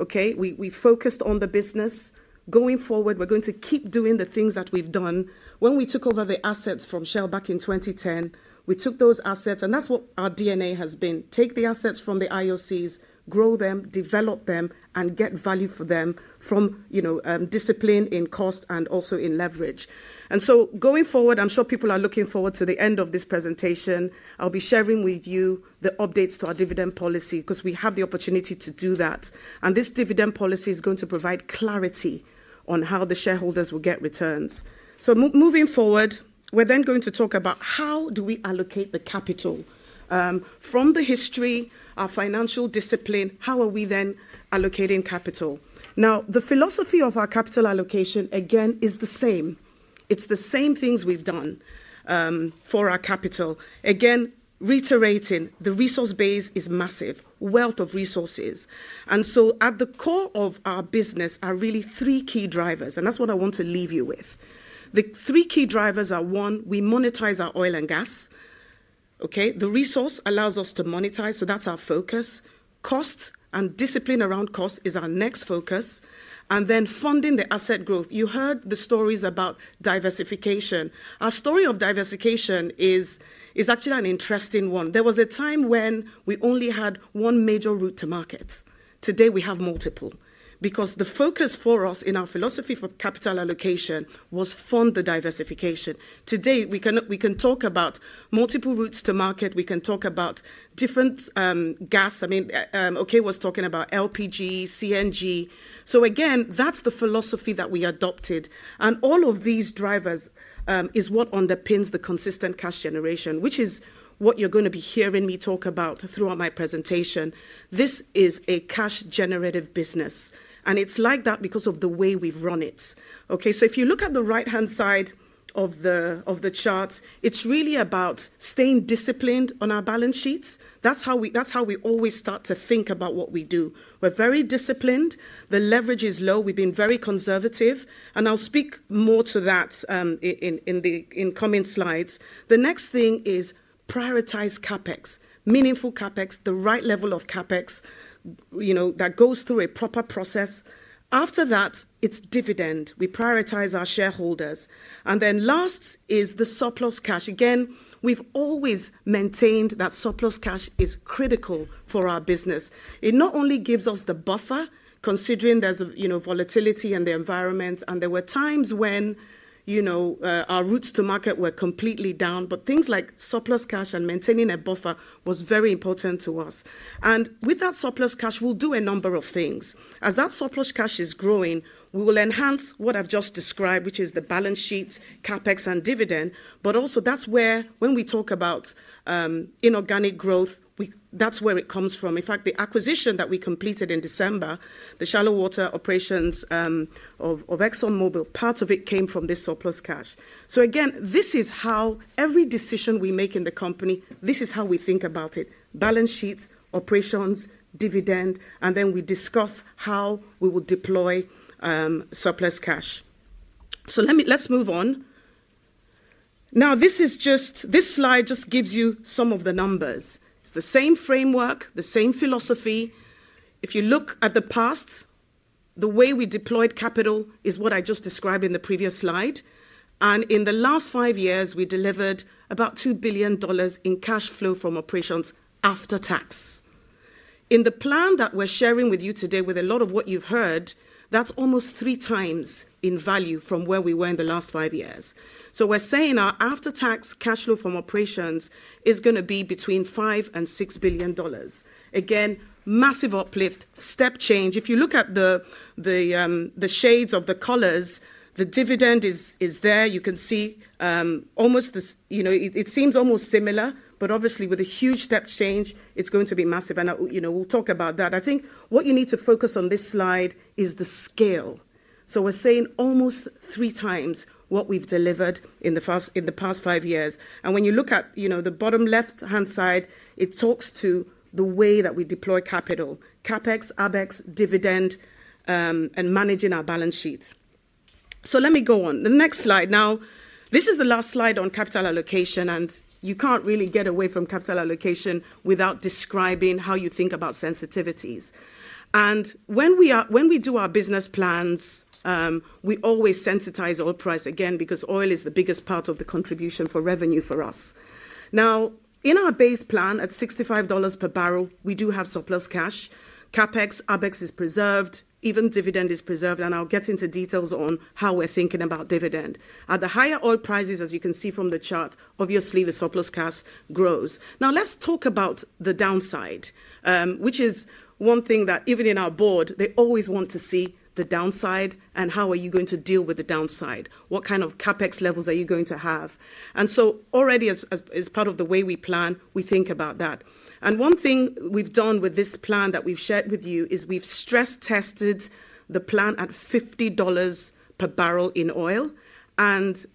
G: OK? We focused on the business. Going forward, we're going to keep doing the things that we've done. When we took over the assets from Shell back in 2010, we took those assets. That's what our DNA has been. Take the assets from the IOCs, grow them, develop them, and get value for them from discipline in cost and also in leverage. Going forward, I'm sure people are looking forward to the end of this presentation. I'll be sharing with you the updates to our dividend policy because we have the opportunity to do that. This dividend policy is going to provide clarity on how the shareholders will get returns. Moving forward, we're then going to talk about how do we allocate the capital. From the history, our financial discipline, how are we then allocating capital? The philosophy of our capital allocation, again, is the same. It's the same things we've done for our capital. Again, reiterating, the resource base is massive, wealth of resources. At the core of our business are really three key drivers. That's what I want to leave you with. The three key drivers are, one, we monetize our oil and gas. The resource allows us to monetize. That's our focus. Cost and discipline around cost is our next focus. Then funding the asset growth. You heard the stories about diversification. Our story of diversification is actually an interesting one. There was a time when we only had one major route to market. Today, we have multiple because the focus for us in our philosophy for capital allocation was to fund the diversification. Today, we can talk about multiple routes to market. We can talk about different gas. I mean, Oke was talking about LPG, CNG. That's the philosophy that we adopted. All of these drivers are what underpins the consistent cash generation, which is what you're going to be hearing me talk about throughout my presentation. This is a cash-generative business. It's like that because of the way we've run it. If you look at the right-hand side of the chart, it's really about staying disciplined on our balance sheets. That's how we always start to think about what we do. We're very disciplined. The leverage is low. We've been very conservative. I'll speak more to that in coming slides. The next thing is prioritize CapEx, meaningful CapEx, the right level of CapEx that goes through a proper process. After that, it's dividend. We prioritize our shareholders. Last is the surplus cash. We've always maintained that surplus cash is critical for our business. It not only gives us the buffer, considering there's volatility in the environment. There were times when our routes to market were completely down. Things like surplus cash and maintaining a buffer were very important to us. With that surplus cash, we'll do a number of things. As that surplus cash is growing, we will enhance what I've just described, which is the balance sheets, CapEx, and dividend. Also, that's where when we talk about inorganic growth, that's where it comes from. In fact, the acquisition that we completed in December, the shallow water operations of ExxonMobil, part of it came from this surplus cash. This is how every decision we make in the company, this is how we think about it: balance sheets, operations, dividend. We discuss how we will deploy surplus cash. Let's move on. Now, this slide just gives you some of the numbers. It's the same framework, the same philosophy. If you look at the past, the way we deployed capital is what I just described in the previous slide. In the last five years, we delivered about $2 billion in cash flow from operations after tax. In the plan that we're sharing with you today, with a lot of what you've heard, that's almost three times in value from where we were in the last five years. We're saying our after-tax cash flow from operations is going to be between $5 billion and $6 billion. Massive uplift, step change. If you look at the shades of the colors, the dividend is there. You can see almost, it seems almost similar. Obviously, with a huge step change, it's going to be massive. We'll talk about that. I think what you need to focus on this slide is the scale. We're saying almost three times what we've delivered in the past five years. When you look at the bottom left-hand side, it talks to the way that we deploy capital: CapEx, OpEx, dividend, and managing our balance sheets. Let me go on. The next slide. Now, this is the last slide on capital allocation. You can't really get away from capital allocation without describing how you think about sensitivities. When we do our business plans, we always sensitize oil price again because oil is the biggest part of the contribution for revenue for us. In our base plan at $65 per barrel, we do have surplus cash. CapEx, OpEx is preserved. Even dividend is preserved. I'll get into details on how we're thinking about dividend. At the higher oil prices, as you can see from the chart, obviously, the surplus cash grows. Let's talk about the downside, which is one thing that even in our board, they always want to see the downside and how are you going to deal with the downside? What kind of CapEx levels are you going to have? Already, as part of the way we plan, we think about that. One thing we've done with this plan that we've shared with you is we've stress-tested the plan at $50 per barrel in oil.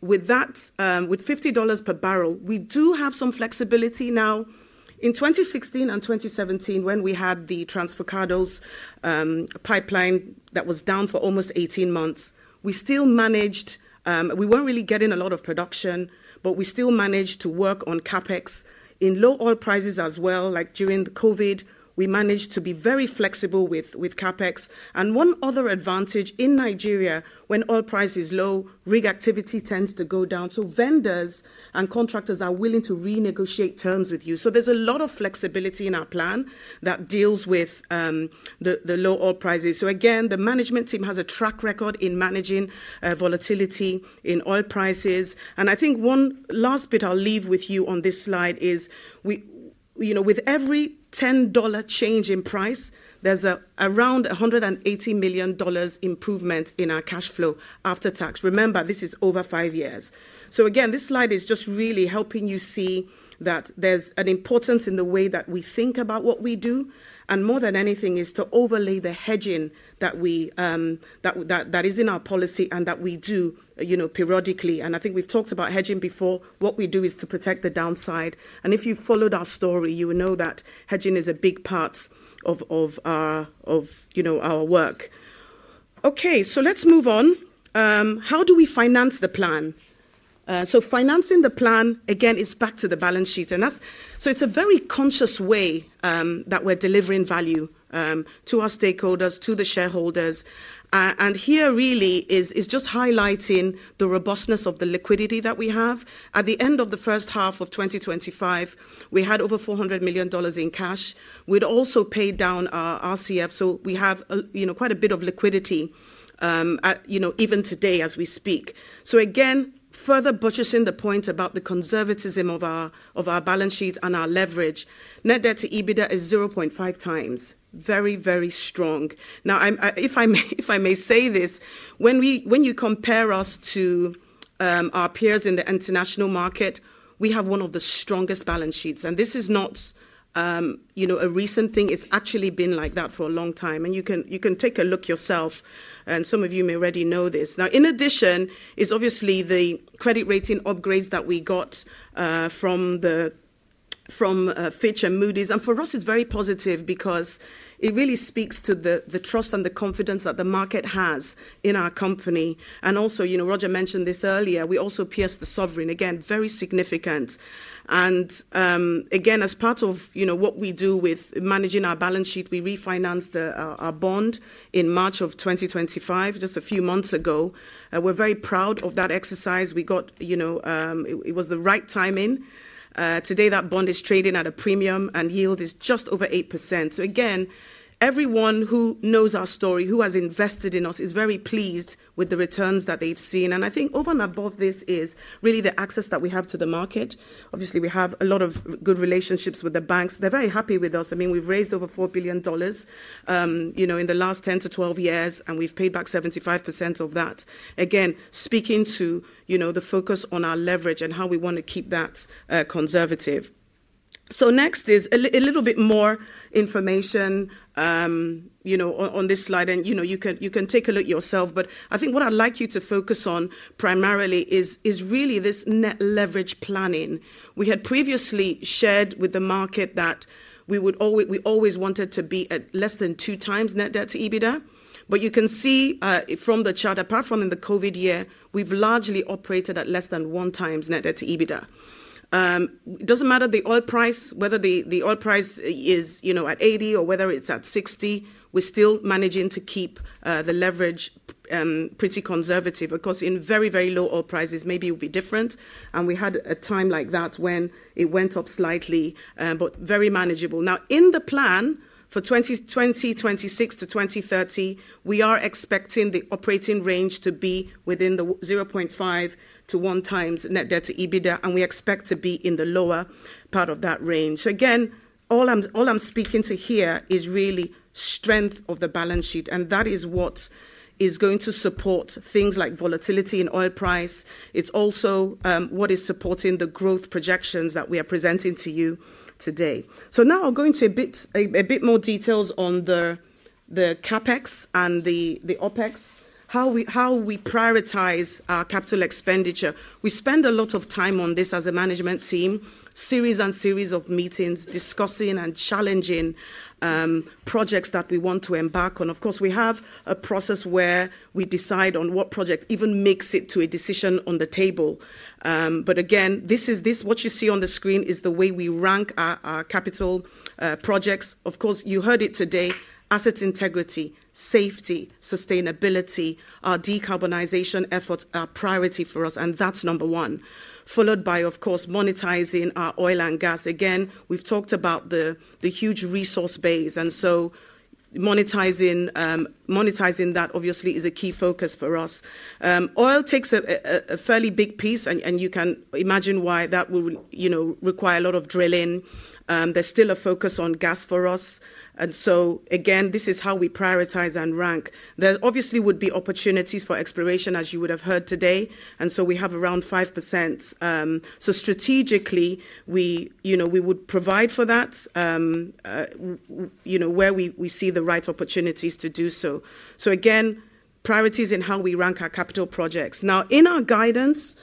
G: With $50 per barrel, we do have some flexibility now. In 2016 and 2017, when we had the Transfacados pipeline that was down for almost 18 months, we still managed. We weren't really getting a lot of production, but we still managed to work on CapEx in low oil prices as well. Like during the COVID, we managed to be very flexible with CapEx. One other advantage in Nigeria, when oil price is low, rig activity tends to go down. Vendors and contractors are willing to renegotiate terms with you. There's a lot of flexibility in our plan that deals with the low oil prices. The management team has a track record in managing volatility in oil prices. I think one last bit I'll leave with you on this slide is with every $10 change in price, there's around $180 million improvement in our cash flow after tax. Remember, this is over five years. This slide is just really helping you see that there's an importance in the way that we think about what we do. More than anything, it's to overlay the hedging that is in our policy and that we do periodically. I think we've talked about hedging before. What we do is to protect the downside. If you followed our story, you would know that hedging is a big part of our work. OK, let's move on. How do we finance the plan? Financing the plan, again, is back to the balance sheet. It's a very conscious way that we're delivering value to our stakeholders, to the shareholders. Here really is just highlighting the robustness of the liquidity that we have. At the end of the first half of 2025, we had over $400 million in cash. We'd also paid down our RCF. We have quite a bit of liquidity even today as we speak. Again, further buttressing the point about the conservatism of our balance sheets and our leverage, net debt to EBITDA is 0.5 times. Very, very strong. If I may say this, when you compare us to our peers in the international market, we have one of the strongest balance sheets. This is not a recent thing. It's actually been like that for a long time. You can take a look yourself. Some of you may already know this. Now, in addition, it's obviously the credit rating upgrades that we got from Fitch and Moody's. For us, it's very positive because it really speaks to the trust and the confidence that the market has in our company. Also, you know, Roger mentioned this earlier, we also pierced the sovereign. Again, very significant. As part of what we do with managing our balance sheet, we refinanced our bond in March of 2025, just a few months ago. We're very proud of that exercise. We got, you know, it was the right timing. Today, that bond is trading at a premium and yield is just over 8%. Everyone who knows our story, who has invested in us, is very pleased with the returns that they've seen. I think over and above this is really the access that we have to the market. Obviously, we have a lot of good relationships with the banks. They're very happy with us. We've raised over $4 billion in the last 10-12 years, and we've paid back 75% of that. Again, speaking to the focus on our leverage and how we want to keep that conservative. Next is a little bit more information on this slide, and you can take a look yourself. I think what I'd like you to focus on primarily is really this net leverage planning. We had previously shared with the market that we always wanted to be at less than two times net debt to EBITDA. You can see from the chart, apart from in the COVID year, we've largely operated at less than one times net debt to EBITDA. It doesn't matter the oil price, whether the oil price is at $80 or whether it's at $60, we're still managing to keep the leverage pretty conservative. Of course, in very, very low oil prices, maybe it will be different, and we had a time like that when it went up slightly, but very manageable. Now, in the plan for 2026 to 2030, we are expecting the operating range to be within the 0.5 to one times net debt to EBITDA, and we expect to be in the lower part of that range. All I'm speaking to here is really strength of the balance sheet. That is what is going to support things like volatility in oil price. It's also what is supporting the growth projections that we are presenting to you today. Now I'll go into a bit more details on the CapEx and the OpEx, how we prioritize our capital expenditure. We spend a lot of time on this as a management team, series and series of meetings discussing and challenging projects that we want to embark on. Of course, we have a process where we decide on what project even makes it to a decision on the table. This is what you see on the screen, the way we rank our capital projects. Of course, you heard it today, asset integrity, safety, sustainability, our decarbonization efforts are a priority for us. That's number one, followed by monetizing our oil and gas. We've talked about the huge resource base, and monetizing that obviously is a key focus for us. Oil takes a fairly big piece, and you can imagine why that will require a lot of drilling. There's still a focus on gas for us. This is how we prioritize and rank. There obviously would be opportunities for exploration, as you would have heard today. We have around 5%. Strategically, we would provide for that where we see the right opportunities to do so. Priorities in how we rank our capital projects. Now, in our guidance,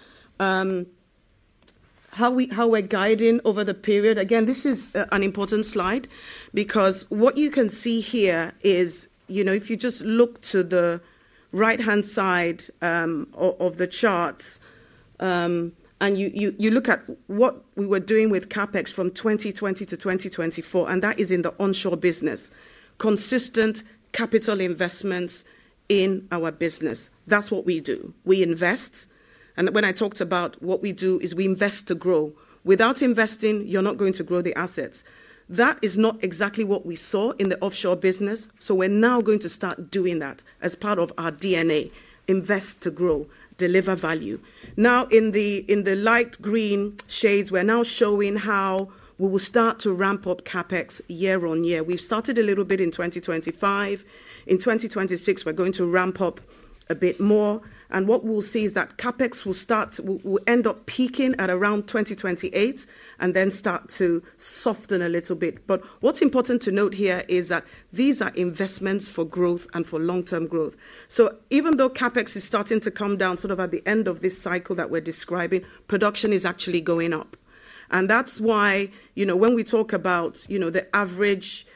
G: how we're guiding over the period, this is an important slide because what you can see here is if you just look to the right-hand side of the chart and you look at what we were doing with CapEx from 2020 to 2024, and that is in the onshore business, consistent capital investments in our business. That's what we do. We invest. When I talked about what we do is we invest to grow. Without investing, you're not going to grow the assets. That is not exactly what we saw in the offshore business. We're now going to start doing that as part of our DNA, invest to grow, deliver value. Now, in the light green shades, we're now showing how we will start to ramp up CapEx year on year. We've started a little bit in 2025. In 2026, we're going to ramp up a bit more. What we'll see is that CapEx will end up peaking at around 2028 and then start to soften a little bit. What's important to note here is that these are investments for growth and for long-term growth. Even though CapEx is starting to come down sort of at the end of this cycle that we're describing, production is actually going up. That's why when we talk about the average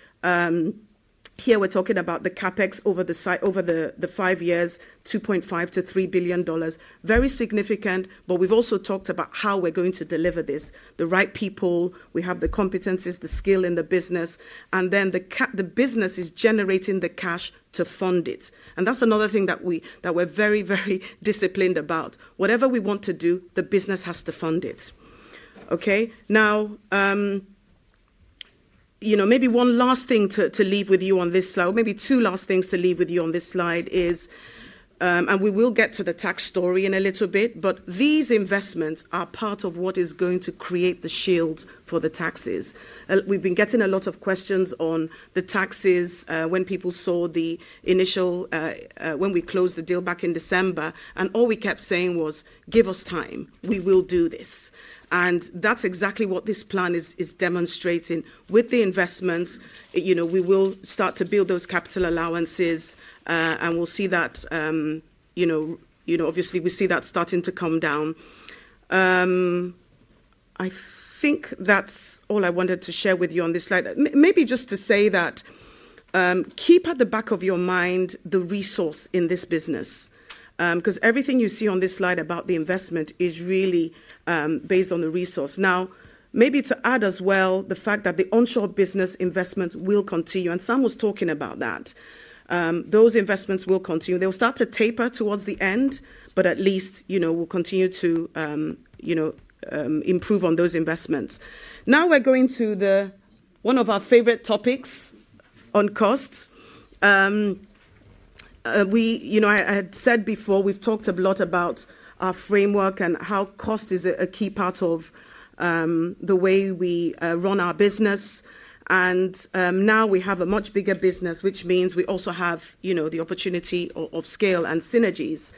G: here, we're talking about the CapEx over the five years, $2.5 billion-$3 billion, very significant. We've also talked about how we're going to deliver this, the right people. We have the competencies, the skill in the business. The business is generating the cash to fund it. That's another thing that we're very, very disciplined about. Whatever we want to do, the business has to fund it. OK? Maybe one last thing to leave with you on this slide, or maybe two last things to leave with you on this slide is, and we will get to the tax story in a little bit, but these investments are part of what is going to create the shield for the taxes. We've been getting a lot of questions on the taxes when people saw the initial when we closed the deal back in December. All we kept saying was, give us time. We will do this. That's exactly what this plan is demonstrating. With the investments, we will start to build those capital allowances. We'll see that, obviously, we see that starting to come down. I think that's all I wanted to share with you on this slide. Maybe just to say that keep at the back of your mind the resource in this business because everything you see on this slide about the investment is really based on the resource. Maybe to add as well, the fact that the onshore business investments will continue. Sam was talking about that. Those investments will continue. They will start to taper towards the end, but at least we'll continue to improve on those investments. Now we're going to one of our favorite topics on costs. I had said before, we've talked a lot about our framework and how cost is a key part of the way we run our business. Now we have a much bigger business, which means we also have the opportunity of scale and synergies.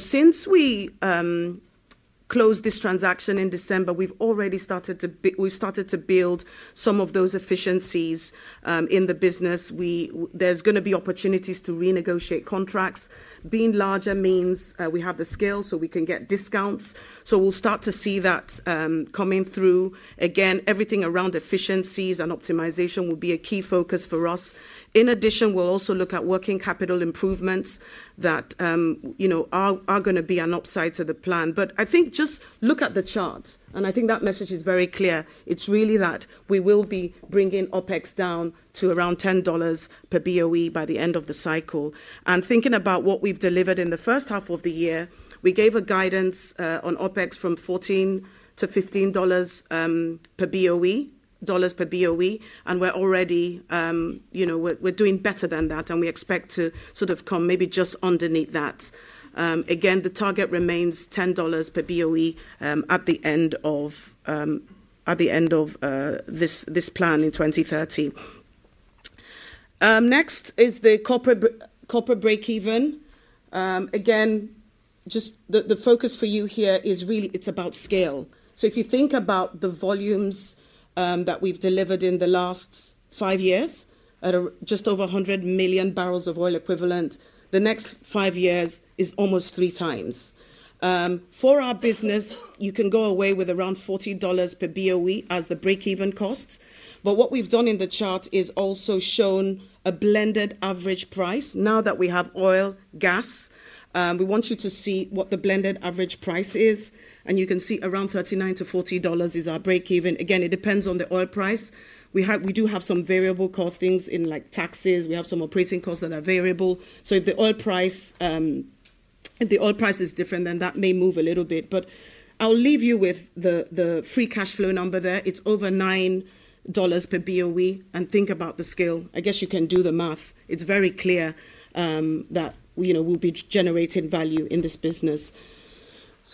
G: Since we closed this transaction in December, we've already started to build some of those efficiencies in the business. There are going to be opportunities to renegotiate contracts. Being larger means we have the scale, so we can get discounts. We'll start to see that coming through. Everything around efficiencies and optimization will be a key focus for us. In addition, we'll also look at working capital improvements that are going to be an upside to the plan. I think just look at the chart. I think that message is very clear. It's really that we will be bringing OpEx down to around $10 per boe by the end of the cycle. Thinking about what we've delivered in the first half of the year, we gave a guidance on OpEx from $14-$15 per boe, dollars per boe. We're doing better than that. We expect to sort of come maybe just underneath that. The target remains $10 per boe at the end of this plan in 2030. Next is the corporate break-even. Again, just the focus for you here is really, it's about scale. If you think about the volumes that we've delivered in the last five years at just over 100 million bbl of oil equivalent, the next five years is almost three times. For our business, you can go away with around $40 per boe as the break-even cost. What we've done in the chart is also shown a blended average price. Now that we have oil, gas, we want you to see what the blended average price is. You can see around $39-$40 is our break-even. It depends on the oil price. We do have some variable costings in like taxes. We have some operating costs that are variable. If the oil price is different, then that may move a little bit. I'll leave you with the free cash flow number there. It's over $9 per boe. Think about the scale. I guess you can do the math. It's very clear that we'll be generating value in this business.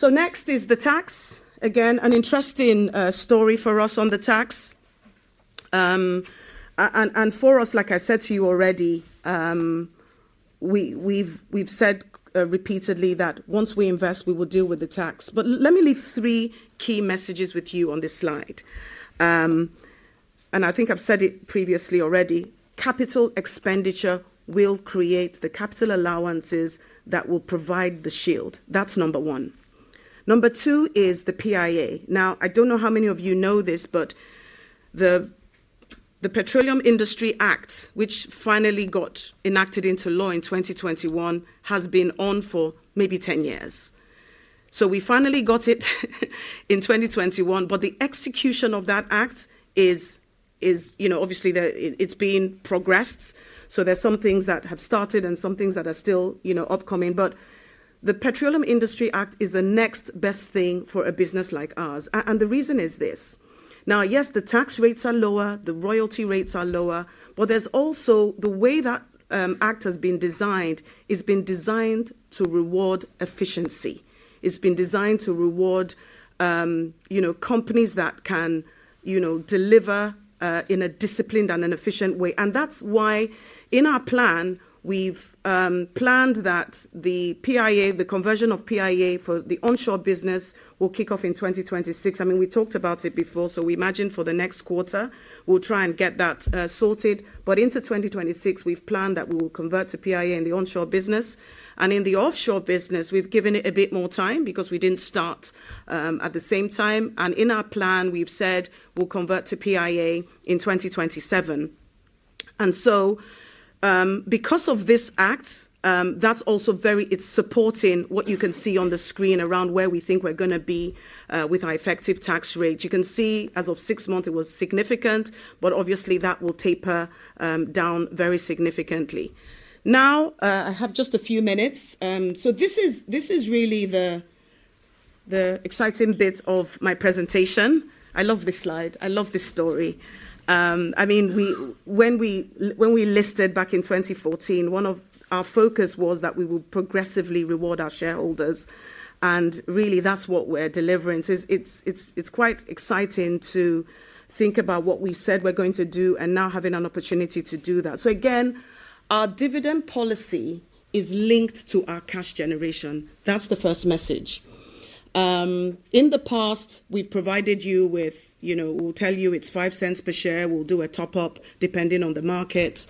G: Next is the tax. An interesting story for us on the tax. For us, like I said to you already, we've said repeatedly that once we invest, we will deal with the tax. Let me leave three key messages with you on this slide. I think I've said it previously already. Capital expenditure will create the capital allowances that will provide the shield. That's number one. Number two is the PIA. I don't know how many of you know this, but the Petroleum Industry Act, which finally got enacted into law in 2021, has been on for maybe 10 years. We finally got it in 2021. The execution of that act is, obviously, it's being progressed. There are some things that have started and some things that are still upcoming. The Petroleum Industry Act is the next best thing for a business like ours. The reason is this. Yes, the tax rates are lower. The royalty rates are lower. There's also the way that the act has been designed. It's been designed to reward efficiency. It's been designed to reward companies that can deliver in a disciplined and an efficient way. That's why in our plan, we've planned that the PIA, the conversion of PIA for the onshore business, will kick off in 2026. I mean, we talked about it before. We imagine for the next quarter, we'll try and get that sorted. Into 2026, we've planned that we will convert to PIA in the onshore business. In the offshore business, we've given it a bit more time because we didn't start at the same time. In our plan, we've said we'll convert to PIA in 2027. Because of this act, that's also very, it's supporting what you can see on the screen around where we think we're going to be with our effective tax rate. You can see as of six months, it was significant. Obviously, that will taper down very significantly. I have just a few minutes. This is really the exciting bit of my presentation. I love this slide. I love this story. I mean, when we listed back in 2014, one of our focuses was that we would progressively reward our shareholders. That's what we're delivering. It's quite exciting to think about what we've said we're going to do and now having an opportunity to do that. Again, our dividend policy is linked to our cash generation. That's the first message. In the past, we've provided you with, we'll tell you it's $0.05 per share. We'll do a top-up depending on the market.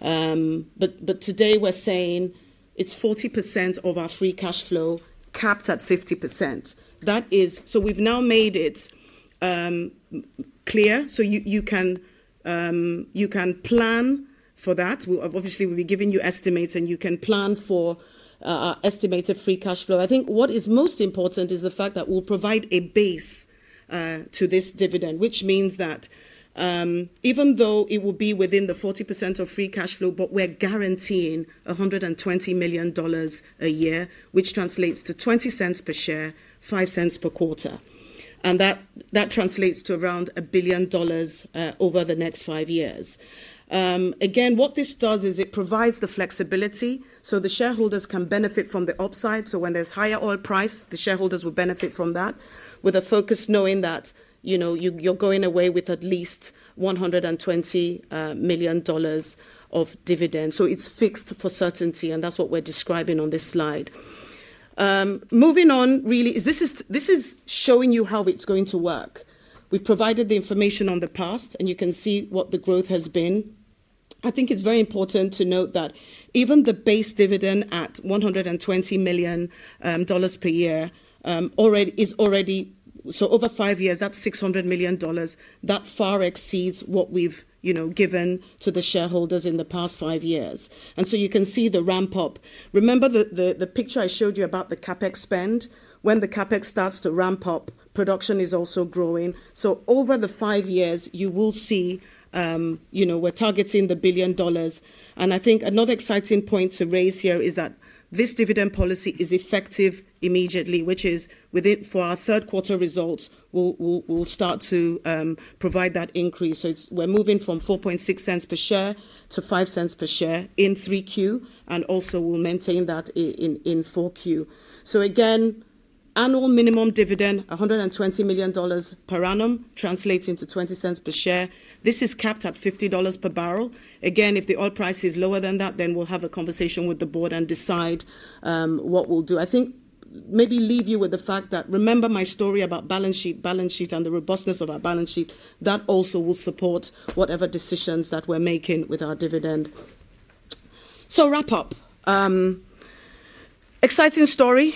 G: Today, we're saying it's 40% of our free cash flow capped at 50%. That is, we've now made it clear. You can plan for that. Obviously, we'll be giving you estimates. You can plan for our estimated free cash flow. I think what is most important is the fact that we'll provide a base to this dividend, which means that even though it will be within the 40% of free cash flow, we're guaranteeing $120 million a year, which translates to $0.20 per share, $0.05 per quarter. That translates to around $1 billion over the next five years. What this does is it provides the flexibility so the shareholders can benefit from the upside. When there's higher oil price, the shareholders will benefit from that with a focus knowing that you're going away with at least $120 million of dividend. It's fixed for certainty. That's what we're describing on this slide. Moving on, this is showing you how it's going to work. We've provided the information on the past. You can see what the growth has been. I think it's very important to note that even the base dividend at $120 million per year is already, over five years, that's $600 million. That far exceeds what we've given to the shareholders in the past five years. You can see the ramp-up. Remember the picture I showed you about the CapEx spend? When the CapEx starts to ramp up, production is also growing. Over the five years, you will see we're targeting the $1 billion. I think another exciting point to raise here is that this dividend policy is effective immediately, which is for our third quarter results, we'll start to provide that increase. We're moving from $0.046 per share to $0.05 per share in 3Q, and we'll maintain that in 4Q. Again, annual minimum dividend, $120 million per annum, translates into $0.20 per share. This is capped at $50 per barrel. If the oil price is lower than that, then we'll have a conversation with the board and decide what we'll do. Maybe leave you with the fact that, remember my story about balance sheet, balance sheet, and the robustness of our balance sheet. That also will support whatever decisions that we're making with our dividend. To wrap up, exciting story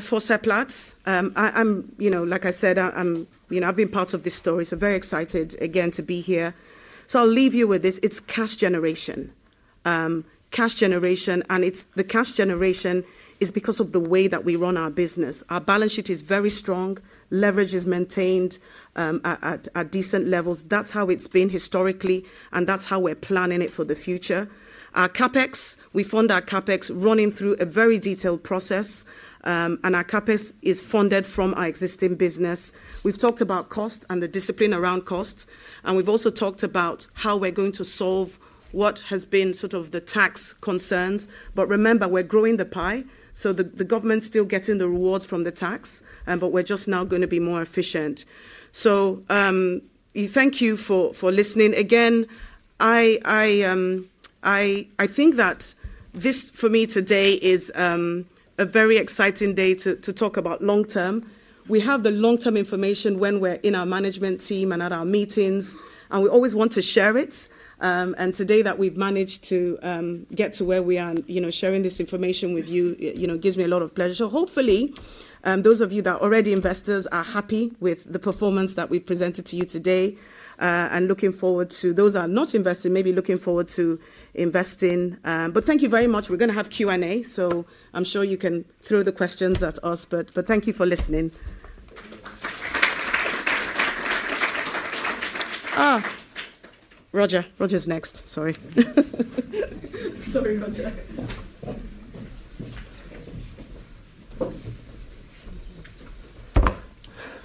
G: for Seplat Energy. Like I said, I've been part of this story, so very excited, again, to be here. I'll leave you with this: it's cash generation. Cash generation. The cash generation is because of the way that we run our business. Our balance sheet is very strong. Leverage is maintained at decent levels. That's how it's been historically, and that's how we're planning it for the future. Our CapEx, we fund our CapEx running through a very detailed process, and our CapEx is funded from our existing business. We've talked about cost and the discipline around cost, and we've also talked about how we're going to solve what has been sort of the tax concerns. Remember, we're growing the pie, so the government's still getting the rewards from the tax, but we're just now going to be more efficient. Thank you for listening. I think that this, for me, today is a very exciting day to talk about long term. We have the long-term information when we're in our management team and at our meetings, and we always want to share it. Today that we've managed to get to where we are and sharing this information with you gives me a lot of pleasure. Hopefully, those of you that are already investors are happy with the performance that we presented to you today and looking forward to those that are not investing, maybe looking forward to investing. Thank you very much. We're going to have Q&A. I'm sure you can throw the questions at us. Thank you for listening. Oh, Roger. Roger's next. Sorry.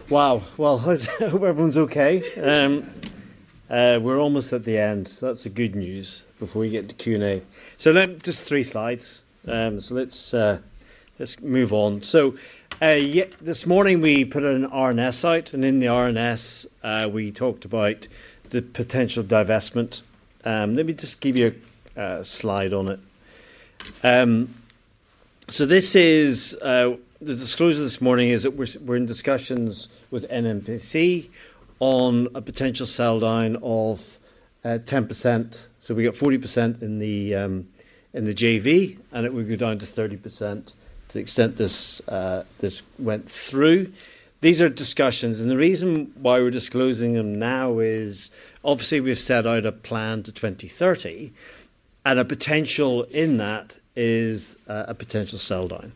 B: Wow. Hope everyone's OK. We're almost at the end. That's good news before we get to Q&A. Just three slides. Let's move on. This morning, we put an R&S out. In the R&S, we talked about the potential divestment. Let me just give you a slide on it. The disclosure this morning is that we're in discussions with NNPC on a potential sell down of 10%. We got 40% in the JV, and it would go down to 30% to the extent this went through. These are discussions. The reason why we're disclosing them now is, obviously, we've set out a plan to 2030, and a potential in that is a potential sell down.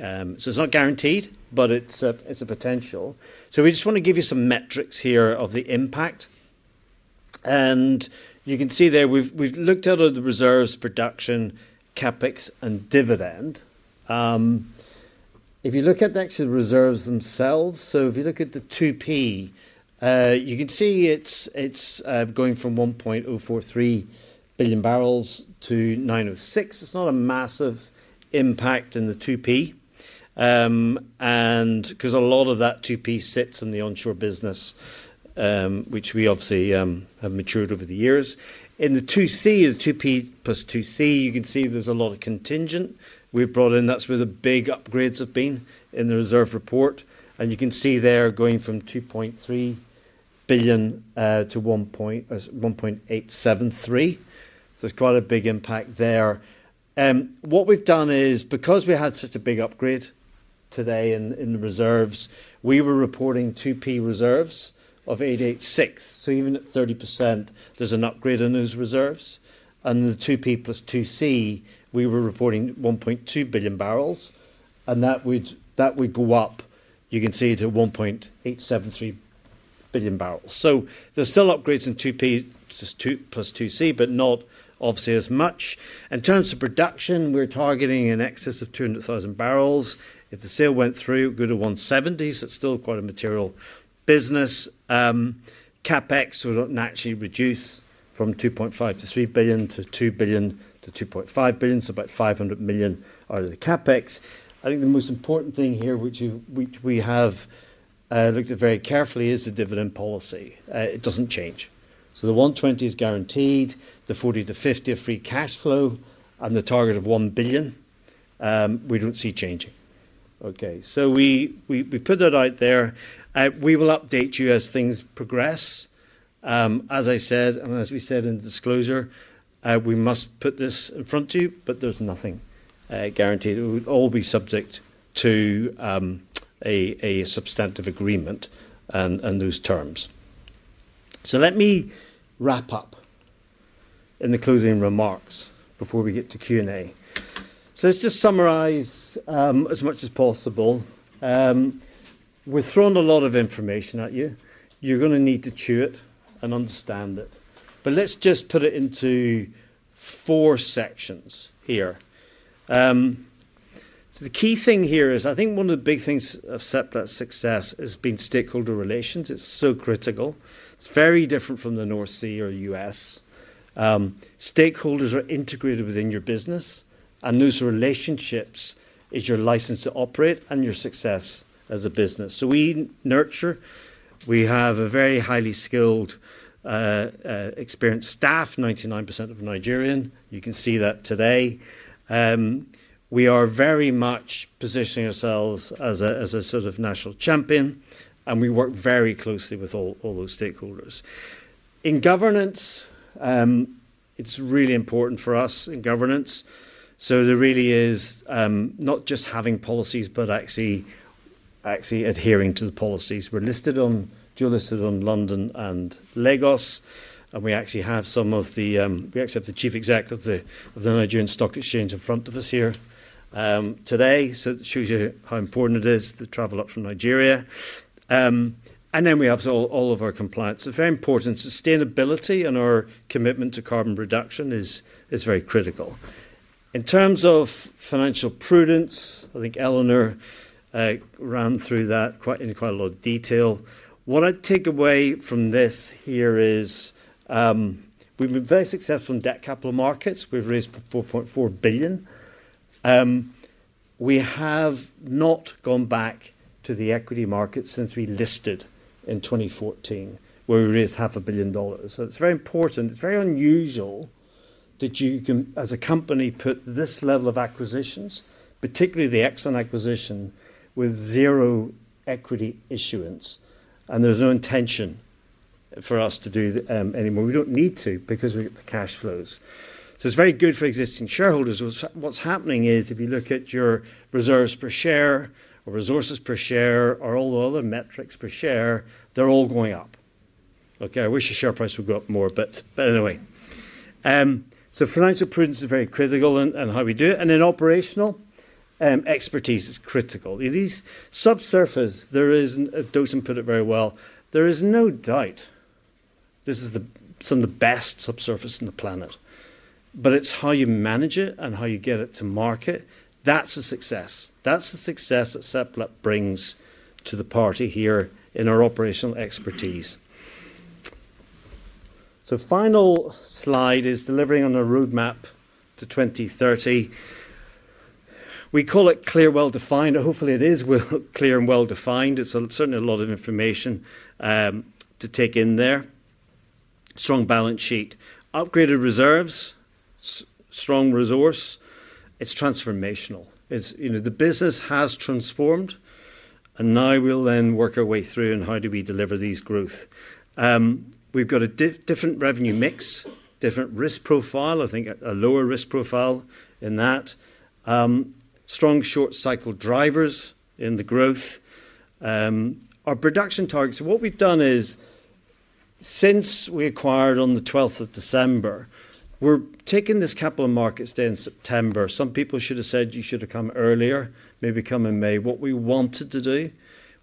B: It's not guaranteed, but it's a potential. We just want to give you some metrics here of the impact. You can see there, we've looked at the reserves, production, CapEx, and dividend. If you look at the reserves themselves, if you look at the 2P, you can see it's going from 1.043 billion bbl to 906. It's not a massive impact in the 2P because a lot of that 2P sits in the onshore business, which we obviously have matured over the years. In the 2C, the 2P+2C, you can see there's a lot of contingent we brought in. That's where the big upgrades have been in the reserve report. You can see they're going from 2.3 billion to 1.873 billion. It's quite a big impact there. What we've done is, because we had such a big upgrade today in the reserves, we were reporting 2P reserves of 886. Even at 30%, there's an upgrade in those reserves. The 2P+2C, we were reporting 1.2 billion bbl, and that would go up, you can see, to 1.873 billion bbl. There's still upgrades in 2P, just 2P+2C, but not obviously as much. In terms of production, we're targeting an excess of 200,000 bbl. If the sale went through, we'll go to 170. It's still quite a material business. CapEx will naturally reduce from $2.5 to $3 billion to $2 billion to $2.5 billion, so about $500 million out of the CapEx. I think the most important thing here, which we have looked at very carefully, is the dividend policy. It doesn't change. The 120 is guaranteed, the 40%-50% of free cash flow, and the target of $1 billion, we don't see changing. We put that out there. We will update you as things progress. As I said, and as we said in the disclosure, we must put this in front of you, but there's nothing guaranteed. It would all be subject to a substantive agreement and those terms. Let me wrap up in the closing remarks before we get to Q&A. Let's just summarize as much as possible. We've thrown a lot of information at you. You're going to need to chew it and understand it. Let's just put it into four sections here. The key thing here is, I think one of the big things of Seplat's success has been stakeholder relations. It's so critical. It's very different from the North Sea or U.S. Stakeholders are integrated within your business, and those relationships are your license to operate and your success as a business. We nurture. We have a very highly skilled, experienced staff, 99% Nigerian. You can see that today. We are very much positioning ourselves as a sort of national champion, and we work very closely with all those stakeholders. In governance, it's really important for us in governance. There really is not just having policies, but actually adhering to the policies. We're dual-listed on London and Lagos, and we actually have the Chief Executive of the Nigerian Stock Exchange in front of us here today. It shows you how important it is to travel up from Nigeria. We have all of our compliance. It's very important. Sustainability and our commitment to carbon reduction is very critical. In terms of financial prudence, I think Eleanor ran through that in quite a lot of detail. What I'd take away from this here is we've been very successful in debt capital markets. We've raised $4.4 billion. We have not gone back to the equity market since we listed in 2014, where we raised half a billion dollars. It's very important. It's very unusual that you can, as a company, put this level of acquisitions, particularly the ExxonMobil acquisition, with zero equity issuance. There's no intention for us to do anymore. We don't need to because we get the cash flows. It's very good for existing shareholders. What's happening is, if you look at your reserves per share or resources per share or all the other metrics per share, they're all going up. I wish the share price. But anyway, financial proof is very critical in how we do it. In operational expertise, it is critical. It is subsurface. I don't put it very well. There is no doubt this is some of the best subsurface on the planet. It's how you manage it and how you get it to market. That's a success. That's the success that Seplat brings to the party here in our operational expertise. The final slide is delivering on a roadmap to 2030. We call it clear, well-defined. Hopefully, it is clear and well-defined. It's certainly a lot of information to take in there. Strong balance sheet, upgraded reserves, strong resource. It's transformational. The business has transformed. Now we'll then work our way through how we deliver this growth. We've got a different revenue mix, different risk profile. I think a lower risk profile in that. Strong short cycle drivers in the growth, our production targets. What we've done is since we acquired on the 12th of December, we're taking this Capital Markets Day in September. Some people should have said you should have come earlier, maybe come in May. What we wanted to do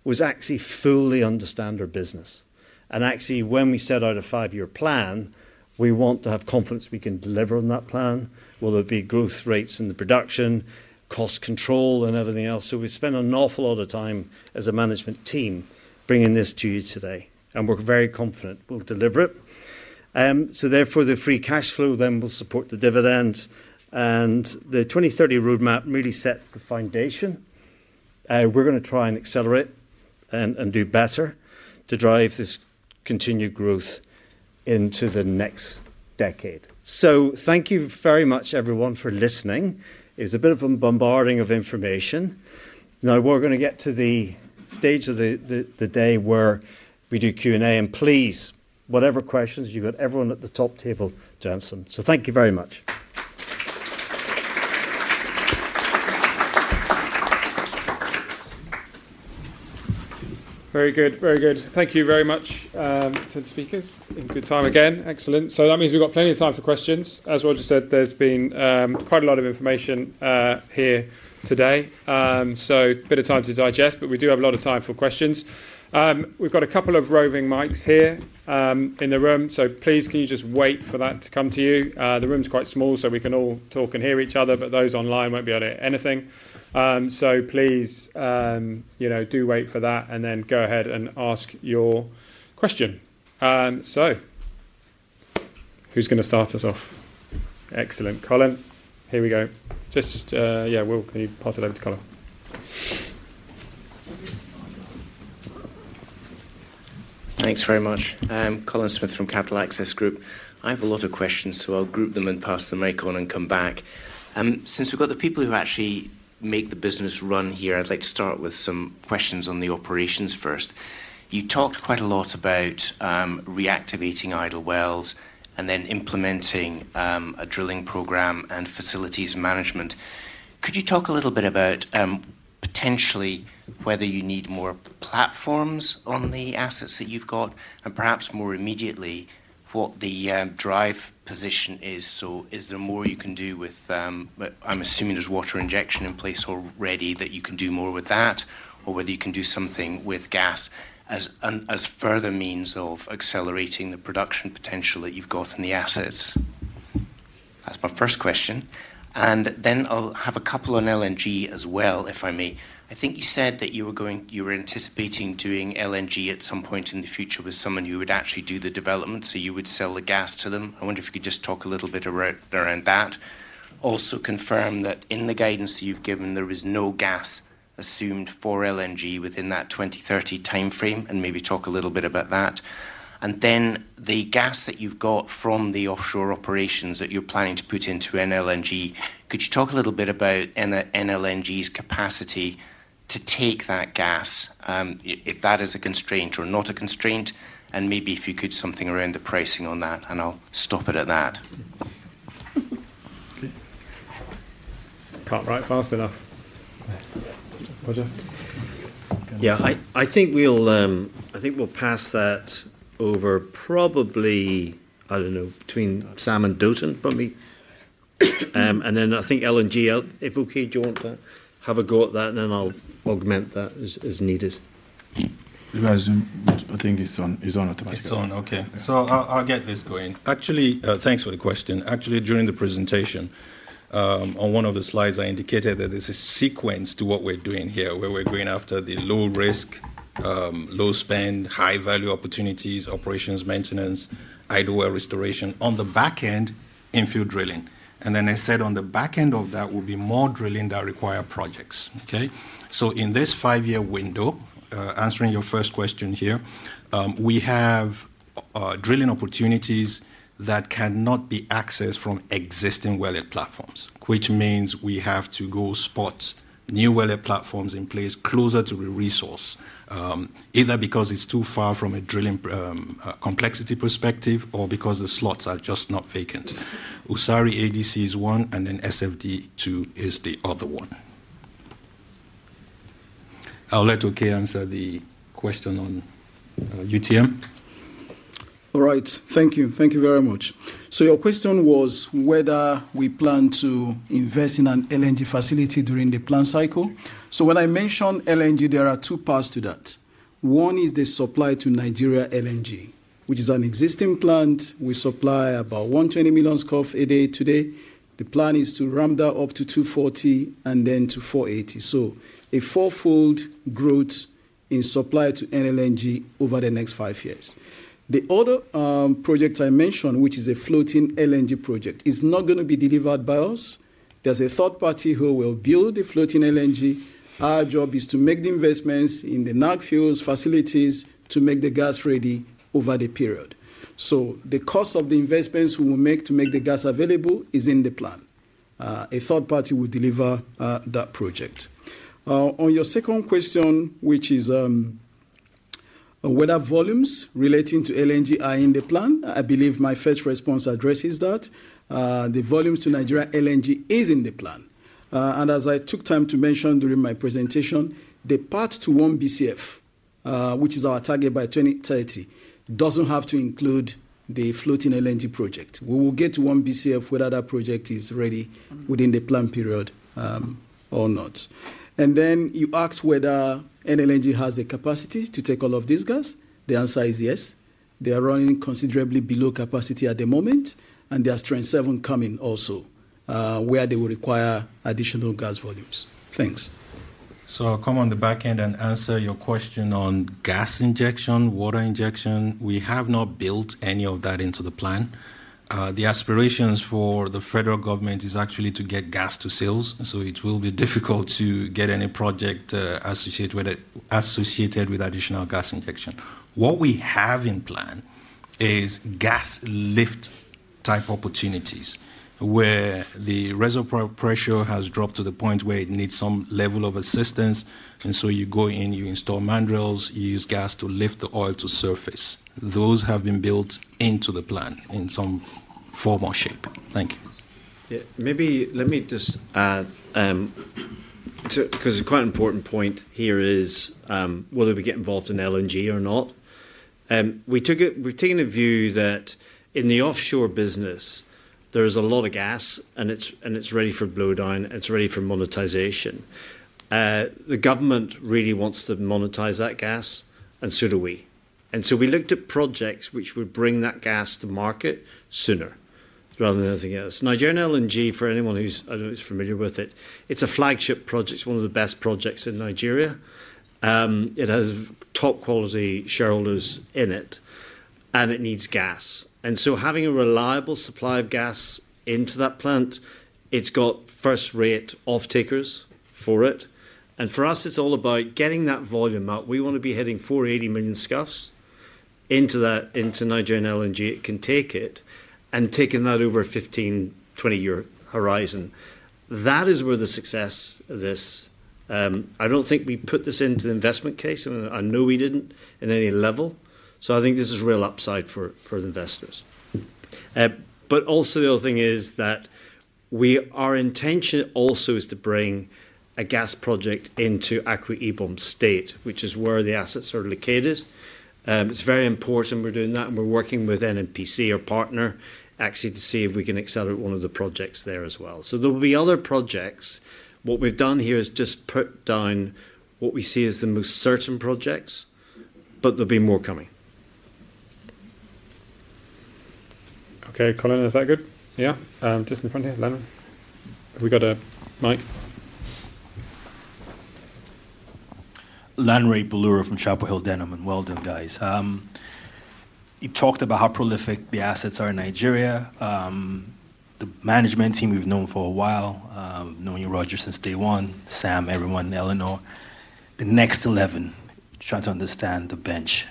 B: was actually fully understand our business. When we set out a five-year plan, we want to have confidence we can deliver on that plan, whether it be growth rates in the production, cost control, and everything else. We spent an awful lot of time as a management team bringing this to you today. We're very confident we'll deliver it. Therefore, the free cash flow then will support the dividend. The 2030 roadmap really sets the foundation. We're going to try and accelerate and do better to drive this continued growth into the next decade. Thank you very much, everyone, for listening. It was a bit of a bombarding of information. Now we're going to get to the stage of the day where we do Q&A. Please, whatever questions you've got, everyone at the top table will answer them. Thank you very much.
A: Very good, very good. Thank you very much to the speakers in good time again. Excellent. That means we've got plenty of time for questions. As Roger said, there's been quite a lot of information here today, so a bit of time to digest, but we do have a lot of time for questions. We've got a couple of roving mics here in the room. Please, can you just wait for that to come to you? The room's quite small, so we can all talk and hear each other, but those online won't be able to hear anything. Please do wait for that and then go ahead and ask your question.
B: Who's going to start us off?
A: Excellent, Colin. Here we go. Will, can you pass it over to Colin?
H: Thanks very much. I'm Colin Smith from Capital Access Group. I have a lot of questions, so I'll group them and pass the mic on and come back. Since we've got the people who actually make the business run here, I'd like to start with some questions on the operations first. You talked quite a lot about reactivating idle wells and then implementing a drilling program and facilities management. Could you talk a little bit about potentially whether you need more platforms on the assets that you've got and perhaps more immediately what the drive position is? Is there more you can do with, I'm assuming there's water injection in place already, that you can do more with that or whether you can do something with gas as a further means of accelerating the production potential that you've got in the assets? That's my first question. I have a couple on LNG as well, if I may. I think you said that you were going, you were anticipating doing LNG at some point in the future with someone who would actually do the development. You would sell the gas to them. I wonder if you could just talk a little bit around that. Also confirm that in the guidance you've given, there is no gas assumed for LNG within that 2030 timeframe and maybe talk a little bit about that. The gas that you've got from the offshore operations that you're planning to put into Nigeria LNG, could you talk a little bit about Nigeria LNG's capacity to take that gas, if that is a constraint or not a constraint? Maybe if you could do something around the pricing on that, and I'll stop it at that.
B: I think we'll pass that over, probably, I don't know, between Samson and Dotun, probably. I think LNG, if Oke, do you want to have a go at that? I'll augment that as needed.
A: I think it's on. It's on.
D: Okay, so I'll get this going. Thanks for the question. During the presentation, on one of the slides, I indicated that there's a sequence to what we're doing here, where we're going after the low risk, low spend, high value opportunities, operations, maintenance, idle well restoration on the back end in field drilling. I said on the back end of that will be more drilling that require projects. In this five-year window, answering your first question here, we have drilling opportunities that cannot be accessed from existing wellhead platforms, which means we have to go spot new wellhead platforms in place closer to the resource, either because it's too far from a drilling, complexity perspective or because the slots are just not vacant. Usari ADC is one, and then SFD2 is the other one. I'll let Oke answer the question on UTM.
F: All right, thank you. Thank you very much. Your question was whether we plan to invest in an LNG facility during the plant cycle. When I mention LNG, there are two parts to that. One is the supply to Nigeria LNG, which is an existing plant. We supply about 120 million scops a day today. The plan is to ramp that up to 240 and then to 480. A four-fold growth in supply to Nigeria LNG over the next five years. The other project I mentioned, which is a floating LNG project, is not going to be delivered by us. There's a third party who will build the floating LNG. Our job is to make the investments in the NAG fuels facilities to make the gas ready over the period. The cost of the investments we will make to make the gas available is in the plan. A third party will deliver that project. On your second question, which is whether volumes relating to LNG are in the plan, I believe my first response addresses that the volumes to Nigeria LNG are in the plan. As I took time to mention during my presentation, the path to 1 BCF, which is our target by 2030, doesn't have to include the floating LNG project. We will get to 1 BCF whether that project is ready within the plan period or not. You asked whether Nigeria LNG has the capacity to take all of this gas. The answer is yes. They are running considerably below capacity at the moment, and they have Train Seven coming also, where they will require additional gas volumes. Thanks.
E: I'll come on the back end and answer your question on gas injection, water injection. We have not built any of that into the plan. The aspirations for the federal government are actually to get gas to sales. It will be difficult to get any project associated with additional gas injection. What we have in plan is gas lift type opportunities where the reservoir pressure has dropped to the point where it needs some level of assistance. You go in, you install mandrels, you use gas to lift the oil to surface. Those have been built into the plan in some form or shape. Thank you. Yeah.
B: Maybe let me just add, because it's quite an important point here, whether we get involved in LNG or not. We've taken a view that in the offshore business, there's a lot of gas and it's ready for blowdown, it's ready for monetization. The government really wants to monetize that gas and so do we. We looked at projects which would bring that gas to market sooner rather than anything else. Nigeria LNG, for anyone who's, I don't know who's familiar with it, it's a flagship project. It's one of the best projects in Nigeria. It has top quality shareholders in it and it needs gas. Having a reliable supply of gas into that plant, it's got first rate off-takers for it. For us, it's all about getting that volume up. We want to be hitting 480 million scuffs into Nigeria LNG. It can take it and taking that over a 15, 20-year horizon. That is where the success of this, I don't think we put this into the investment case. I know we didn't in any level. I think this is real upside for investors. The other thing is that our intention also is to bring a gas project into Akwa Ibom state, which is where the assets are located. It's very important we're doing that and we're working with Nigerian National Petroleum Company, our partner, actually to see if we can accelerate one of the projects there as well. There'll be other projects. What we've done here is just put down what we see as the most certain projects, but there'll be more coming.
A: Okay, Colin, is that good? Yeah, just in front here. Len, have we got a mic?
I: Len, Ray Baloor from Chapel Hill Denham and well done, guys. You talked about how prolific the assets are in Nigeria. The management team we've known for a while, knowing Roger since day one, Sam, everyone, Eleanor, the next 11 trying to understand the bench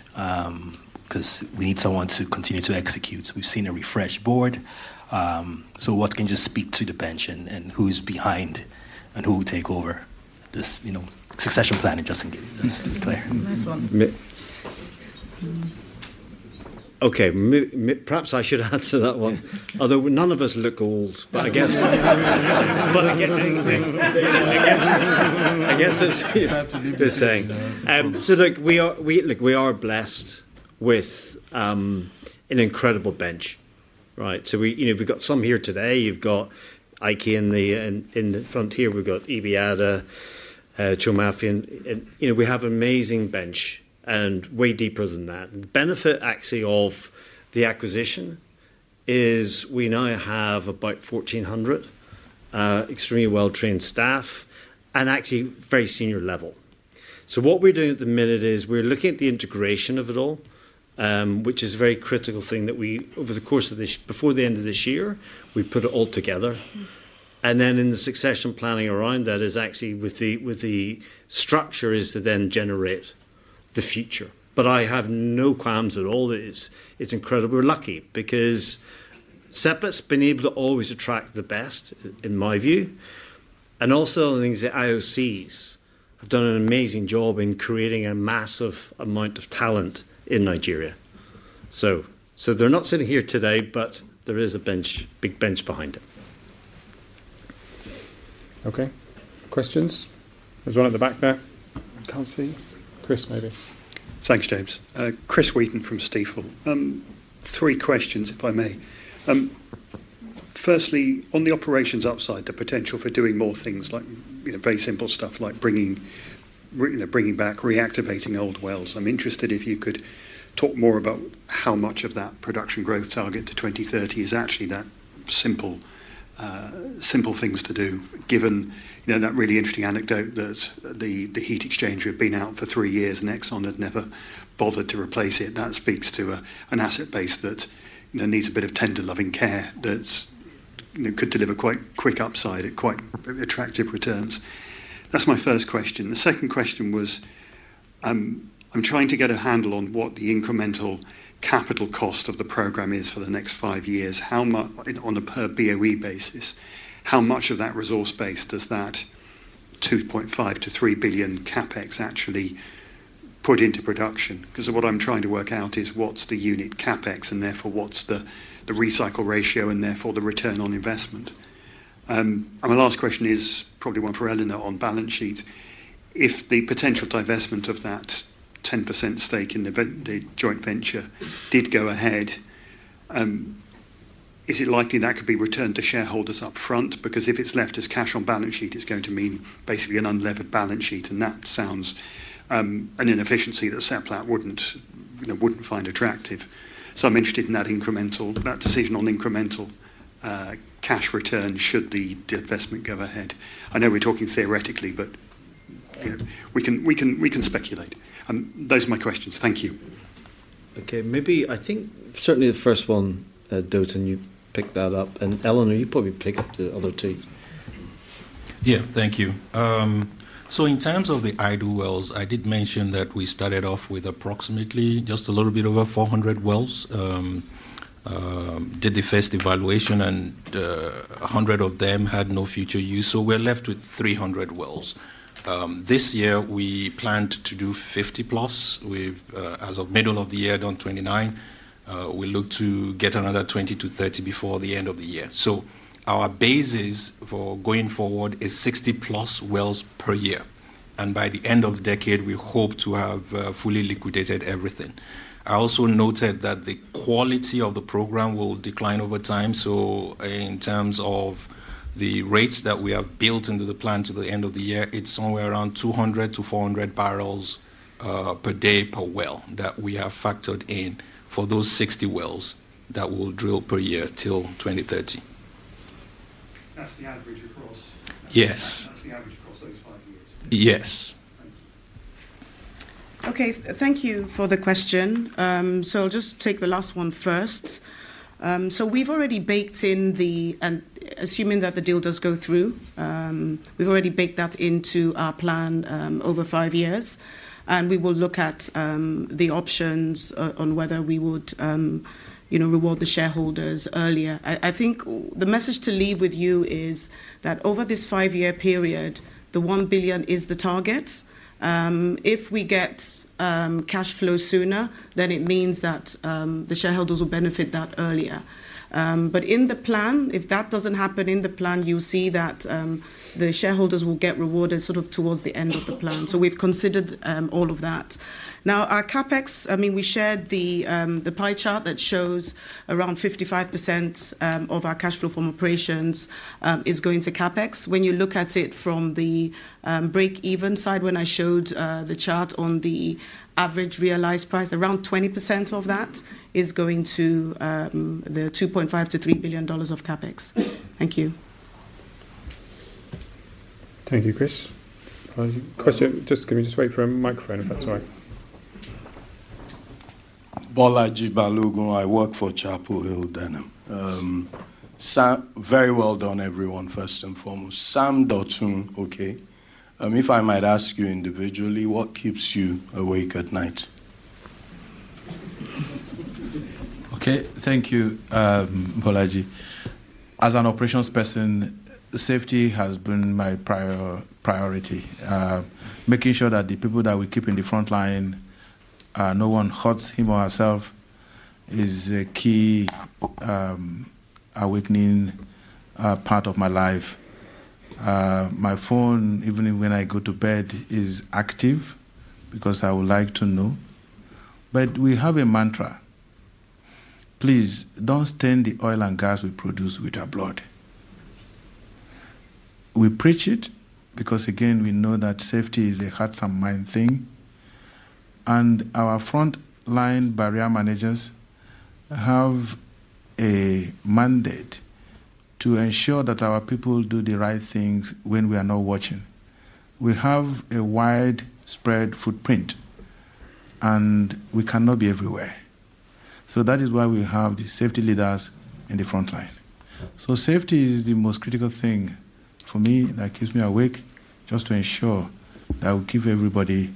I: because we need someone to continue to execute. We've seen a refreshed board. What can just speak to the bench and who's behind and who will take over this, you know, succession planning? Just to get this to the clarity.
G: Nice one.
B: Okay, perhaps I should answer that one. Although none of us look old, I guess it's the same. Look, we are blessed with an incredible bench, right? We've got some here today. You've got Chioma Afe in the front here. We've got Edith Onwuchekwa, Joe Mafian. We have an amazing bench and way deeper than that. The benefit actually of the acquisition is we now have about 1,400 extremely well-trained staff and actually very senior level. What we're doing at the minute is we're looking at the integration of it all, which is a very critical thing that we, over the course of this, before the end of this year, we put it all together. In the succession planning around that, with the structure, is to then generate the future. I have no qualms at all. It's incredible. We're lucky because Seplat Energy has been able to always attract the best in my view. Also, the things that IOCs have done an amazing job in creating a massive amount of talent in Nigeria. They're not sitting here today, but there is a bench, big bench behind it.
A: Okay, questions? There's one at the back there. I can't see. Chris, maybe?
J: Thanks, James. Chris Wheaton from Stifel. Three questions, if I may. Firstly, on the operations upside, the potential for doing more things like, you know, very simple stuff like bringing back, reactivating old wells. I'm interested if you could talk more about how much of that production growth target to 2030 is actually that simple, simple things to do, given that really interesting anecdote that the heat exchanger had been out for three years and ExxonMobil had never bothered to replace it. That speaks to an asset base that needs a bit of tender loving care that could deliver quite quick upside at quite attractive returns. That's my first question. The second question was, I'm trying to get a handle on what the incremental capital cost of the program is for the next five years, how much on a per boe basis, how much of that resource base does that $2.5 billion-$3 billion capex actually put into production? Because what I'm trying to work out is what's the unit capex and therefore what's the recycle ratio and therefore the return on investment. My last question is probably one for Eleanor on balance sheet. If the potential divestment of that 10% stake in the joint venture did go ahead, is it likely that could be returned to shareholders upfront? If it's left as cash on balance sheet, it's going to mean basically an unlevered balance sheet. That sounds an inefficiency that Seplat Energy wouldn't find attractive. I'm interested in that decision on incremental cash return should the divestment go ahead. I know we're talking theoretically, but we can speculate. Those are my questions. Thank you.
B: Okay, maybe I think certainly the first one, Dotun, you pick that up. Eleanor, you probably pick up the other two.
E: Thank you. In terms of the idle wells, I did mention that we started off with approximately just a little bit over 400 wells. We did the first evaluation and 100 of them had no future use, so we're left with 300 wells. This year, we planned to do 50+. As of the middle of the year, we've done 29. We look to get another 20 wells-30 wells before the end of the year. Our basis for going forward is 60+ wells per year. By the end of the decade, we hope to have fully liquidated everything. I also noted that the quality of the program will decline over time. In terms of the rates that we have built into the plan to the end of the year, it's somewhere around 200 bbl-400 bbl per day per well that we have factored in for those 60 wells that we'll drill per year till 2030.
J: Yes.
E: Yes.
G: Okay, thank you for the question. I'll just take the last one first. We've already baked in the, and assuming that the deal does go through, we've already baked that into our plan over five years. We will look at the options on whether we would reward the shareholders earlier. I think the message to leave with you is that over this five-year period, the $1 billion is the target. If we get cash flow sooner, it means that the shareholders will benefit that earlier. In the plan, if that doesn't happen in the plan, you'll see that the shareholders will get rewarded sort of towards the end of the plan. We've considered all of that. Now, our capex, I mean, we shared the pie chart that shows around 55% of our cash flow from operations is going to capex. When you look at it from the break-even side, when I showed the chart on the average realized price, around 20% of that is going to the $2.5 billion-$3 billion of capex. Thank you.
F: an operations person, safety has been my priority. Making sure that the people that we keep in the front line, no one hurts him or herself, is a key awakening part of my life. My phone, even when I go to bed, is active because I would like to know. We have a mantra. Please. We preach it because, again, we know that safety is a hearts and mind thing. Our front line barrier managers have a mandate to ensure that our people do the right things when we are not watching. We have a widespread footprint and we cannot be everywhere. That is why we have the safety leaders in the front line. Safety is the most critical thing for me that keeps me awake just to ensure that we keep everybody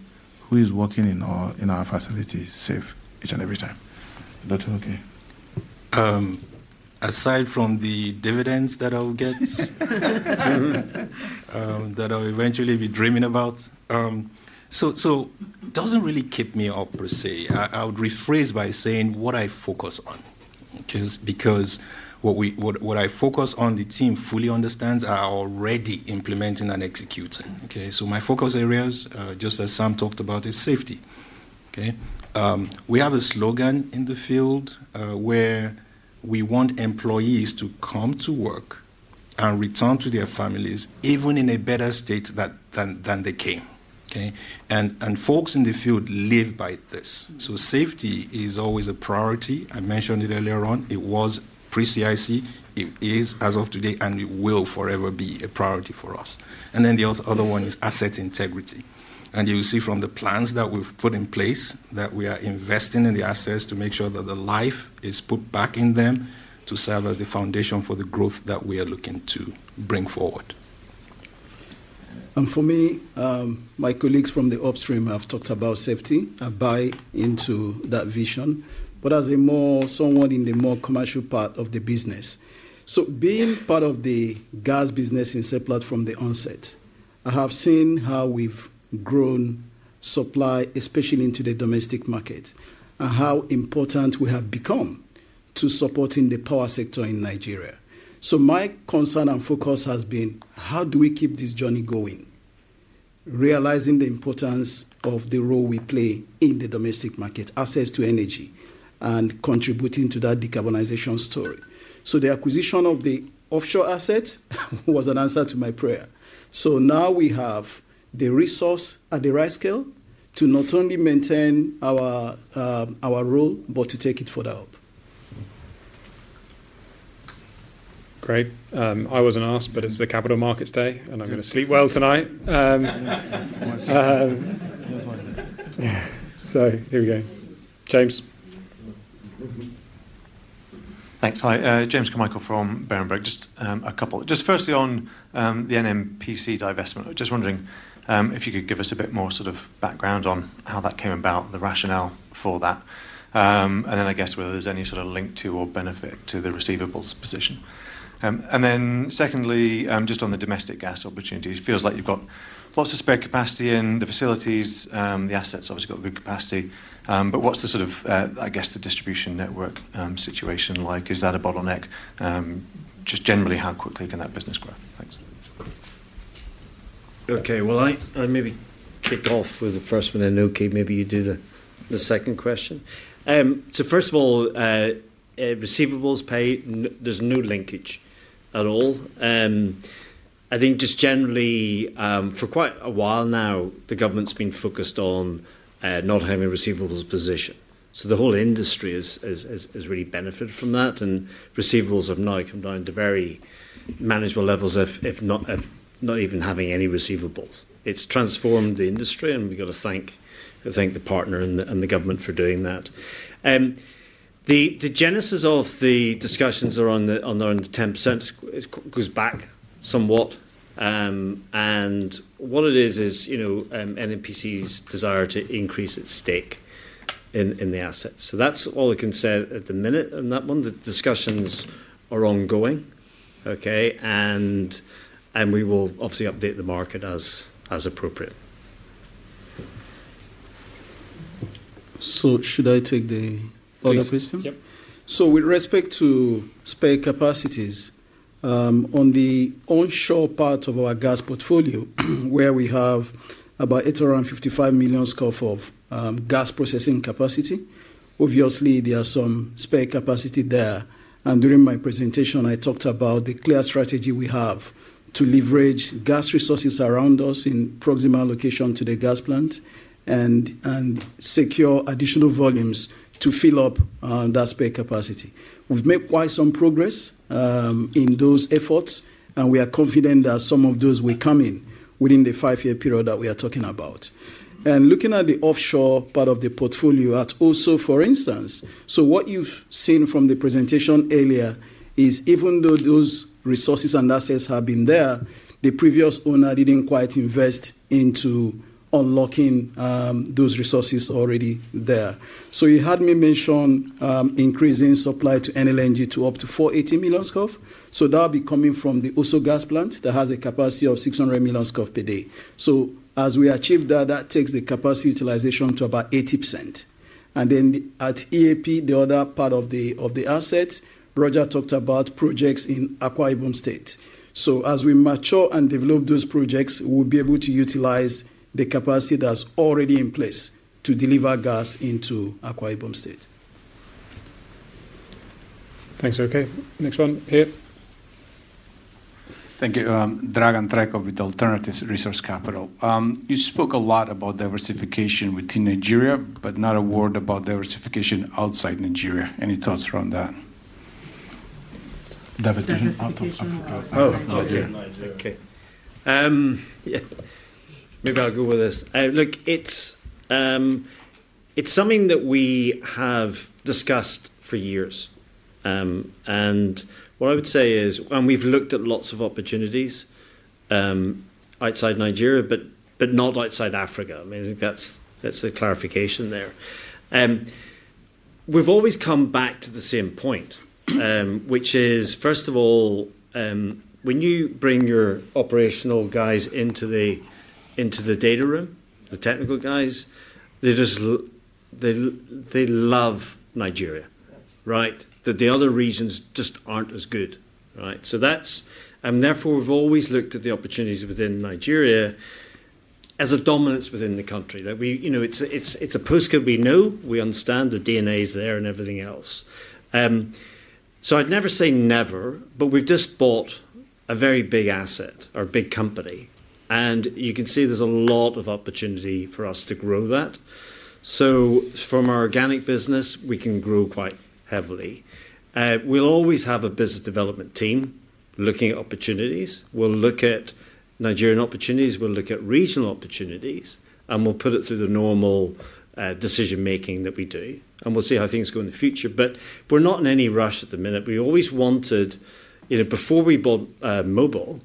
F: who is working in our facilities safe each and every time. Aside from the dividends that I'll get, that I'll eventually be dreaming about, it doesn't really keep me up per se. I would rephrase by saying what I focus on, because what I focus on, the team fully understands, are already implementing and executing. My focus areas, just as Sam talked about, is safety. We have a slogan in the field where we want employees to come to work and return to their families, even in a better state than they came. Folks in the field live by this. Safety is always a priority. I mentioned it earlier on. It was pre-CIC, it is as of today, and it will forever be a priority for us. The other one is asset integrity. You will see from the plans that we've put in place that we are investing in the assets to make sure that the life is put back in them to serve as the foundation for the growth that we are looking to bring forward.
E: For me, my colleagues from the upstream have talked about safety. I buy into that vision, but as someone in the more commercial part of the business, being part of the gas business in Seplat Energy from the onset, I have seen how we've grown supply, especially into the domestic market, and how important we have become to supporting the power sector in Nigeria. My concern and focus has been how do we keep this journey going, realizing the importance of the role we play in the domestic market, access to energy, and contributing to that decarbonization story. The acquisition of the offshore asset was an answer to my prayer. Now we have the resource at the right scale to not only maintain our role, but to take it further up.
A: Great. I wasn't asked, but it's the Capital Markets Day, and I'm going to sleep well tonight. Sorry, here we go. James.
K: Thanks. Hi, James Carmichael from Berenberg. Just a couple. Firstly, on the Nigerian National Petroleum Company divestment, just wondering if you could give us a bit more sort of background on how that came about, the rationale for that. I guess whether there's any sort of link to or benefit to the receivables position. Secondly, just on the domestic gas opportunities, it feels like you've got lots of spare capacity in the facilities. The assets obviously got good capacity. What's the sort of, I guess, the distribution network situation like? Is that a bottleneck? Just generally, how quickly can that business grow? Thanks.
B: Okay, I maybe ticked off with the first one. Maybe you do the second question. First of all, receivables pay, there's no linkage at all. I think just generally for quite a while now, the government's been focused on not having a receivables position. The whole industry has really benefited from that, and receivables have now come down to very manageable levels, if not even having any receivables. It's transformed the industry, and we've got to thank the partner and the government for doing that. The genesis of the discussions around the 10% goes back somewhat. What it is, is, you know, Nigerian National Petroleum Company Limited's desire to increase its stake in the assets. That's all I can say at the minute on that one. The discussions are ongoing. We will obviously update the market as appropriate.
F: Should I take the other question?
B: Yep.
F: With respect to spare capacities, on the onshore part of our gas portfolio, where we have about 55 million scf of gas processing capacity, obviously there is some spare capacity there. During my presentation, I talked about the clear strategy we have to leverage gas resources around us in proximal location to the gas plant and secure additional volumes to fill up that spare capacity. We've made quite some progress in those efforts, and we are confident that some of those will come in within the five-year period that we are talking about. Looking at the offshore part of the portfolio at OML, for instance, what you've seen from the presentation earlier is even though those resources and assets have been there, the previous owner didn't quite invest into unlocking those resources already there. You heard me mention increasing supply to Nigeria LNG to up to 480 million scf. That will be coming from the ANOH Gas Processing Plant that has a capacity of 600 million scf per day. As we achieve that, that takes the capacity utilization to about 80%. At EAP, the other part of the assets, Roger talked about projects in Akwa Ibom State. As we mature and develop those projects, we'll be able to utilize the capacity that's already in place to deliver gas into Akwa Ibom State.
A: Thanks. Okay, next one.
L: Thank you. Dragan Trajkov with Alternative Resource Capital. You spoke a lot about diversification within Nigeria, but not a word about diversification outside Nigeria. Any thoughts around that?
B: Oh, Nigeria. Okay. Maybe I'll go with this. Look, it's something that we have discussed for years. What I would say is, we've looked at lots of opportunities outside Nigeria, but not outside Africa. I think that's a clarification there. We've always come back to the same point, which is, first of all, when you bring your operational guys into the data room, the technical guys, they just love Nigeria, right? The other regions just aren't as good, right? Therefore, we've always looked at the opportunities within Nigeria as a dominance within the country. It's a postcode we know, we understand the DNA is there and everything else. I'd never say never, but we've just bought a very big asset or a big company, and you can see there's a lot of opportunity for us to grow that. From our organic business, we can grow quite heavily. We'll always have a business development team looking at opportunities. We'll look at Nigerian opportunities, we'll look at regional opportunities, and we'll put it through the normal decision-making that we do. We'll see how things go in the future. We're not in any rush at the minute. We always wanted, before we bought Mobil,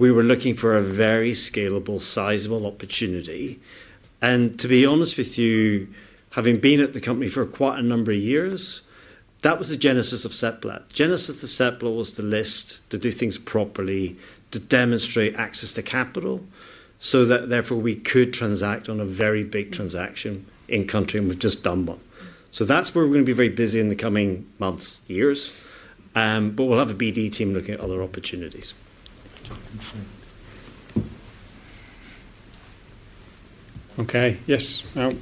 B: we were looking for a very scalable, sizable opportunity. To be honest with you, having been at the company for quite a number of years, that was the genesis of Seplat. Genesis of Seplat was to list, to do things properly, to demonstrate access to capital so that therefore we could transact on a very big transaction in country, and we've just done one. That's where we're going to be very busy in the coming months, years. We'll have a BD team looking at other opportunities.
A: Okay, yes. Now.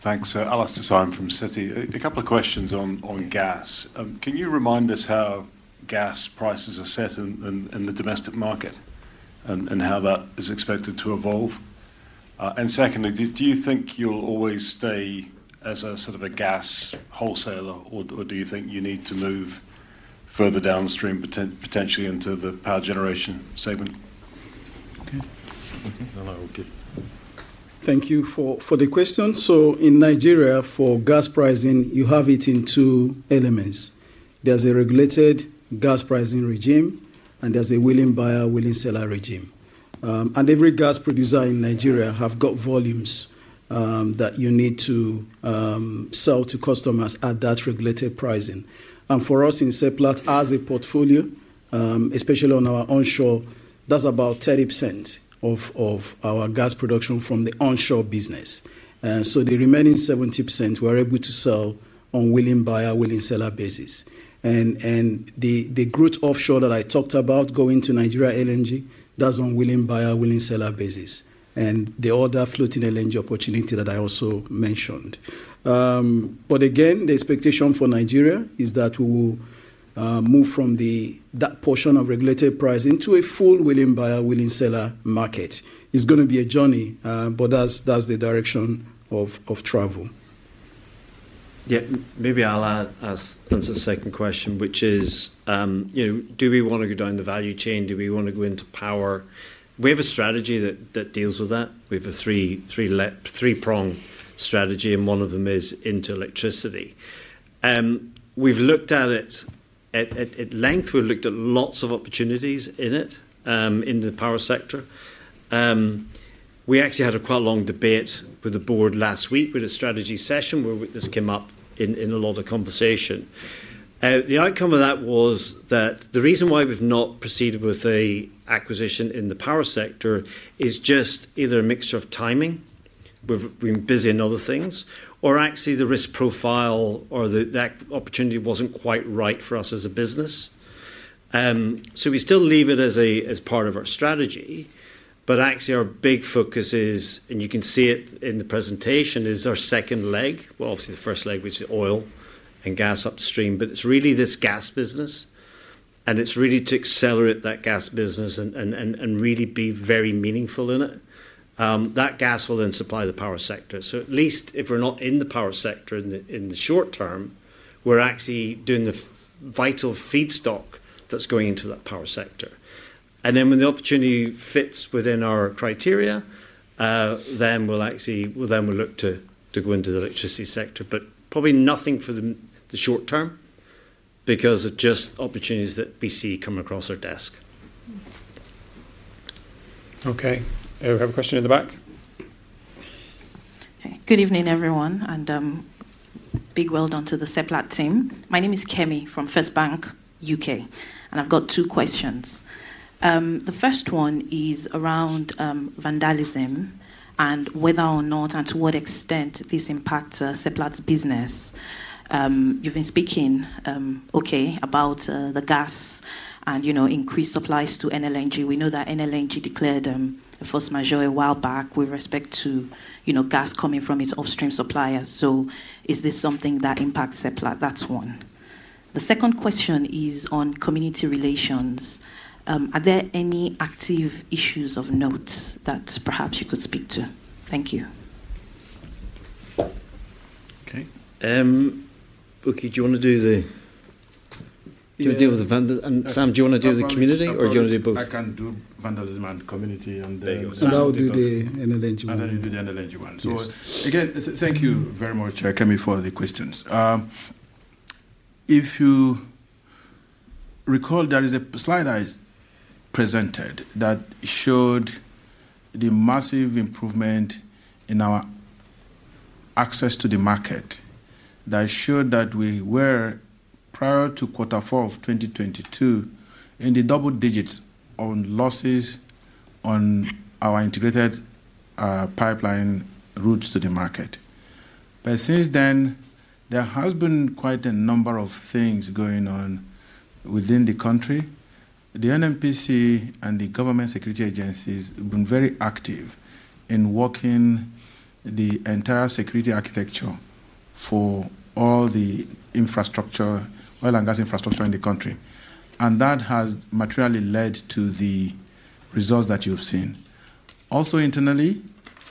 M: Thanks. Alastair Syme from Citi. A couple of questions on gas. Can you remind us how gas prices are set in the domestic market and how that is expected to evolve? Secondly, do you think you'll always stay as a sort of a gas wholesaler, or do you think you need to move further downstream, potentially into the power generation segment?
F: Thank you for the question. In Nigeria, for gas pricing, you have it in two elements. There's a regulated gas pricing regime, and there's a willing buyer, willing seller regime. Every gas producer in Nigeria has got volumes that you need to sell to customers at that regulated pricing. For us in Seplat, as a portfolio, especially on our onshore, that's about 30% of our gas production from the onshore business. The remaining 70% we're able to sell on a willing buyer, willing seller basis. The growth offshore that I talked about going to Nigeria LNG, that's on a willing buyer, willing seller basis, and the other floating LNG opportunity that I also mentioned. The expectation for Nigeria is that we will move from that portion of regulated pricing to a full willing buyer, willing seller market. It's going to be a journey, but that's the direction of travel.
B: Maybe I'll ask the second question, which is, you know, do we want to go down the value chain? Do we want to go into power? We have a strategy that deals with that. We have a three-prong strategy, and one of them is into electricity. We've looked at it at length. We've looked at lots of opportunities in it, in the power sector. We actually had a quite long debate with the board last week with a strategy session where this came up in a lot of conversation. The outcome of that was that the reason why we've not proceeded with the acquisition in the power sector is just either a mixture of timing. We've been busy in other things, or actually the risk profile or that opportunity wasn't quite right for us as a business. We still leave it as part of our strategy, but actually our big focus is, and you can see it in the presentation, is our second leg. Obviously the first leg, which is oil and gas upstream, but it's really this gas business. It's really to accelerate that gas business and really be very meaningful in it. That gas will then supply the power sector. At least if we're not in the power sector in the short term, we're actually doing the vital feedstock that's going into that power sector. When the opportunity fits within our criteria, then we'll actually, we'll then look to go into the electricity sector, but probably nothing for the short term because of just opportunities that we see coming across our desk.
A: Okay, we have a question in the back.
N: Good evening, everyone, and big well done to the Seplat team. My name is Kemi from FirstBank U.K., and I've got two questions. The first one is around vandalism and whether or not and to what extent this impacts Seplat's business. You've been speaking about the gas and increased supplies to Nigeria LNG. We know that Nigeria LNG declared a force majeure a while back with respect to gas coming from its offstream suppliers. Is this something that impacts Seplat? That's one. The second question is on community relations. Are there any active issues of note that perhaps you could speak to? Thank you.
B: Okay. Do you want to do the... Do you want to deal with the vendors? Sam, do you want to deal with the community or do you want to do both?
D: I can do vandalism and community and then yourself.
F: I'll do the Nigeria LNG one.
D: You do the NLNG one. Thank you very much, Kemi, for the questions. If you recall, there is a slide I presented that showed the massive improvement in our access to the market that showed that we were, prior to quarter four of 2022, in the double digits on losses on our integrated pipeline routes to the market. Since then, there has been quite a number of things going on within the country. The Nigerian National Petroleum Company and the government security agencies have been very active in working the entire security architecture for all the oil and gas infrastructure in the country. That has materially led to the results that you've seen. Internally,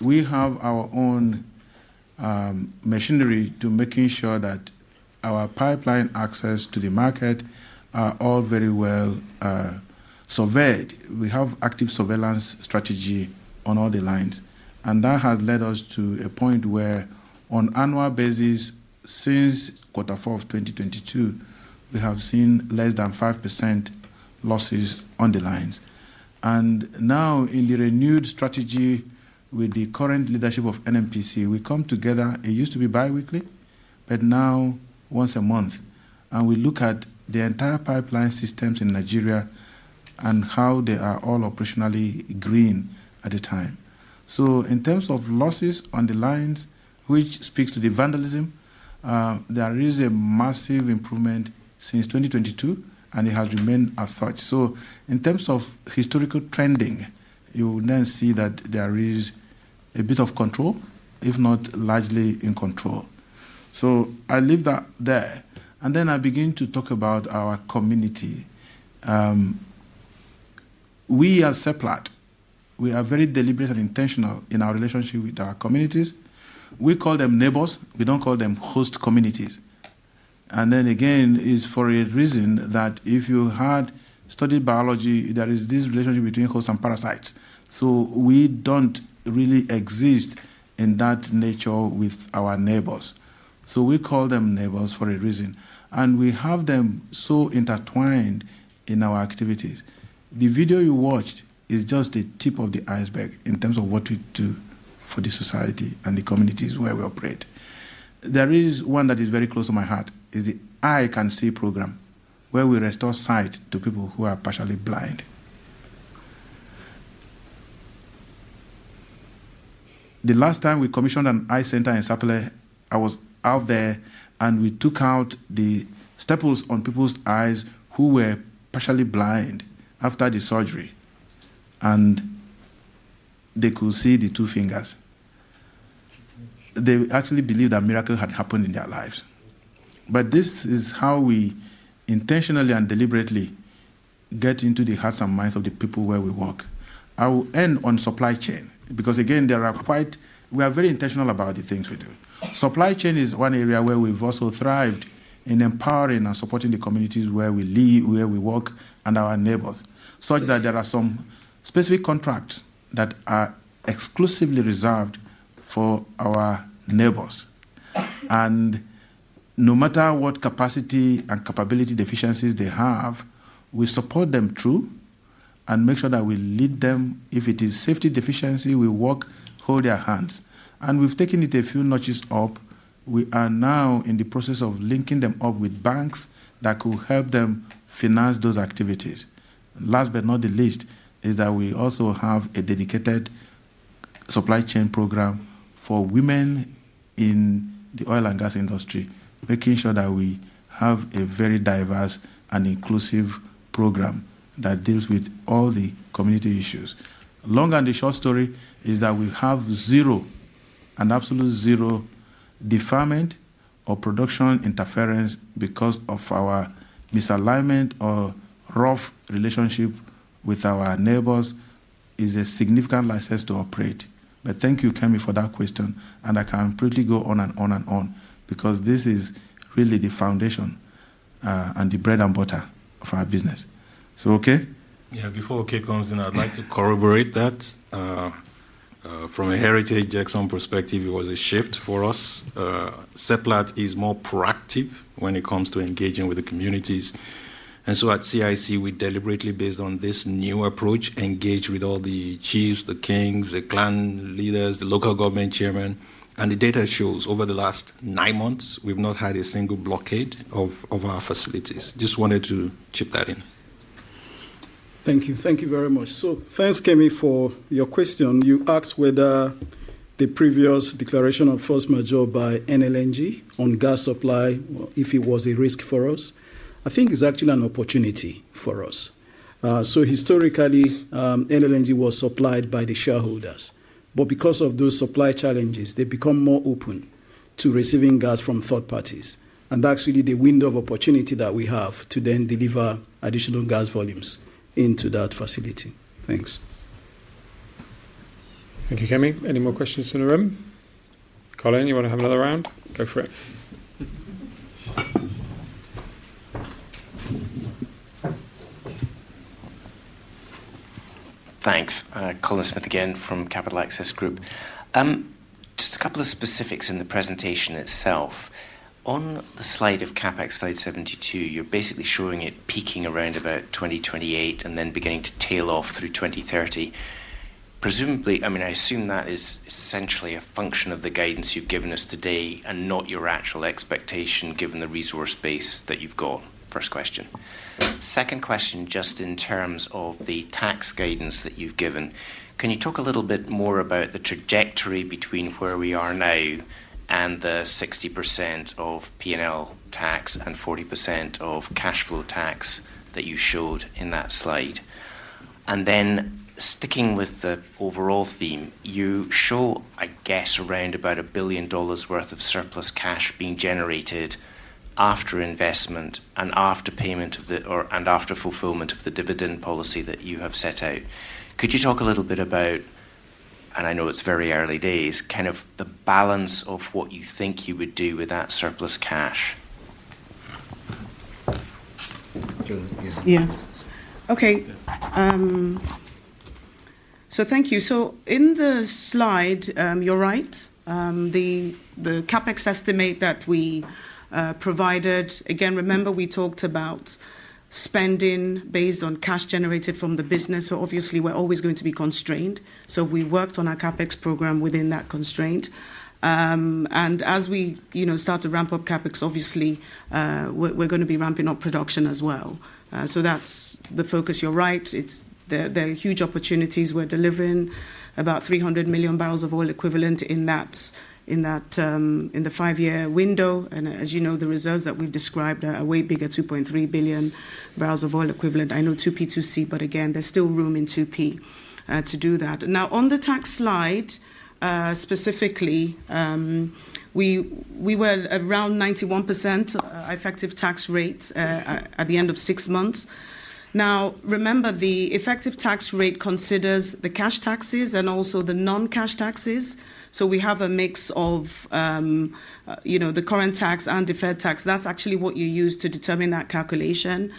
D: we have our own machinery to make sure that our pipeline access to the market is all very well surveyed. We have an active surveillance strategy on all the lines. That has led us to a point where, on an annual basis, since quarter four of 2022, we have seen less than 5% losses on the lines. In the renewed strategy with the current leadership of the Nigerian National Petroleum Company, we come together. It used to be bi-weekly, but now once a month. We look at the entire pipeline systems in Nigeria and how they are all operationally green at a time. In terms of losses on the lines, which speaks to the vandalism, there is a massive improvement since 2022, and it has remained as such. In terms of historical trending, you will then see that there is a bit of control, if not largely in control. I leave that there. I begin to talk about our community. We at Seplat Energy are very deliberate and intentional in our relationship with our communities. We call them neighbors. We don't call them host communities. It is for a reason that if you had studied biology, there is this relationship between hosts and parasites. We don't really exist in that nature with our neighbors. We call them neighbors for a reason. We have them so intertwined in our activities. The video you watched is just the tip of the iceberg in terms of what we do for the society and the communities where we operate. There is one that is very close to my heart. It's the Eye Can See programme, where we restore sight to people who are partially blind. The last time we commissioned an eye center in Sapele, I was out there, and we took out the staples on people's eyes who were partially blind after the surgery. They could see the two fingers. They actually believed that a miracle had happened in their lives. This is how we intentionally and deliberately get into the hearts and minds of the people where we work. I will end on supply chain because, again, we are very intentional about the things we do. Supply chain is one area where we've also thrived in empowering and supporting the communities where we live, where we work, and our neighbors, such that there are some specific contracts that are exclusively reserved for our neighbors. No matter what capacity and capability deficiencies they have, we support them through and make sure that we lead them. If it is safety deficiency, we work, hold their hands. We've taken it a few notches up. We are now in the process of linking them up with banks that could help them finance those activities. Last but not the least is that we also have a dedicated supply chain program for women in the oil and gas industry, making sure that we have a very diverse and inclusive program that deals with all the community issues. Long and the short story is that we have zero and absolute zero deferment or production interference because of our misalignment or rough relationship with our neighbors. It is a significant license to operate. Thank you, Kemi, for that question. I can probably go on and on and on because this is really the foundation and the bread and butter of our business.
E: Before Oke comes in, I'd like to corroborate that. From a Heritage Jackson perspective, it was a shift for us. Seplat Energy is more proactive when it comes to engaging with the communities. At CIC, we deliberately, based on this new approach, engage with all the chiefs, the kings, the clan leaders, the local government chairman. The data shows over the last nine months, we've not had a single blockade of our facilities. Just wanted to chip that in.
F: Thank you. Thank you very much. Thanks, Kemi, for your question. You asked whether the previous declaration of force majeure by Nigeria LNG on gas supply, if it was a risk for us. I think it's actually an opportunity for us. Historically, Nigeria LNG was supplied by the shareholders. Because of those supply challenges, they've become more open to receiving gas from third parties. That's really the window of opportunity that we have to then deliver additional gas volumes into that facility. Thanks.
A: Thank you, Kemi. Any more questions in the room? Colin, you want to have another round? Go for it.
H: Thanks. Colin Smith again from Capital Access Group. Just a couple of specifics in the presentation itself. On the slide of capex, slide 72, you're basically showing it peaking around about 2028 and then beginning to tail off through 2030. Presumably, I mean, I assume that is essentially a function of the guidance you've given us today and not your actual expectation given the resource base that you've got. First question. Second question, just in terms of the tax guidance that you've given, can you talk a little bit more about the trajectory between where we are now and the 60% of P&L tax and 40% of cash flow tax that you showed in that slide? Sticking with the overall theme, you show, I guess, around about $1 billion worth of surplus cash being generated after investment and after payment of the, or, and after fulfillment of the dividend policy that you have set out. Could you talk a little bit about, and I know it's very early days, kind of the balance of what you think you would do with that surplus cash?
G: Yeah. Okay. Thank you. In the slide, you're right. The capex estimate that we provided, again, remember we talked about spending based on cash generated from the business. Obviously, we're always going to be constrained. We worked on our capex program within that constraint. As we start to ramp up capex, obviously, we're going to be ramping up production as well. That's the focus. You're right. There are huge opportunities. We're delivering about 300 million bbl of oil equivalent in that, in the five-year window. As you know, the reserves that we've described are way bigger, 2.3 billion bbl of oil equivalent. I know 2P+2C, but again, there's still room in 2P to do that. Now, on the tax slide, specifically, we were around 91% effective tax rate at the end of six months. Remember, the effective tax rate considers the cash taxes and also the non-cash taxes. We have a mix of the current tax and deferred tax. That's actually what you use to determine that calculation.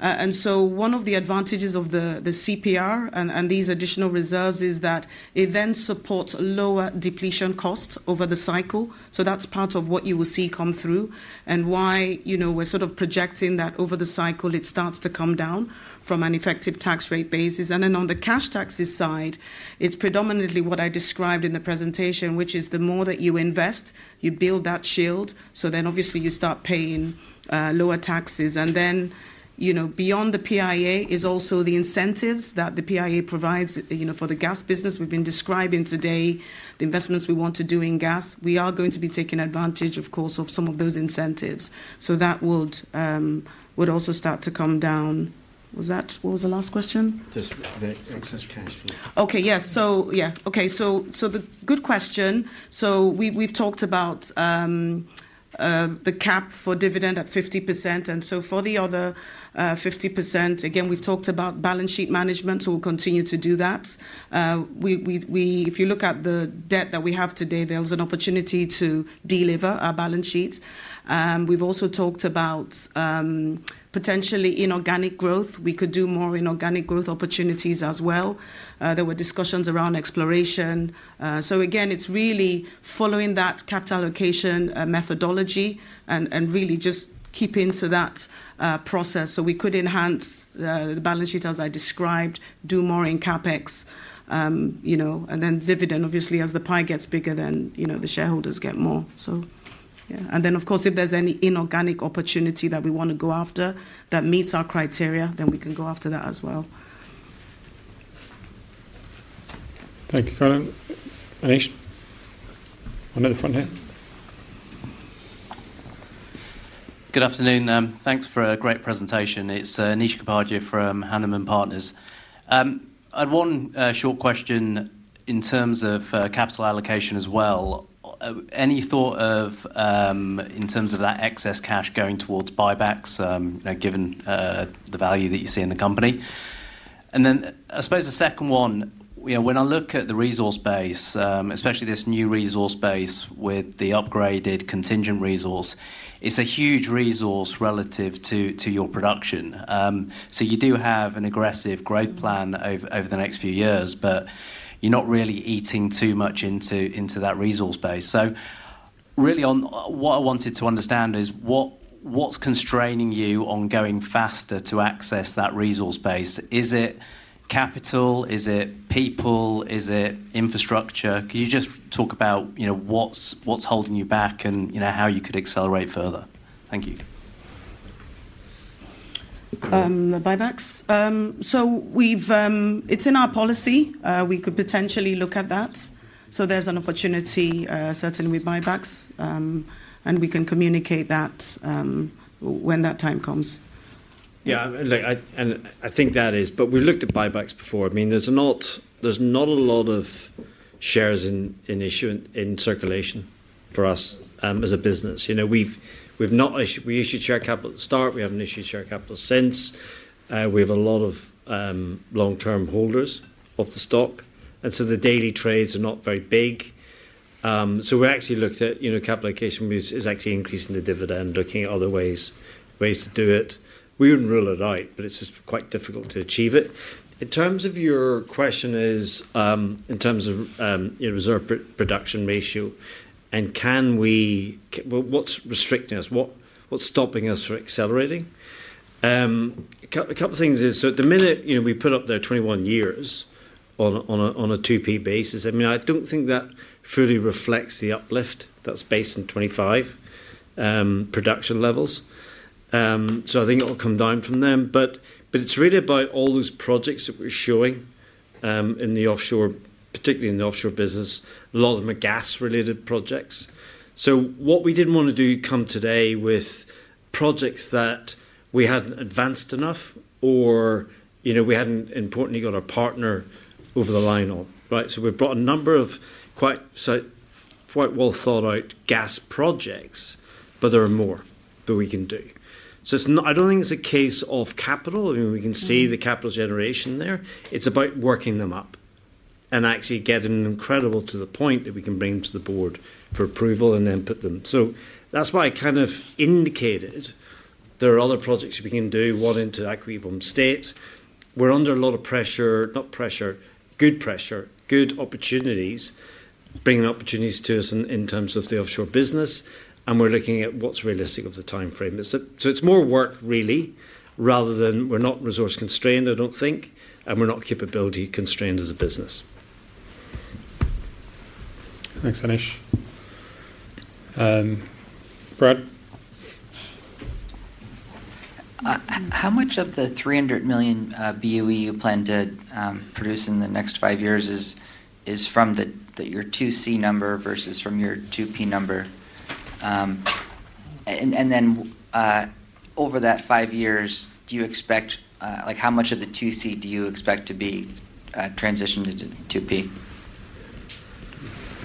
G: One of the advantages of the CPR and these additional reserves is that it then supports lower depletion costs over the cycle. That's part of what you will see come through and why we're sort of projecting that over the cycle, it starts to come down from an effective tax rate basis. On the cash taxes side, it's predominantly what I described in the presentation, which is the more that you invest, you build that shield. Obviously, you start paying lower taxes. Beyond the PIA is also the incentives that the PIA provides for the gas business. We've been describing today the investments we want to do in gas. We are going to be taking advantage, of course, of some of those incentives. That would also start to come down. Was that what was the last question?
B: The excess cash flow.
G: Yes, that's a good question. We've talked about the cap for dividend at 50%. For the other 50%, we've talked about balance sheet management. We'll continue to do that. If you look at the debt that we have today, there's an opportunity to delever our balance sheet. We've also talked about potentially inorganic growth. We could do more inorganic growth opportunities as well. There were discussions around exploration. It's really following that capital allocation methodology and just keeping to that process. We could enhance the balance sheet as I described, do more in CapEx, and then dividend, obviously, as the pie gets bigger, the shareholders get more. If there's any inorganic opportunity that we want to go after that meets our criteria, then we can go after that as well
A: Thank you. Colin. Anish. On the other front here.
O: Good afternoon. Thanks for a great presentation. It's Anish Kapadia from Hannam Partners. I'd want a short question in terms of capital allocation as well. Any thought of in terms of that excess cash going towards buybacks, given the value that you see in the company? I suppose the second one, you know, when I look at the resource base, especially this new resource base with the upgraded contingent resource, it's a huge resource relative to your production. You do have an aggressive growth plan over the next few years, but you're not really eating too much into that resource base. What I wanted to understand is what's constraining you on going faster to access that resource base? Is it capital? Is it people? Is it infrastructure? Can you just talk about what's holding you back and how you could accelerate further? Thank you.
G: Buybacks. It is in our policy. We could potentially look at that. There is an opportunity, certainly with buybacks, and we can communicate that when that time comes.
B: Yeah, I think that is, but we've looked at buybacks before. I mean, there's not a lot of shares in issue in circulation for us as a business. You know, we've not issued share capital at the start. We haven't issued share capital since. We have a lot of long-term holders of the stock, and the daily trades are not very big. We actually looked at, you know, capital allocation is actually increasing the dividend, looking at other ways to do it. We wouldn't rule it out, but it's just quite difficult to achieve it. In terms of your question, in terms of your reserve production ratio, and can we, what's restricting us? What's stopping us from accelerating? A couple of things is, at the minute, you know, we put up there 21 years on a 2P basis. I mean, I don't think that truly reflects the uplift that's based in 2025 production levels. I think it'll come down from there. It's really about all those projects that we're showing in the offshore, particularly in the offshore business. A lot of them are gas-related projects. What we didn't want to do today was projects that we hadn't advanced enough or, you know, we hadn't importantly got our partner over the line on, right? We've brought a number of quite well thought-out gas projects, but there are more that we can do. I don't think it's a case of capital. I mean, we can see the capital generation there. It's about working them up and actually getting them credible to the point that we can bring to the board for approval and then put them. That's why I kind of indicated there are other projects we can do, one into Akwa Ibom State. We're under a lot of pressure, not pressure, good pressure, good opportunities, bringing opportunities to us in terms of the offshore business. We're looking at what's realistic of the timeframe. It's more work really, rather than we're not resource constrained, I don't think, and we're not capability constrained as a business.
A: Thanks, Anish. Brad.
P: How much of the 300 million boe you plan to produce in the next five years is from your 2C number versus from your 2P number? Over that five years, do you expect, like how much of the 2C do you expect to be transitioned into 2P?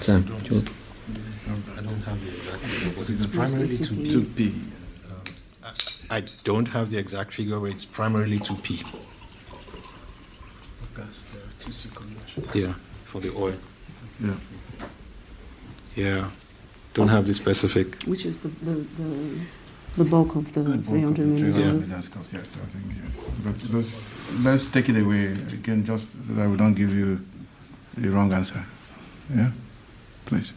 F: I don't have the exact figure, but it's primarily 2P. I don't have the exact figure, but it's primarily 2P.
D: Gas? The 2C conversion?
F: Yeah, for the oil. I don't have the specific.
G: Which is the bulk of the $300 million?
F: $300 million as it comes, yes, I think, yes. Let's take it away again, just so that we don't give you the wrong answer. Yeah, please.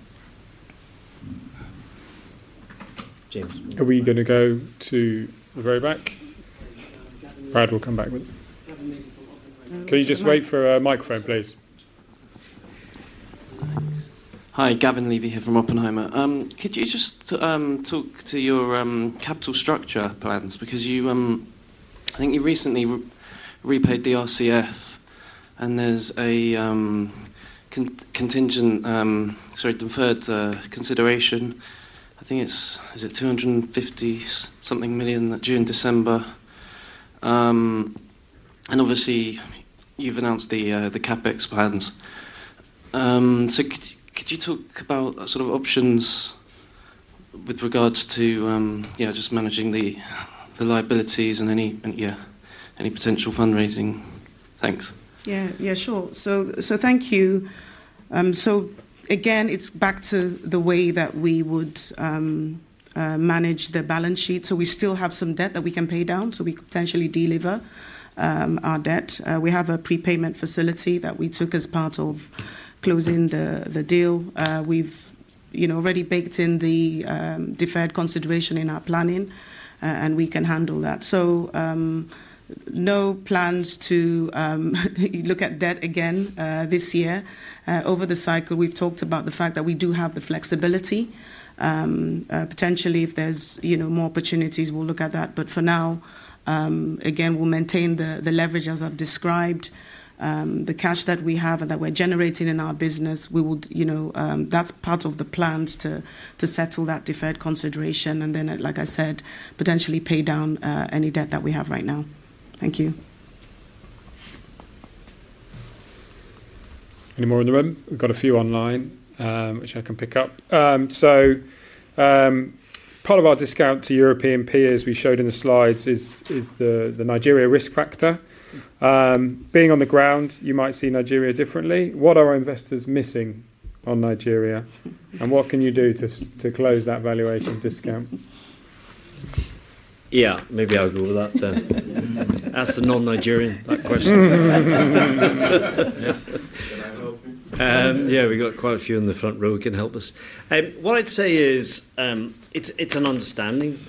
B: James.
A: Are we going to go to the very back? Brad will come back. Can you just wait for a microphone, please?
Q: Hi, Gavin Levy here from Oppenheimer. Could you just talk to your capital structure plans? Because you, I think you recently repaid DRCF and there's a contingent, sorry, deferred consideration. I think it's, is it $250 something million that June, December? And obviously, you've announced the CapEx plans. Could you talk about sort of options with regards to, yeah, just managing the liabilities and any, yeah, any potential fundraising? Thanks.
G: Yeah. Yeah, sure. Thank you. Again, it's back to the way that we would manage the balance sheet. We still have some debt that we can pay down. We could potentially deliver our debt. We have a prepayment facility that we took as part of closing the deal. We've already baked in the deferred consideration in our planning, and we can handle that. No plans to look at debt again this year. Over the cycle, we've talked about the fact that we do have the flexibility. Potentially, if there's more opportunities, we'll look at that. For now, we'll maintain the leverage as I've described. The cash that we have and that we're generating in our business, that's part of the plans to settle that deferred consideration. Then, like I said, potentially pay down any debt that we have right now. Thank you.
A: Any more in the room? We've got a few online, which I can pick up. Part of our discount to European peers we showed in the slides is the Nigeria risk factor. Being on the ground, you might see Nigeria differently. What are our investors missing on Nigeria? What can you do to close that valuating discount?
B: Maybe I'll go with that then. Ask a non-Nigerian that question. We've got quite a few in the front row who can help us. What I'd say is it's an understanding.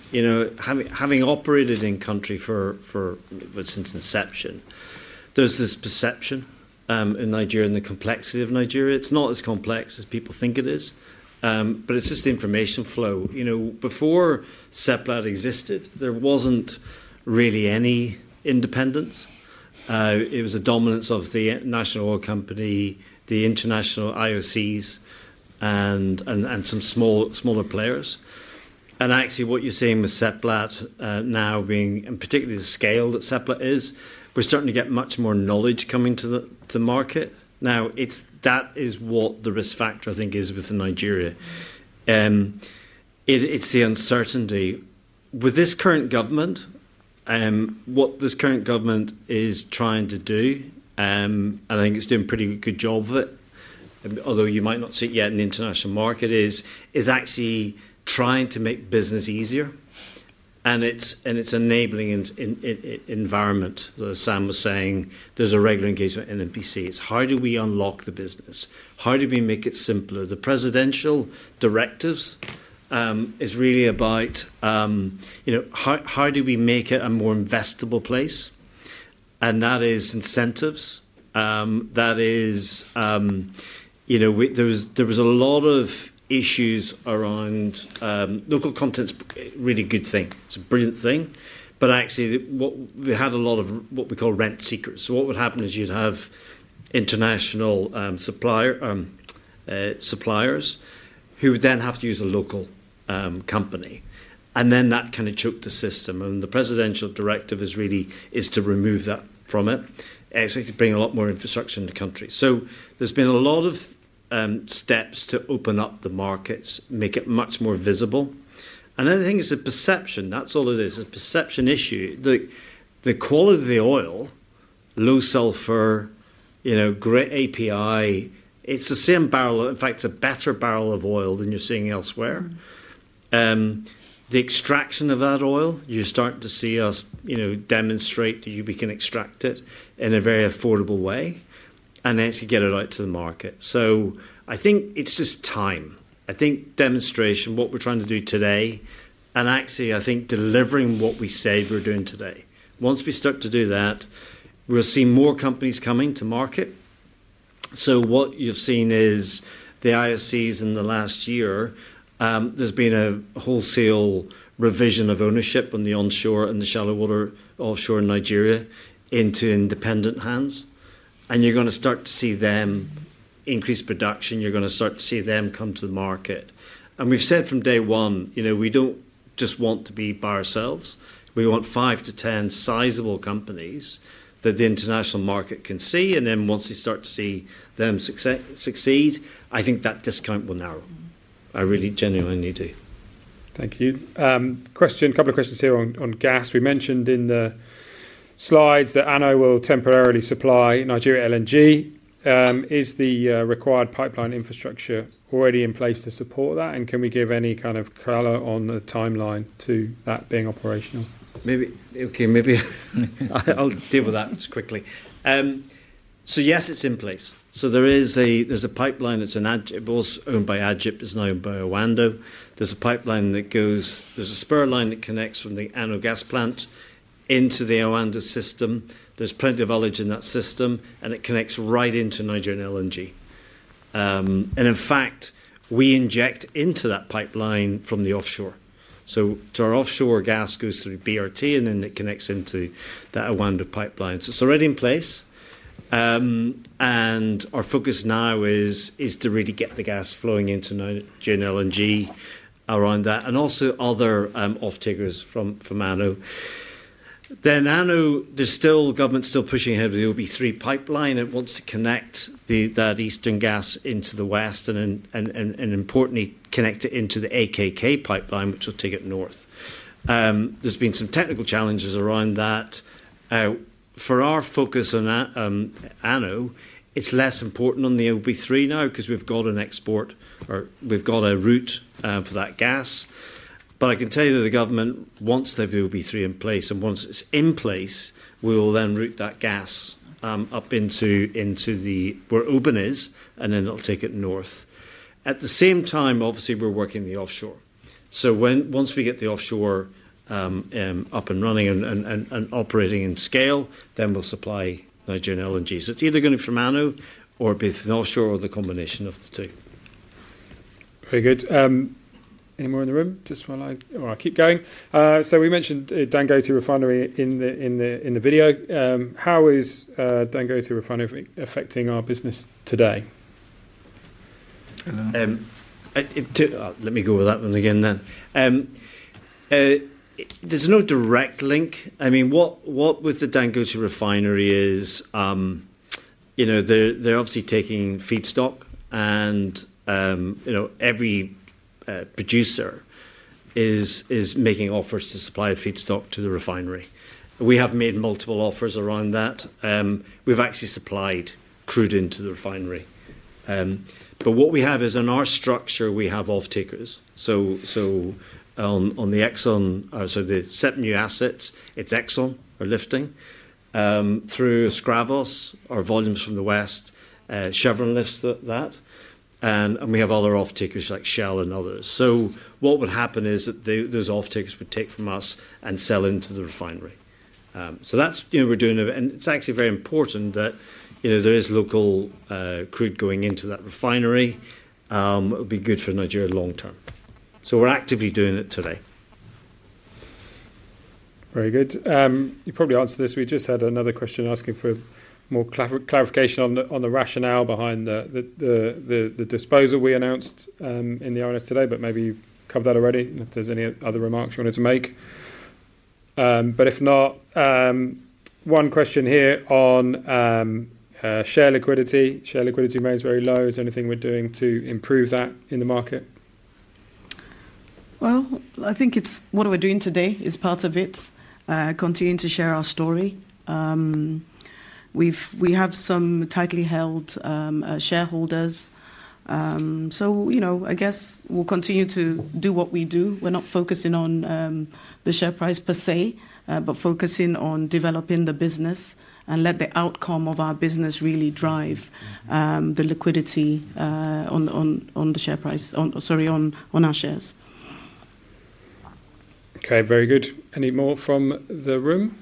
B: Having operated in country since inception, there's this perception in Nigeria and the complexity of Nigeria. It's not as complex as people think it is, but it's just the information flow. Before Seplat Energy existed, there wasn't really any independence. It was a dominance of the national oil company, the international IOCs, and some smaller players. Actually, what you're seeing with Seplat Energy now, and particularly the scale that Seplat Energy is, we're starting to get much more knowledge coming to the market. That is what the risk factor I think is within Nigeria. It's the uncertainty. With this current government, what this current government is trying to do, and I think it's doing a pretty good job of it, although you might not see it yet in the international market, is actually trying to make business easier. It's an enabling environment. As Sam was saying, there's a regular engagement in NNPCs. How do we unlock the business? How do we make it simpler? The presidential directives are really about how do we make it a more investable place? That is incentives. There was a lot of issues around local contents. Really good thing. It's a brilliant thing. Actually, we had a lot of what we call rent seekers. What would happen is you'd have international suppliers who would then have to use a local company. That kind of choked the system. The presidential directive is really to remove that from it. It's actually bringing a lot more infrastructure in the country. There's been a lot of steps to open up the markets, make it much more visible. I think it's a perception. That's all it is. It's a perception issue. Look, the quality of the oil, low sulfur, great API. It's the same barrel. In fact, it's a better barrel of oil than you're seeing elsewhere. The extraction of that oil, you start to see us demonstrate that you can extract it in a very affordable way and then actually get it out to the market. I think it's just time. I think demonstration, what we're trying to do today, and actually, I think delivering what we said we're doing today. Once we start to do that, we'll see more companies coming to market. What you've seen is the IOCs in the last year, there's been a wholesale revision of ownership on the onshore and the shallow water offshore in Nigeria into independent hands. You're going to start to see them increase production. You're going to start to see them come to the market. We've said from day one, you know, we don't just want to be by ourselves. We want five to 10 sizable companies that the international market can see. Once you start to see them succeed, I think that discount will narrow. I really genuinely do.
A: Thank you. Question, a couple of questions here on gas. We mentioned in the slides that ANOH will temporarily supply Nigeria LNG. Is the required pipeline infrastructure already in place to support that? Can we give any kind of color on the timeline to that being operational?
B: Maybe I'll deal with that quickly. Yes, it's in place. There is a pipeline that was owned by Agip, is now owned by Oando. There's a pipeline that goes, there's a spur line that connects from the ANOH Gas Processing Plant into the Oando system. There's plenty of knowledge in that system, and it connects right into Nigeria LNG. In fact, we inject into that pipeline from the offshore. Our offshore gas goes through BRT, and then it connects into that Oando pipeline. It's already in place. Our focus now is to really get the gas flowing into Nigeria LNG around that, and also other off-takers from ANOH. The government is still pushing ahead with the OB3 pipeline. It wants to connect that Eastern gas into the West, and importantly, connect it into the AKK pipeline, which will take it north. There have been some technical challenges around that. For our focus on ANOH, it's less important on the OB3 now because we've got an export, or we've got a route for that gas. I can tell you that the government wants to have the OB3 in place, and once it's in place, we will then route that gas up into where Oben is, and then it'll take it north. At the same time, obviously, we're working the offshore. Once we get the offshore up and running and operating in scale, then we'll supply Nigeria LNG. It's either going to be from ANOH or from the offshore or the combination of the two.
A: Very good. Any more in the room? Just while I keep going. We mentioned Dangote Refinery in the video. How is Dangote Refinery affecting our business today?
B: Let me go with that one again. There's no direct link. I mean, what with the Dangote Refinery is, you know, they're obviously taking feedstock, and every producer is making offers to supply feedstock to the refinery. We have made multiple offers around that. We've actually supplied crude into the refinery. What we have is in our structure, we have off-takers. On the Exxon, the seven new assets, it's Exxon or lifting through Escravos, our volumes from the West, Chevron lifts that. We have other off-takers like Shell and others. What would happen is that those off-takers would take from us and sell into the refinery. That's how we're doing it. It's actually very important that there is local crude going into that refinery. It would be good for Nigeria long term. We're actively doing it today.
A: Very good. You probably answered this. We just had another question asking for more clarification on the rationale behind the disposal we announced in the INS today, but maybe you covered that already. If there's any other remarks you wanted to make. If not, one question here on share liquidity. Share liquidity remains very low. Is there anything we're doing to improve that in the market?
G: I think what we're doing today is part of it. Continuing to share our story. We have some tightly held shareholders. I guess we'll continue to do what we do. We're not focusing on the share price per se, but focusing on developing the business and let the outcome of our business really drive the liquidity on the share price, sorry, on our shares.
A: Very good. Any more from the room?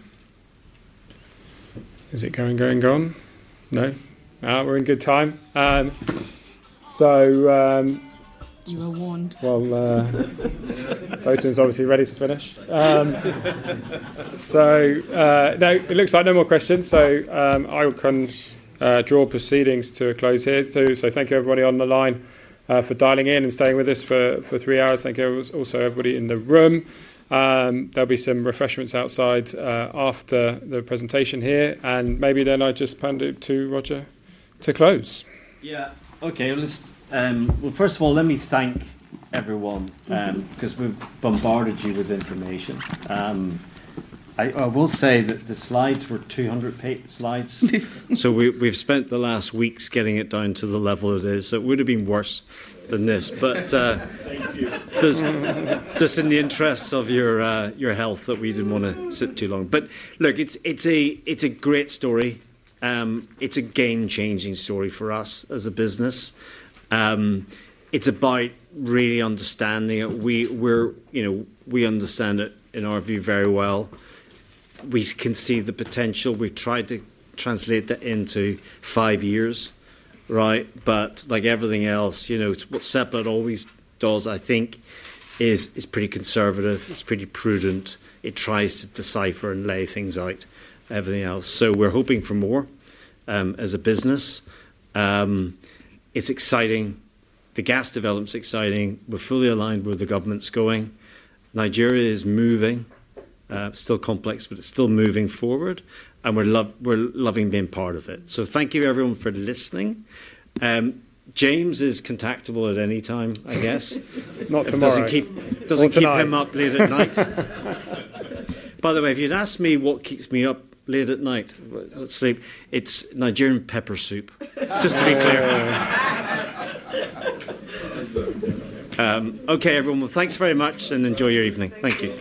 A: Is it going, going, gone? No? We're in good time. You were warned. Toto's obviously ready to finish. It looks like no more questions. I'll kind of draw proceedings to a close here. Thank you everybody on the line for dialing in and staying with us for three hours. Thank you also to everybody in the room. There'll be some refreshments outside after the presentation here. Maybe then I just ponder to Roger to close.
B: Okay. First of all, let me thank everyone because we've bombarded you with information. I will say that the slides were 200-page slides. We've spent the last weeks getting it down to the level it is. It would have been worse than this. Just in the interest of your health, we didn't want to sit too long. Look, it's a great story. It's a game-changing story for us as a business. It's about really understanding it. We understand it in our view very well. We can see the potential. We've tried to translate that into five years, right? Like everything else, you know, what Seplat always does, I think, is pretty conservative. It's pretty prudent. It tries to decipher and lay things out, everything else. We're hoping for more as a business. It's exciting. The gas development is exciting. We're fully aligned with where the government's going. Nigeria is moving. It's still complex, but it's still moving forward. We're loving being part of it. Thank you, everyone, for listening. James is contactable at any time, I guess.
A: Not for Mark.
B: Doesn't keep him up late at night. By the way, if you'd asked me what keeps me up late at night, let's sleep. It's Nigerian pepper soup, just to be clear. Okay, everyone, thanks very much and enjoy your evening. Thank you.